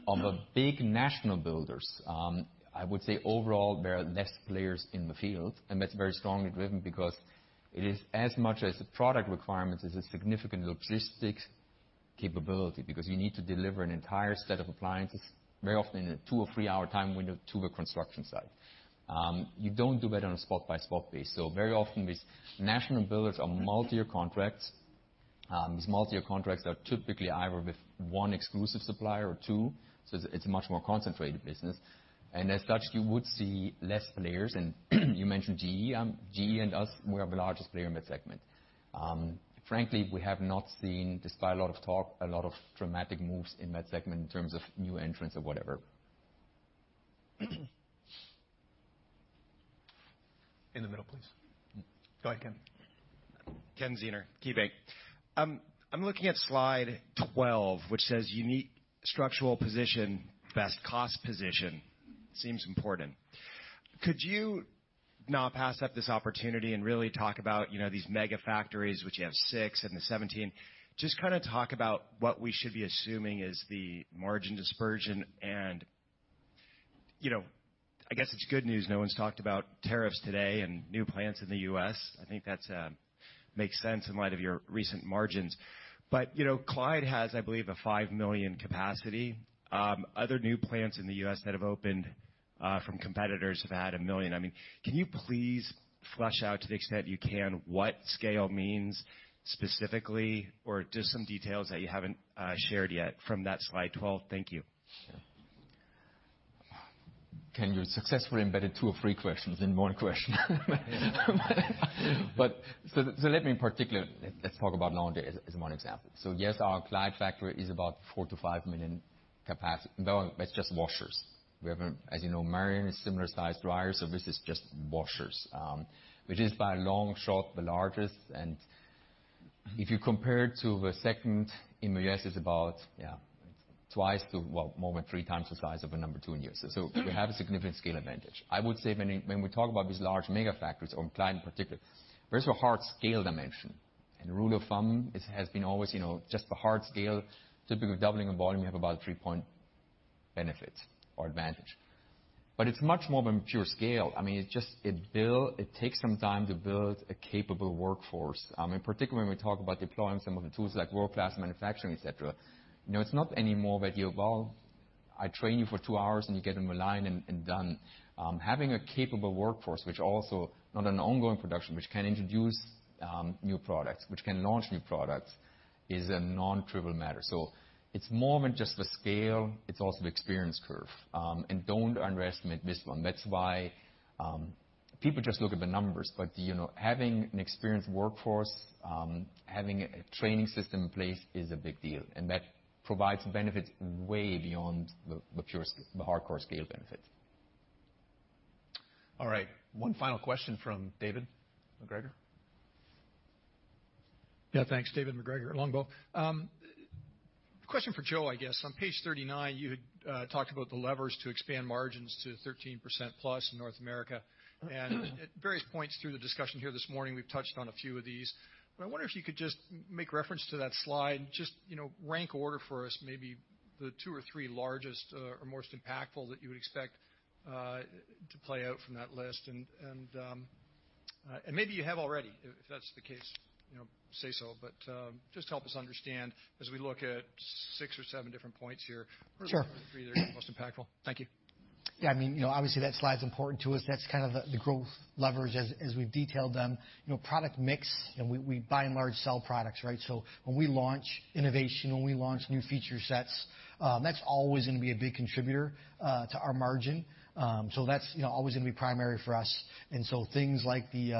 On the big national builders, I would say overall, there are less players in the field, and that's very strongly driven because it is as much as the product requirements, is a significant logistics capability. Because we need to deliver an entire set of appliances very often in a two or three-hour time window to the construction site. You don't do that on a spot by spot basis. Very often these national builders are multi-year contracts. These multi-year contracts are typically either with one exclusive supplier or two, so it's a much more concentrated business. As such, you would see less players. You mentioned GE. GE and us, we are the largest player in that segment. Frankly, we have not seen, despite a lot of talk, a lot of dramatic moves in that segment in terms of new entrants or whatever. In the middle, please. Go ahead, Ken. Kenneth Zener, KeyBanc. I'm looking at slide 12, which says unique structural position, best cost position. Seems important. Could you not pass up this opportunity and really talk about these mega factories, which you have six and the 17. Just kind of talk about what we should be assuming is the margin dispersion and I guess it's good news, no one's talked about tariffs today and new plants in the U.S. I think that makes sense in light of your recent margins. Clyde has, I believe, a five million capacity. Other new plants in the U.S. that have opened, from competitors, have had one million. Can you please flesh out, to the extent you can, what scale means specifically or just some details that you haven't shared yet from that slide 12? Thank you. Sure. Kenneth, you successfully embedded two or three questions in one question. Let me, in particular, let's talk about laundry as one example. Yes, our Clyde factory is about 4 million-5 million capacity. That's just washers. We have, as you know, Marion is similar sized dryers, this is just washers, which is by a long shot, the largest. If you compare it to the second in the U.S. is about twice to, well, more than three times the size of a number 2 in the U.S. We have a significant scale advantage. I would say when we talk about these large mega factories or in Clyde in particular, there's a hard scale dimension, rule of thumb, it has been always just the hard scale. Typically, doubling the volume, you have about a 3-point benefit or advantage. It's much more than pure scale. It takes some time to build a capable workforce. In particular, when we talk about deploying some of the tools like world-class manufacturing, et cetera, it's not anymore that you, "Well, I train you for two hours," and you get on the line and done. Having a capable workforce, which also not an ongoing production, which can introduce new products, which can launch new products, is a non-trivial matter. It's more than just the scale, it's also the experience curve. Don't underestimate this one. That's why people just look at the numbers, having an experienced workforce, having a training system in place is a big deal, that provides benefits way beyond the hardcore scale benefits. All right. One final question from David MacGregor. Yeah, thanks. David MacGregor at Longbow. Question for Joe, I guess. On page 39, you had talked about the levers to expand margins to 13%+ in North America. At various points through the discussion here this morning, we've touched on a few of these. I wonder if you could just make reference to that slide, just rank order for us maybe the two or three largest, or most impactful that you would expect to play out from that list, maybe you have already. If that's the case, say so. Just help us understand, as we look at six or seven different points here- Sure What are the two or three that are most impactful? Thank you. Yeah. Obviously, that slide is important to us. That's kind of the growth leverage as we've detailed them. Product mix, and we, by and large, sell products, right? When we launch innovation, when we launch new feature sets, that's always going to be a big contributor to our margin. That's always going to be primary for us. Things like the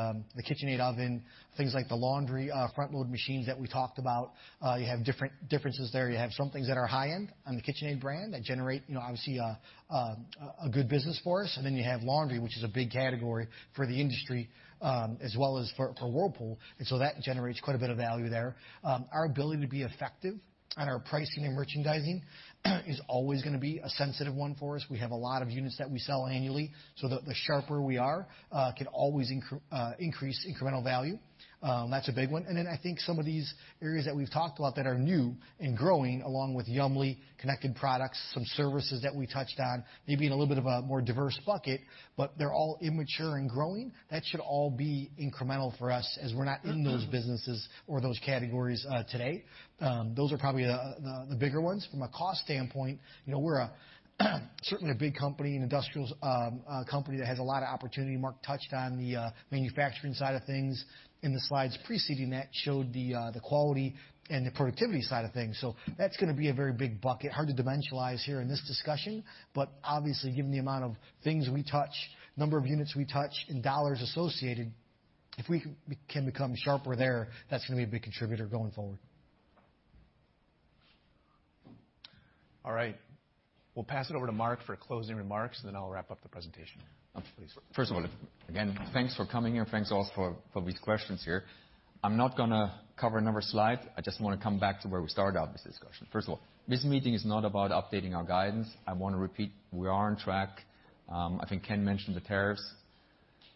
KitchenAid oven, things like the laundry front load machines that we talked about, you have differences there. You have some things that are high-end on the KitchenAid brand that generate, obviously, a good business for us. You have laundry, which is a big category for the industry, as well as for Whirlpool. That generates quite a bit of value there. Our ability to be effective on our pricing and merchandising is always going to be a sensitive one for us. We have a lot of units that we sell annually, so the sharper we are, could always increase incremental value. That's a big one. I think some of these areas that we've talked about that are new and growing, along with Yummly, connected products, some services that we touched on, may be in a little bit of a more diverse bucket, but they're all immature and growing. That should all be incremental for us as we're not in those businesses or those categories today. Those are probably the bigger ones. From a cost standpoint, we're certainly a big company, an industrials company that has a lot of opportunity. Marc touched on the manufacturing side of things, and the slides preceding that showed the quality and the productivity side of things. That's going to be a very big bucket. Hard to dimensionalize here in this discussion, but obviously, given the amount of things we touch, number of units we touch, and dollars associated, if we can become sharper there, that's going to be a big contributor going forward. All right. We'll pass it over to Marc for closing remarks, and then I'll wrap up the presentation. First of all, again, thanks for coming here. Thanks all for these questions here. I'm not going to cover another slide. I just want to come back to where we started out this discussion. First of all, this meeting is not about updating our guidance. I want to repeat, we are on track. I think Ken mentioned the tariffs.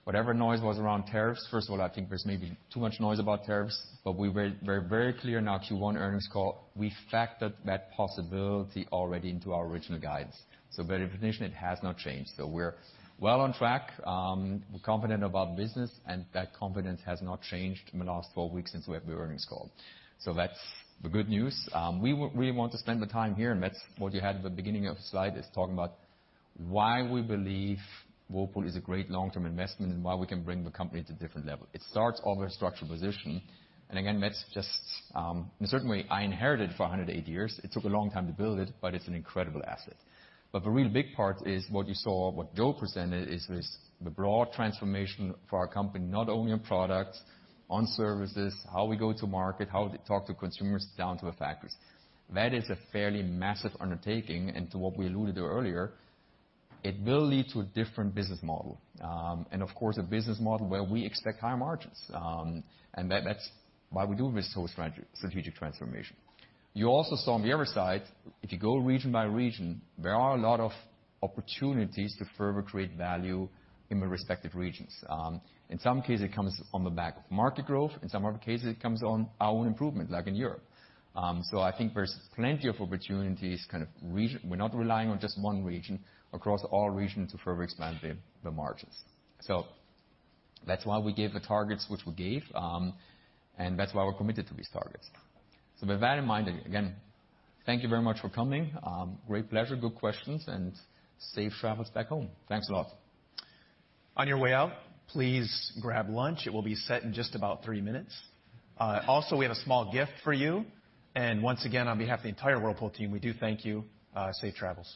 Whatever noise was around tariffs, first of all, I think there's maybe too much noise about tariffs, but we were very clear in our Q1 earnings call, we factored that possibility already into our original guides. Very definitely, it has not changed. We're well on track. We're confident about business, and that confidence has not changed in the last 12 weeks since we had the earnings call. That's the good news. We want to spend the time here, and that's what you had at the beginning of the slide is talking about why we believe Whirlpool is a great long-term investment and why we can bring the company to a different level. It starts off with structural position, and again, that's just, in a certain way, I inherited it for 108 years. It took a long time to build it, but it's an incredible asset. But the really big part is what you saw, what Joe presented is the broad transformation for our company, not only on products, on services, how we go to market, how they talk to consumers down to the factories. That is a fairly massive undertaking, and to what we alluded to earlier, it will lead to a different business model. Of course, a business model where we expect higher margins. That's why we do this whole strategic transformation. You also saw on the other side, if you go region by region, there are a lot of opportunities to further create value in the respective regions. In some cases, it comes on the back of market growth. In some other cases, it comes on our own improvement, like in Europe. I think there's plenty of opportunities, kind of. We're not relying on just one region, across all regions to further expand the margins. That's why we gave the targets which we gave, and that's why we're committed to these targets. With that in mind, again, thank you very much for coming. Great pleasure, good questions, and safe travels back home. Thanks a lot. On your way out, please grab lunch. It will be set in just about three minutes. Also, we have a small gift for you. Once again, on behalf of the entire Whirlpool team, we do thank you. Safe travels.